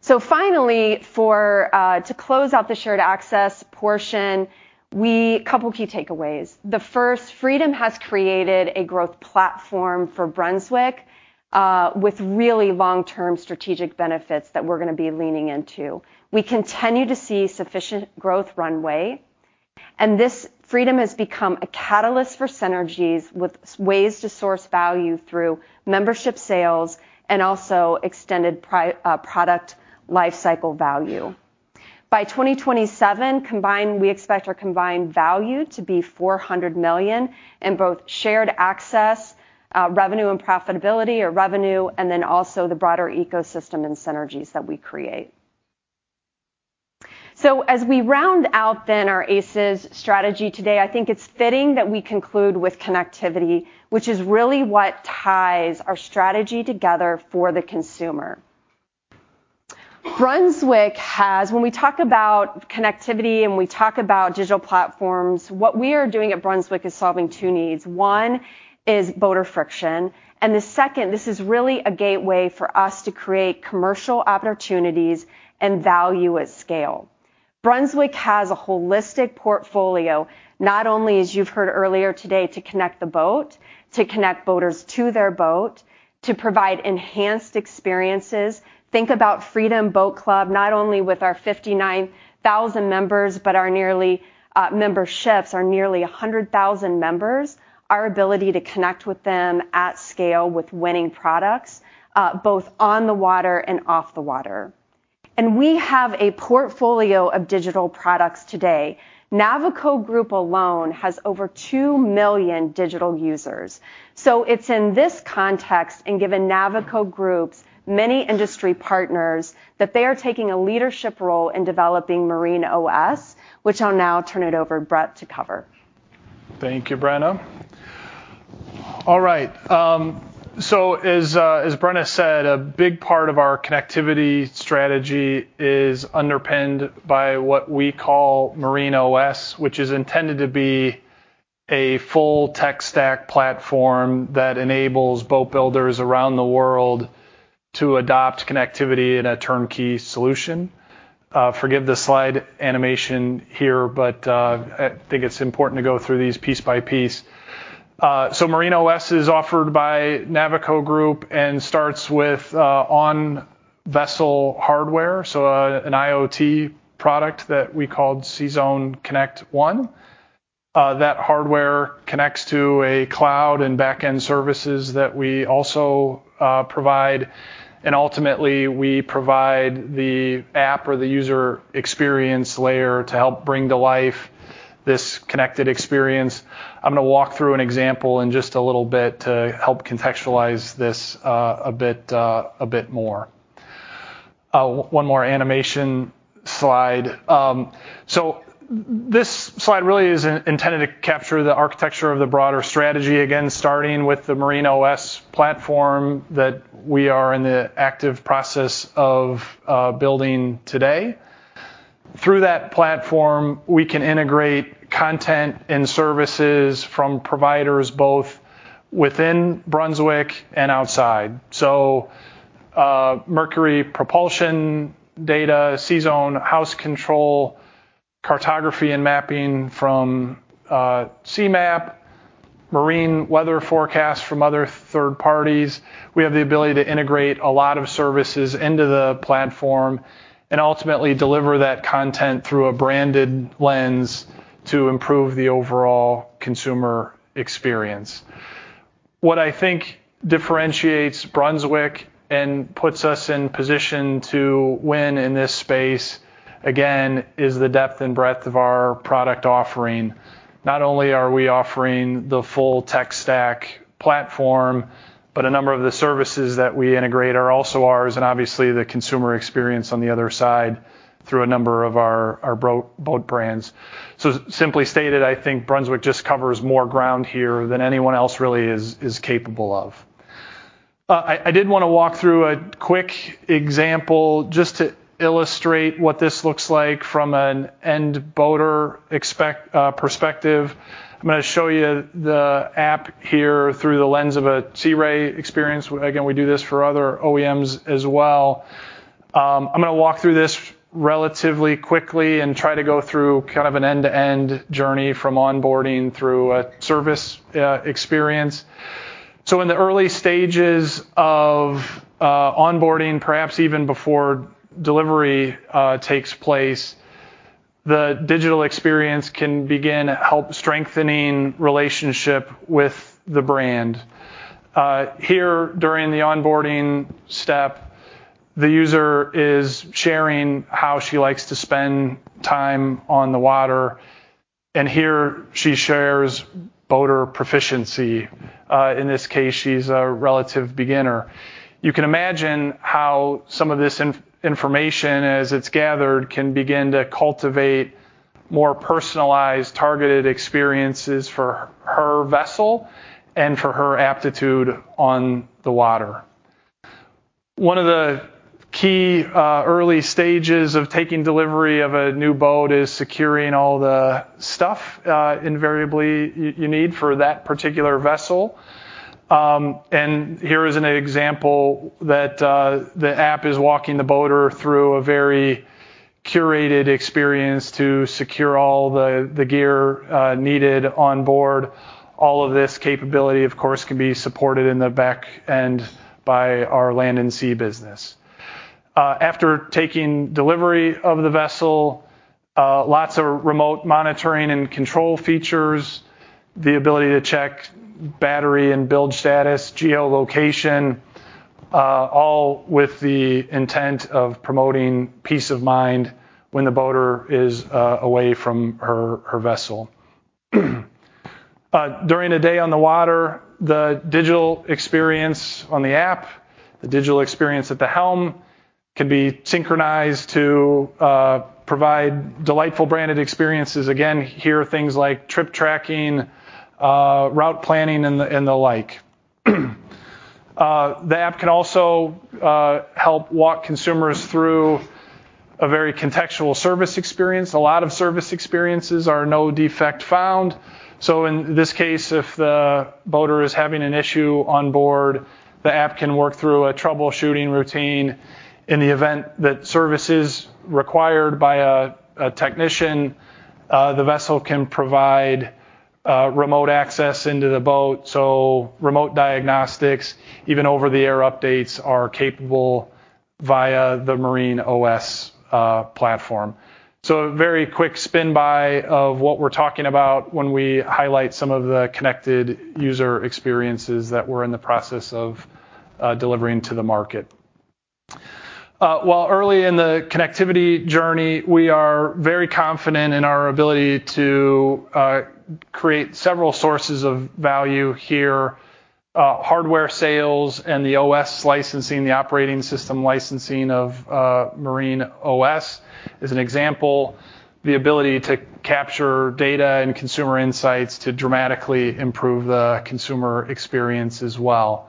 So finally, for to close out the shared access portion, we couple key takeaways. The first, Freedom has created a growth platform for Brunswick, with really long-term strategic benefits that we're going to be leaning into. We continue to see sufficient growth runway, and this Freedom has become a catalyst for synergies, with ways to source value through membership sales and also extended product life cycle value. By 2027, combined, we expect our combined value to be $400 million in both shared access, revenue and profitability or revenue, and then also the broader ecosystem and synergies that we create. So as we round out then our ACES strategy today, I think it's fitting that we conclude with connectivity, which is really what ties our strategy together for the consumer. Brunswick has, when we talk about connectivity, and we talk about digital platforms, what we are doing at Brunswick is solving two needs. One is boater friction, and the second, this is really a gateway for us to create commercial opportunities and value at scale. Brunswick has a holistic portfolio, not only, as you've heard earlier today, to connect the boat, to connect boaters to their boat, to provide enhanced experiences. Think about Freedom Boat Club, not only with our 59,000 members, but our nearly memberships, our nearly 100,000 members, our ability to connect with them at scale with winning products, both on the water and off the water. We have a portfolio of digital products today. Navico Group alone has over 2 million digital users. It's in this context, and given Navico Group's many industry partners, that they are taking a leadership role in developing Marine OS, which I'll now turn it over Brett to cover. Thank you, Brenna. All right, so as, as Brenna said, a big part of our connectivity strategy is underpinned by what we call Marine OS, which is intended to be a full tech stack platform that enables boat builders around the world to adopt connectivity in a turnkey solution. Forgive the slide animation here, but I think it's important to go through these piece by piece. So Marine OS is offered by Navico Group and starts with on-vessel hardware, so an IoT product that we called CZone Connect 1. That hardware connects to a cloud and back-end services that we also provide, and ultimately, we provide the app or the user experience layer to help bring to life this connected experience. I'm going to walk through an example in just a little bit to help contextualize this, a bit more. One more animation slide. So this slide really is intended to capture the architecture of the broader strategy. Again, starting with the Marine OS platform, that we are in the active process of building today. Through that platform, we can integrate content and services from providers, both within Brunswick and outside. So, Mercury propulsion data, CZone house control, cartography and mapping from C-MAP, marine weather forecasts from other third parties. We have the ability to integrate a lot of services into the platform and ultimately deliver that content through a branded lens to improve the overall consumer experience. What I think differentiates Brunswick and puts us in position to win in this space, again, is the depth and breadth of our product offering. Not only are we offering the full tech stack platform, but a number of the services that we integrate are also ours, and obviously, the consumer experience on the other side through a number of our boat brands. So simply stated, I think Brunswick just covers more ground here than anyone else really is, is capable of. I did want to walk through a quick example just to illustrate what this looks like from an end boater perspective. I'm gonna show you the app here through the lens of a Sea Ray experience. Again, we do this for other OEMs as well. I'm gonna walk through this relatively quickly and try to go through kind of an end-to-end journey from onboarding through a service experience. So in the early stages of onboarding, perhaps even before delivery takes place, the digital experience can begin to help strengthening relationship with the brand. Here, during the onboarding step, the user is sharing how she likes to spend time on the water, and here she shares boater proficiency. In this case, she's a relative beginner. You can imagine how some of this information, as it's gathered, can begin to cultivate more personalized, targeted experiences for her, her vessel and for her aptitude on the water. One of the key early stages of taking delivery of a new boat is securing all the stuff invariably you need for that particular vessel. And here is an example that the app is walking the boater through a very curated experience to secure all the gear needed on board. All of this capability, of course, can be supported in the back end by our Land 'N' Sea business. After taking delivery of the vessel, lots of remote monitoring and control features, the ability to check battery and fuel status, geolocation, all with the intent of promoting peace of mind when the boater is away from her vessel. During the day on the water, the digital experience on the app, the digital experience at the helm, can be synchronized to provide delightful branded experiences. Again, here are things like trip tracking, route planning, and the like. The app can also help walk consumers through a very contextual service experience. A lot of service experiences are no defect found, so in this case, if the boater is having an issue on board, the app can work through a troubleshooting routine. In the event that service is required by a technician, the vessel can provide remote access into the boat, so remote diagnostics, even over-the-air updates are capable via the Marine OS platform. So a very quick spin by of what we're talking about when we highlight some of the connected user experiences that we're in the process of delivering to the market. While early in the connectivity journey, we are very confident in our ability to create several sources of value here, hardware sales and the OS licensing, the operating system licensing of Marine OS is an example, the ability to capture data and consumer insights to dramatically improve the consumer experience as well.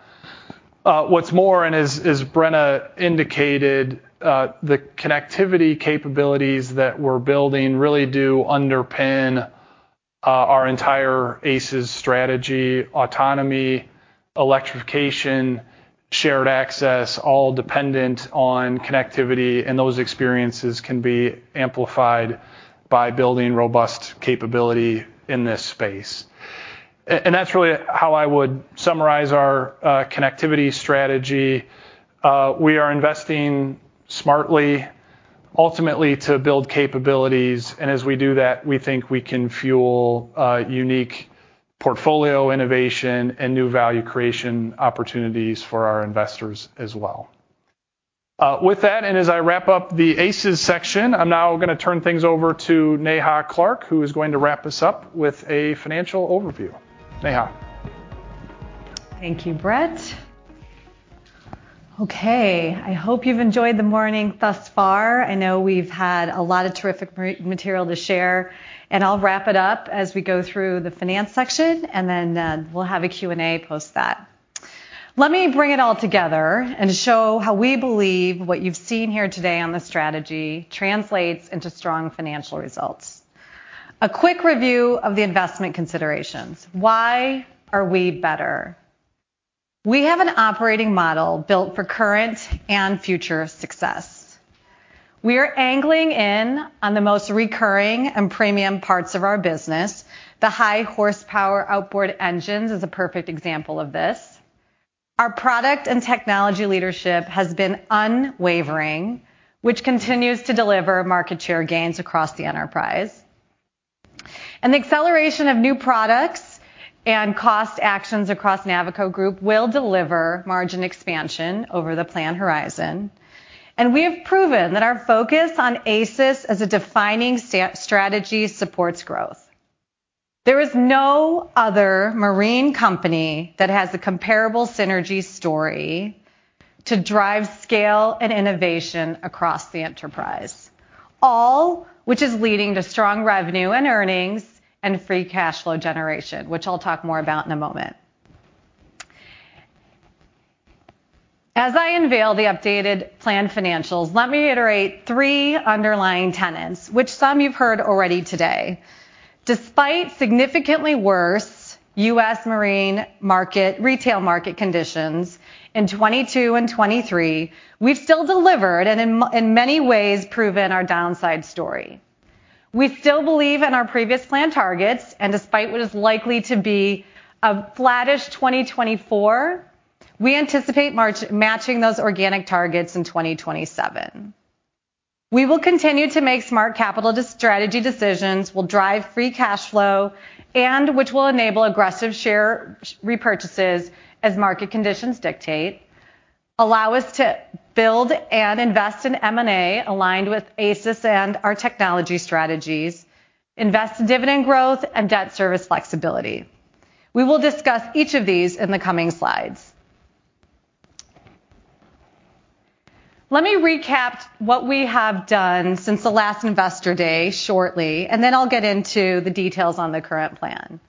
What's more, and as Brenna indicated, the connectivity capabilities that we're building really do underpin our entire ACES strategy, autonomy-... electrification, shared access, all dependent on connectivity, and those experiences can be amplified by building robust capability in this space. And that's really how I would summarize our connectivity strategy. We are investing smartly, ultimately to build capabilities, and as we do that, we think we can fuel a unique portfolio innovation and new value creation opportunities for our investors as well. With that, and as I wrap up the ACES section, I'm now gonna turn things over to Neha Clark, who is going to wrap us up with a financial overview. Neha? Thank you, Brett. Okay, I hope you've enjoyed the morning thus far. I know we've had a lot of terrific material to share, and I'll wrap it up as we go through the finance section, and then we'll have a Q&A post that. Let me bring it all together and show how we believe what you've seen here today on the strategy translates into strong financial results. A quick review of the investment considerations. Why are we better? We have an operating model built for current and future success. We are angling in on the most recurring and premium parts of our business. The high horsepower outboard engines is a perfect example of this. Our product and technology leadership has been unwavering, which continues to deliver market share gains across the enterprise. The acceleration of new products and cost actions across Navico Group will deliver margin expansion over the plan horizon, and we have proven that our focus on ACES as a defining strategy supports growth. There is no other marine company that has a comparable synergy story to drive scale and innovation across the enterprise, all which is leading to strong revenue and earnings and free cash flow generation, which I'll talk more about in a moment. As I unveil the updated plan financials, let me iterate three underlying tenets, which some you've heard already today. Despite significantly worse U.S. marine market, retail market conditions in 2022 and 2023, we've still delivered, and in many ways, proven our downside story. We still believe in our previous plan targets, and despite what is likely to be a flattish 2024, we anticipate matching those organic targets in 2027. We will continue to make smart capital strategy decisions, we'll drive free cash flow, and which will enable aggressive share repurchases as market conditions dictate, allow us to build and invest in M&A, aligned with ACES and our technology strategies, invest in dividend growth and debt service flexibility. We will discuss each of these in the coming slides. Let me recap what we have done since the last Investor Day shortly, and then I'll get into the details on the current plan.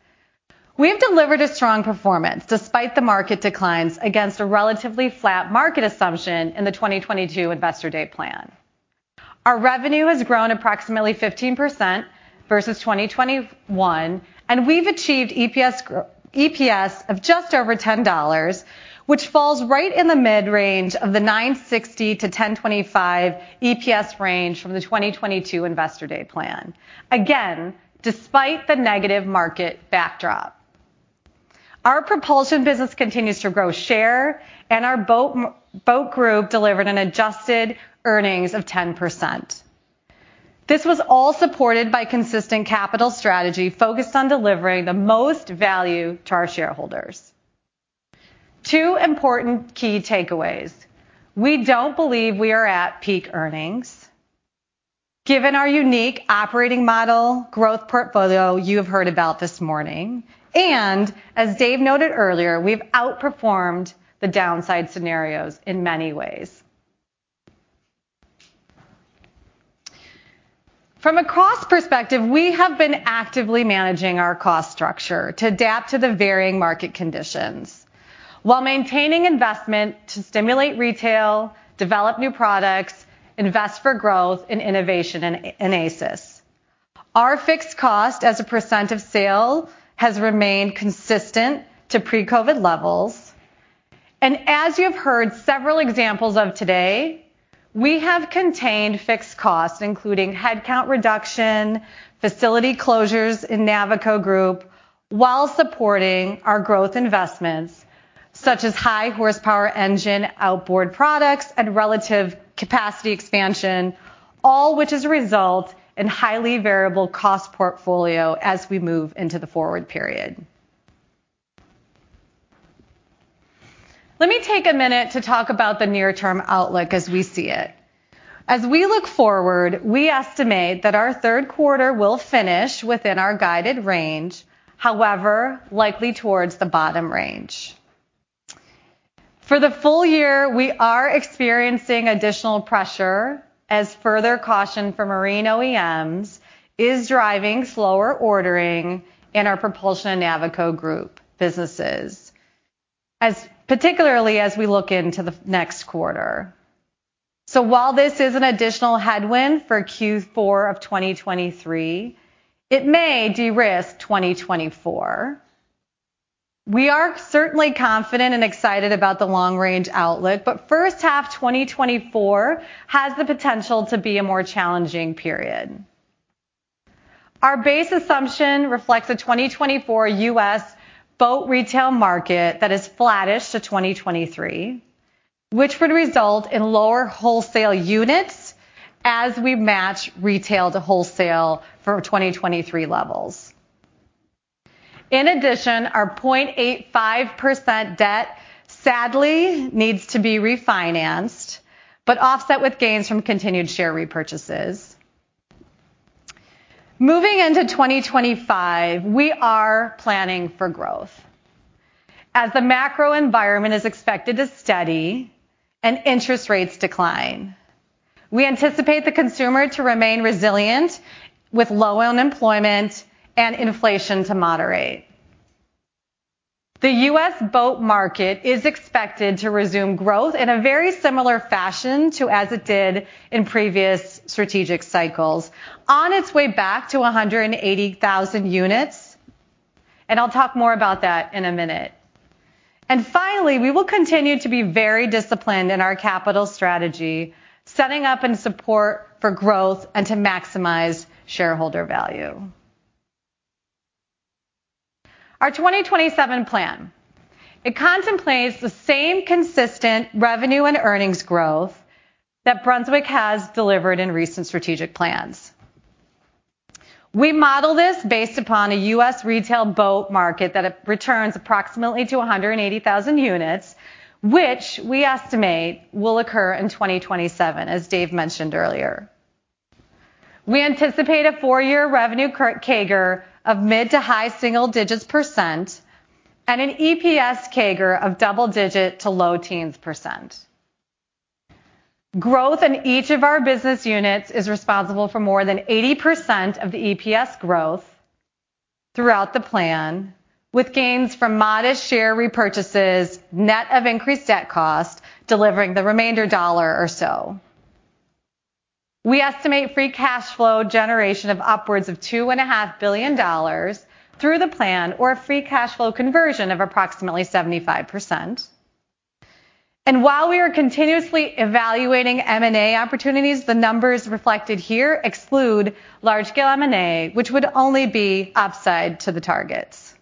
We've delivered a strong performance despite the market declines against a relatively flat market assumption in the 2022 Investor Day plan. Our revenue has grown approximately 15% versus 2021, and we've achieved EPS of just over $10, which falls right in the mid-range of the $9.60-$10.25 EPS range from the 2022 Investor Day plan. Again, despite the negative market backdrop. Our propulsion business continues to grow share, and our boat group delivered an adjusted earnings of 10%. This was all supported by consistent capital strategy focused on delivering the most value to our shareholders. Two important key takeaways: We don't believe we are at peak earnings, given our unique operating model growth portfolio you have heard about this morning, and as Dave noted earlier, we've outperformed the downside scenarios in many ways. From a cost perspective, we have been actively managing our cost structure to adapt to the varying market conditions while maintaining investment to stimulate retail, develop new products, invest for growth and innovation in, in ACES. Our fixed cost as a percent of sale has remained consistent to pre-COVID levels, and as you have heard several examples of today, we have contained fixed costs, including headcount reduction, facility closures in Navico Group, while supporting our growth investments, such as high hp engine, outboard products, and relative capacity expansion, all which is a result in highly variable cost portfolio as we move into the forward period. Let me take a minute to talk about the near-term outlook as we see it. As we look forward, we estimate that our third quarter will finish within our guided range, however, likely towards the bottom range. For the full year, we are experiencing additional pressure as further caution for marine OEMs is driving slower ordering in our Propulsion and Navico Group businesses, particularly as we look into the next quarter. So while this is an additional headwind for Q4 of 2023, it may de-risk 2024. We are certainly confident and excited about the long-range outlook, but first half 2024 has the potential to be a more challenging period. Our base assumption reflects a 2024 U.S. boat retail market that is flattish to 2023, which would result in lower wholesale units as we match retail to wholesale for 2023 levels. In addition, our 0.85% debt sadly needs to be refinanced, but offset with gains from continued share repurchases. Moving into 2025, we are planning for growth. As the macro environment is expected to steady and interest rates decline, we anticipate the consumer to remain resilient with low unemployment and inflation to moderate. The U.S. boat market is expected to resume growth in a very similar fashion to as it did in previous strategic cycles, on its way back to 180,000 units, and I'll talk more about that in a minute. And finally, we will continue to be very disciplined in our capital strategy, setting up in support for growth and to maximize shareholder value. Our 2027 plan. It contemplates the same consistent revenue and earnings growth that Brunswick has delivered in recent strategic plans. We model this based upon a U.S. retail boat market that returns approximately to 180,000 units, which we estimate will occur in 2027, as Dave mentioned earlier. We anticipate a four-year revenue CAGR of mid- to high-single-digits percent and an EPS CAGR of double-digit to low-teens percent. Growth in each of our business units is responsible for more than 80% of the EPS growth throughout the plan, with gains from modest share repurchases, net of increased debt cost, delivering the remainder dollar or so. We estimate free cash flow generation of upwards of $2.5 billion through the plan, or a free cash flow conversion of approximately 75%. And while we are continuously evaluating M&A opportunities, the numbers reflected here exclude large-scale M&A, which would only be upside to the targets.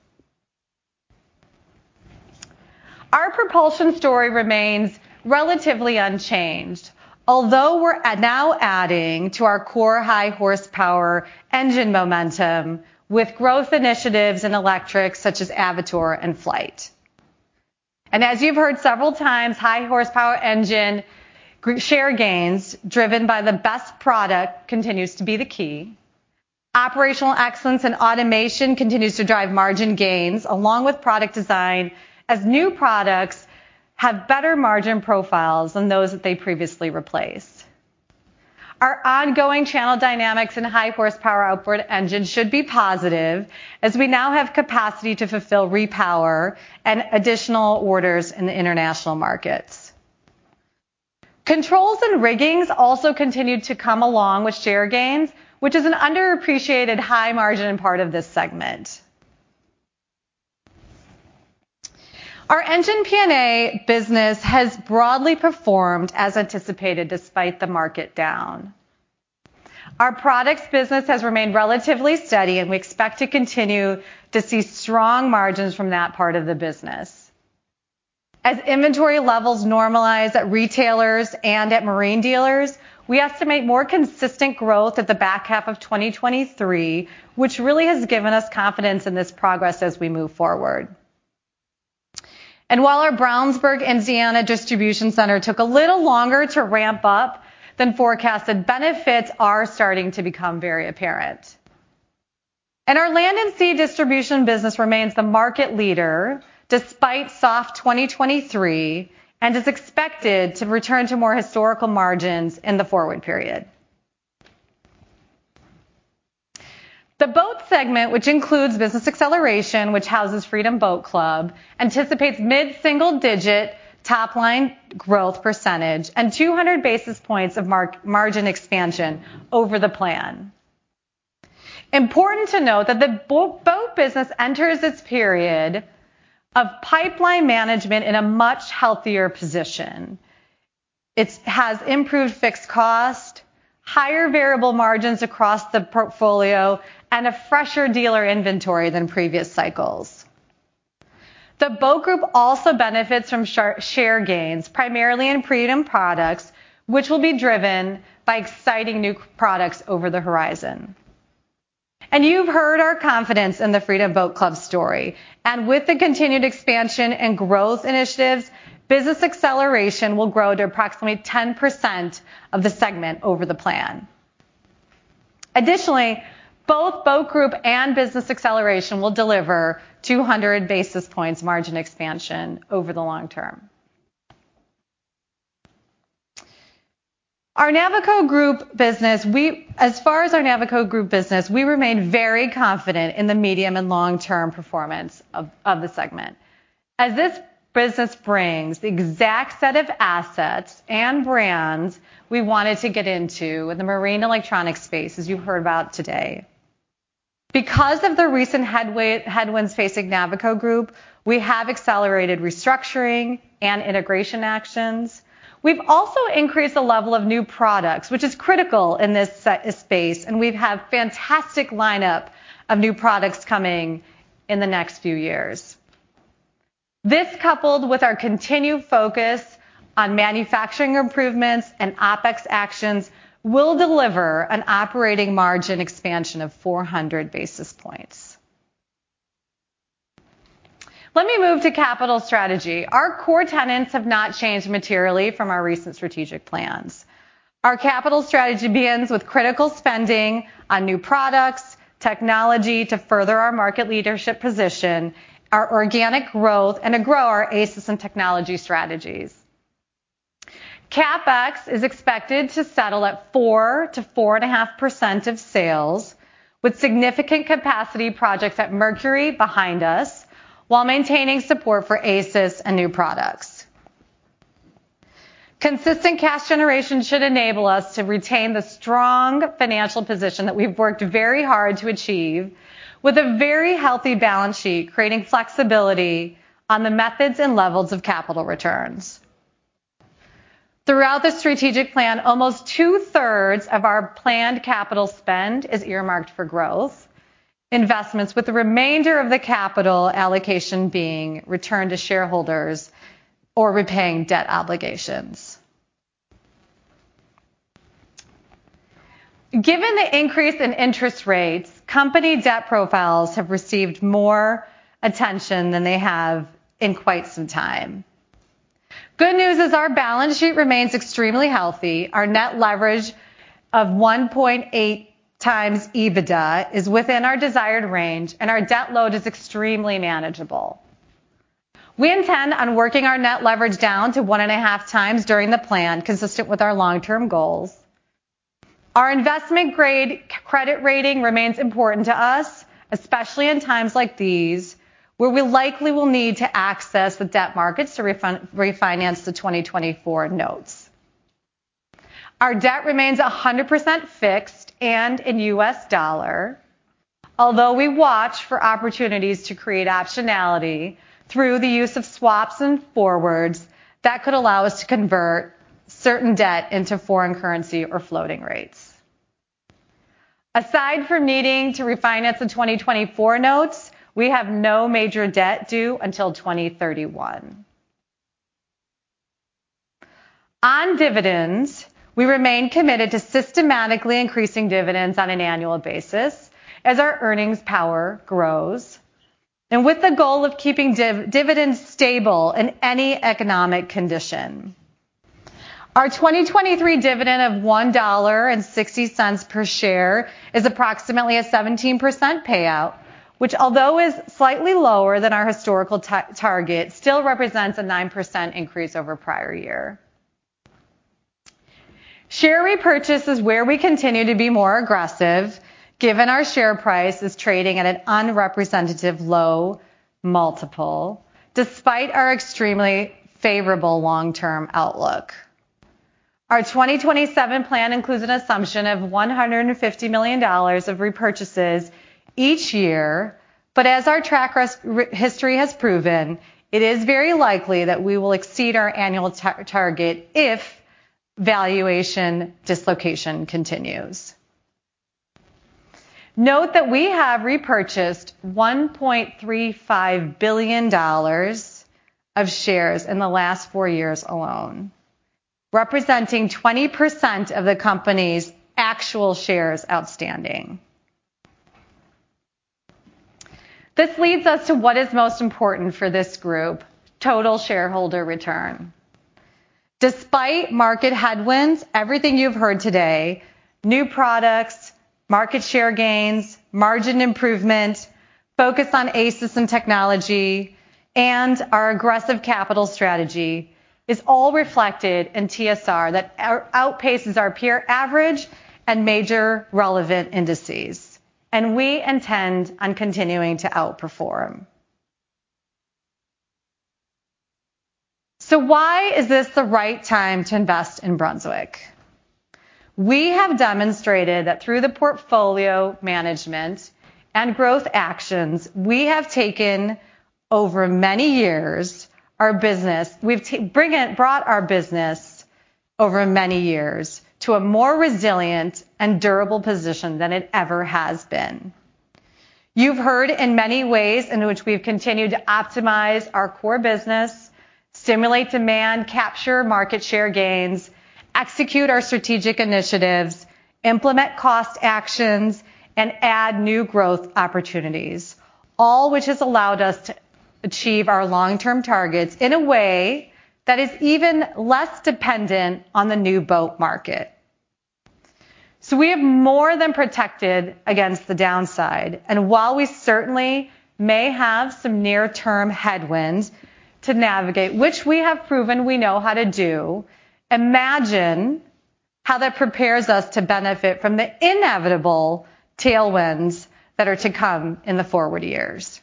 Our propulsion story remains relatively unchanged, although we're now adding to our core high horsepower engine momentum with growth initiatives in electric, such as Avator and Flite. As you've heard several times, high horsepower engine share gains, driven by the best product, continues to be the key. Operational excellence and automation continues to drive margin gains, along with product design, as new products have better margin profiles than those that they previously replaced. Our ongoing channel dynamics and high horsepower outboard engines should be positive, as we now have capacity to fulfill repower and additional orders in the international markets. Controls and riggings also continued to come along with share gains, which is an underappreciated high-margin part of this segment. Our Engine P&A business has broadly performed as anticipated, despite the market down. Our products business has remained relatively steady, and we expect to continue to see strong margins from that part of the business. As inventory levels normalize at retailers and at marine dealers, we estimate more consistent growth at the back half of 2023, which really has given us confidence in this progress as we move forward. And while our Brownsburg, Indiana, distribution center took a little longer to ramp up than forecasted, benefits are starting to become very apparent. And our Land 'N' Sea distribution business remains the market leader despite soft 2023, and is expected to return to more historical margins in the forward period. The boat segment, which includes Business Acceleration, which houses Freedom Boat Club, anticipates mid-single-digit top-line growth percentage and 200 basis points of margin expansion over the plan. Important to note that the boat business enters this period of pipeline management in a much healthier position. It has improved fixed cost, higher variable margins across the portfolio, and a fresher dealer inventory than previous cycles. The Boat Group also benefits from share gains, primarily in Freedom products, which will be driven by exciting new products over the horizon. You've heard our confidence in the Freedom Boat Club story, and with the continued expansion and growth initiatives, Business Acceleration will grow to approximately 10% of the segment over the plan. Additionally, both Boat Group and Business Acceleration will deliver 200 basis points margin expansion over the long term. Our Navico Group business, as far as our Navico Group business, we remain very confident in the medium- and long-term performance of the segment. As this business brings the exact set of assets and brands we wanted to get into with the marine electronics space, as you've heard about today. Because of the recent headwinds facing Navico Group, we have accelerated restructuring and integration actions. We've also increased the level of new products, which is critical in this space, and we've had fantastic lineup of new products coming in the next few years. This, coupled with our continued focus on manufacturing improvements and OpEx actions, will deliver an operating margin expansion of 400 basis points. Let me move to capital strategy. Our core tenets have not changed materially from our recent strategic plans. Our capital strategy begins with critical spending on new products, technology to further our market leadership position, our organic growth, and to grow our ACES and technology strategies. CapEx is expected to settle at 4%-4.5% of sales, with significant capacity projects at Mercury behind us, while maintaining support for ACES and new products. Consistent cash generation should enable us to retain the strong financial position that we've worked very hard to achieve, with a very healthy balance sheet, creating flexibility on the methods and levels of capital returns. Throughout the strategic plan, almost two-thirds of our planned capital spend is earmarked for growth, investments, with the remainder of the capital allocation being returned to shareholders or repaying debt obligations. Given the increase in interest rates, company debt profiles have received more attention than they have in quite some time. Good news is, our balance sheet remains extremely healthy. Our net leverage of 1.8x EBITDA is within our desired range, and our debt load is extremely manageable. We intend on working our net leverage down to 1.5x during the plan, consistent with our long-term goals. Our investment-grade credit rating remains important to us, especially in times like these, where we likely will need to access the debt markets to refinance the 2024 notes. Our debt remains 100% fixed and in U.S. dollar, although we watch for opportunities to create optionality through the use of swaps and forwards that could allow us to convert certain debt into foreign currency or floating rates. Aside from needing to refinance the 2024 notes, we have no major debt due until 2031. On dividends, we remain committed to systematically increasing dividends on an annual basis as our earnings power grows, and with the goal of keeping dividends stable in any economic condition. Our 2023 dividend of $1.60 per share is approximately a 17% payout, which, although is slightly lower than our historical target, still represents a 9% increase over prior year. Share repurchase is where we continue to be more aggressive, given our share price is trading at an unrepresentative low multiple, despite our extremely favorable long-term outlook. Our 2027 plan includes an assumption of $150 million of repurchases each year. But as our track record history has proven, it is very likely that we will exceed our annual target if valuation dislocation continues. Note that we have repurchased $1.35 billion of shares in the last four years alone, representing 20% of the company's actual shares outstanding. This leads us to what is most important for this group, total shareholder return. Despite market headwinds, everything you've heard today, new products, market share gains, margin improvement, focus on ACES and technology, and our aggressive capital strategy is all reflected in TSR that outpaces our peer average and major relevant indices, and we intend on continuing to outperform. So why is this the right time to invest in Brunswick? We have demonstrated that through the portfolio management and growth actions we have taken over many years, our business, we've brought our business over many years to a more resilient and durable position than it ever has been. You've heard in many ways in which we've continued to optimize our core business, stimulate demand, capture market share gains, execute our strategic initiatives, implement cost actions, and add new growth opportunities, all which has allowed us to achieve our long-term targets in a way that is even less dependent on the new boat market. So we have more than protected against the downside, and while we certainly may have some near-term headwinds to navigate, which we have proven we know how to do, imagine how that prepares us to benefit from the inevitable tailwinds that are to come in the forward years.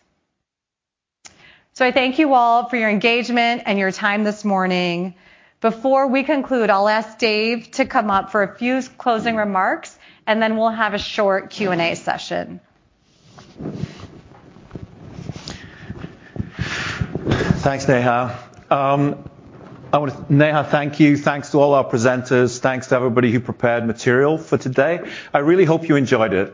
So I thank you all for your engagement and your time this morning. Before we conclude, I'll ask Dave to come up for a few closing remarks, and then we'll have a short Q&A session. Thanks, Neha. Neha, thank you. Thanks to all our presenters. Thanks to everybody who prepared material for today. I really hope you enjoyed it.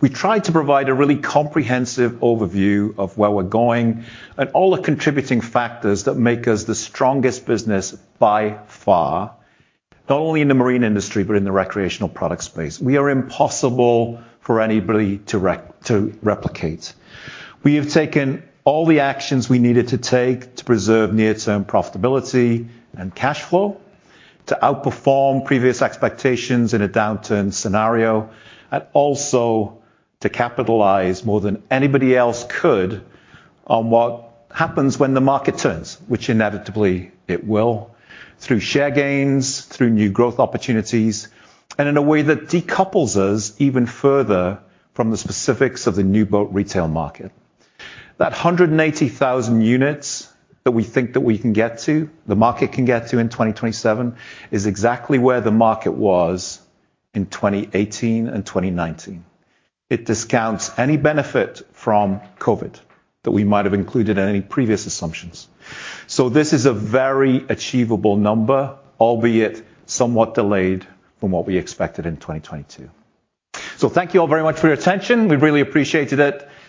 We tried to provide a really comprehensive overview of where we're going and all the contributing factors that make us the strongest business by far, not only in the marine industry, but in the recreational product space. We are impossible for anybody to replicate. We have taken all the actions we needed to take to preserve near-term profitability and cash flow, to outperform previous expectations in a downturn scenario, and also to capitalize more than anybody else could on what happens when the market turns, which inevitably it will, through share gains, through new growth opportunities, and in a way that decouples us even further from the specifics of the new boat retail market. That 180,000 units that we think that we can get to, the market can get to in 2027, is exactly where the market was in 2018 and 2019. It discounts any benefit from COVID that we might have included in any previous assumptions. Thank you all very much for your attention. We really appreciated it.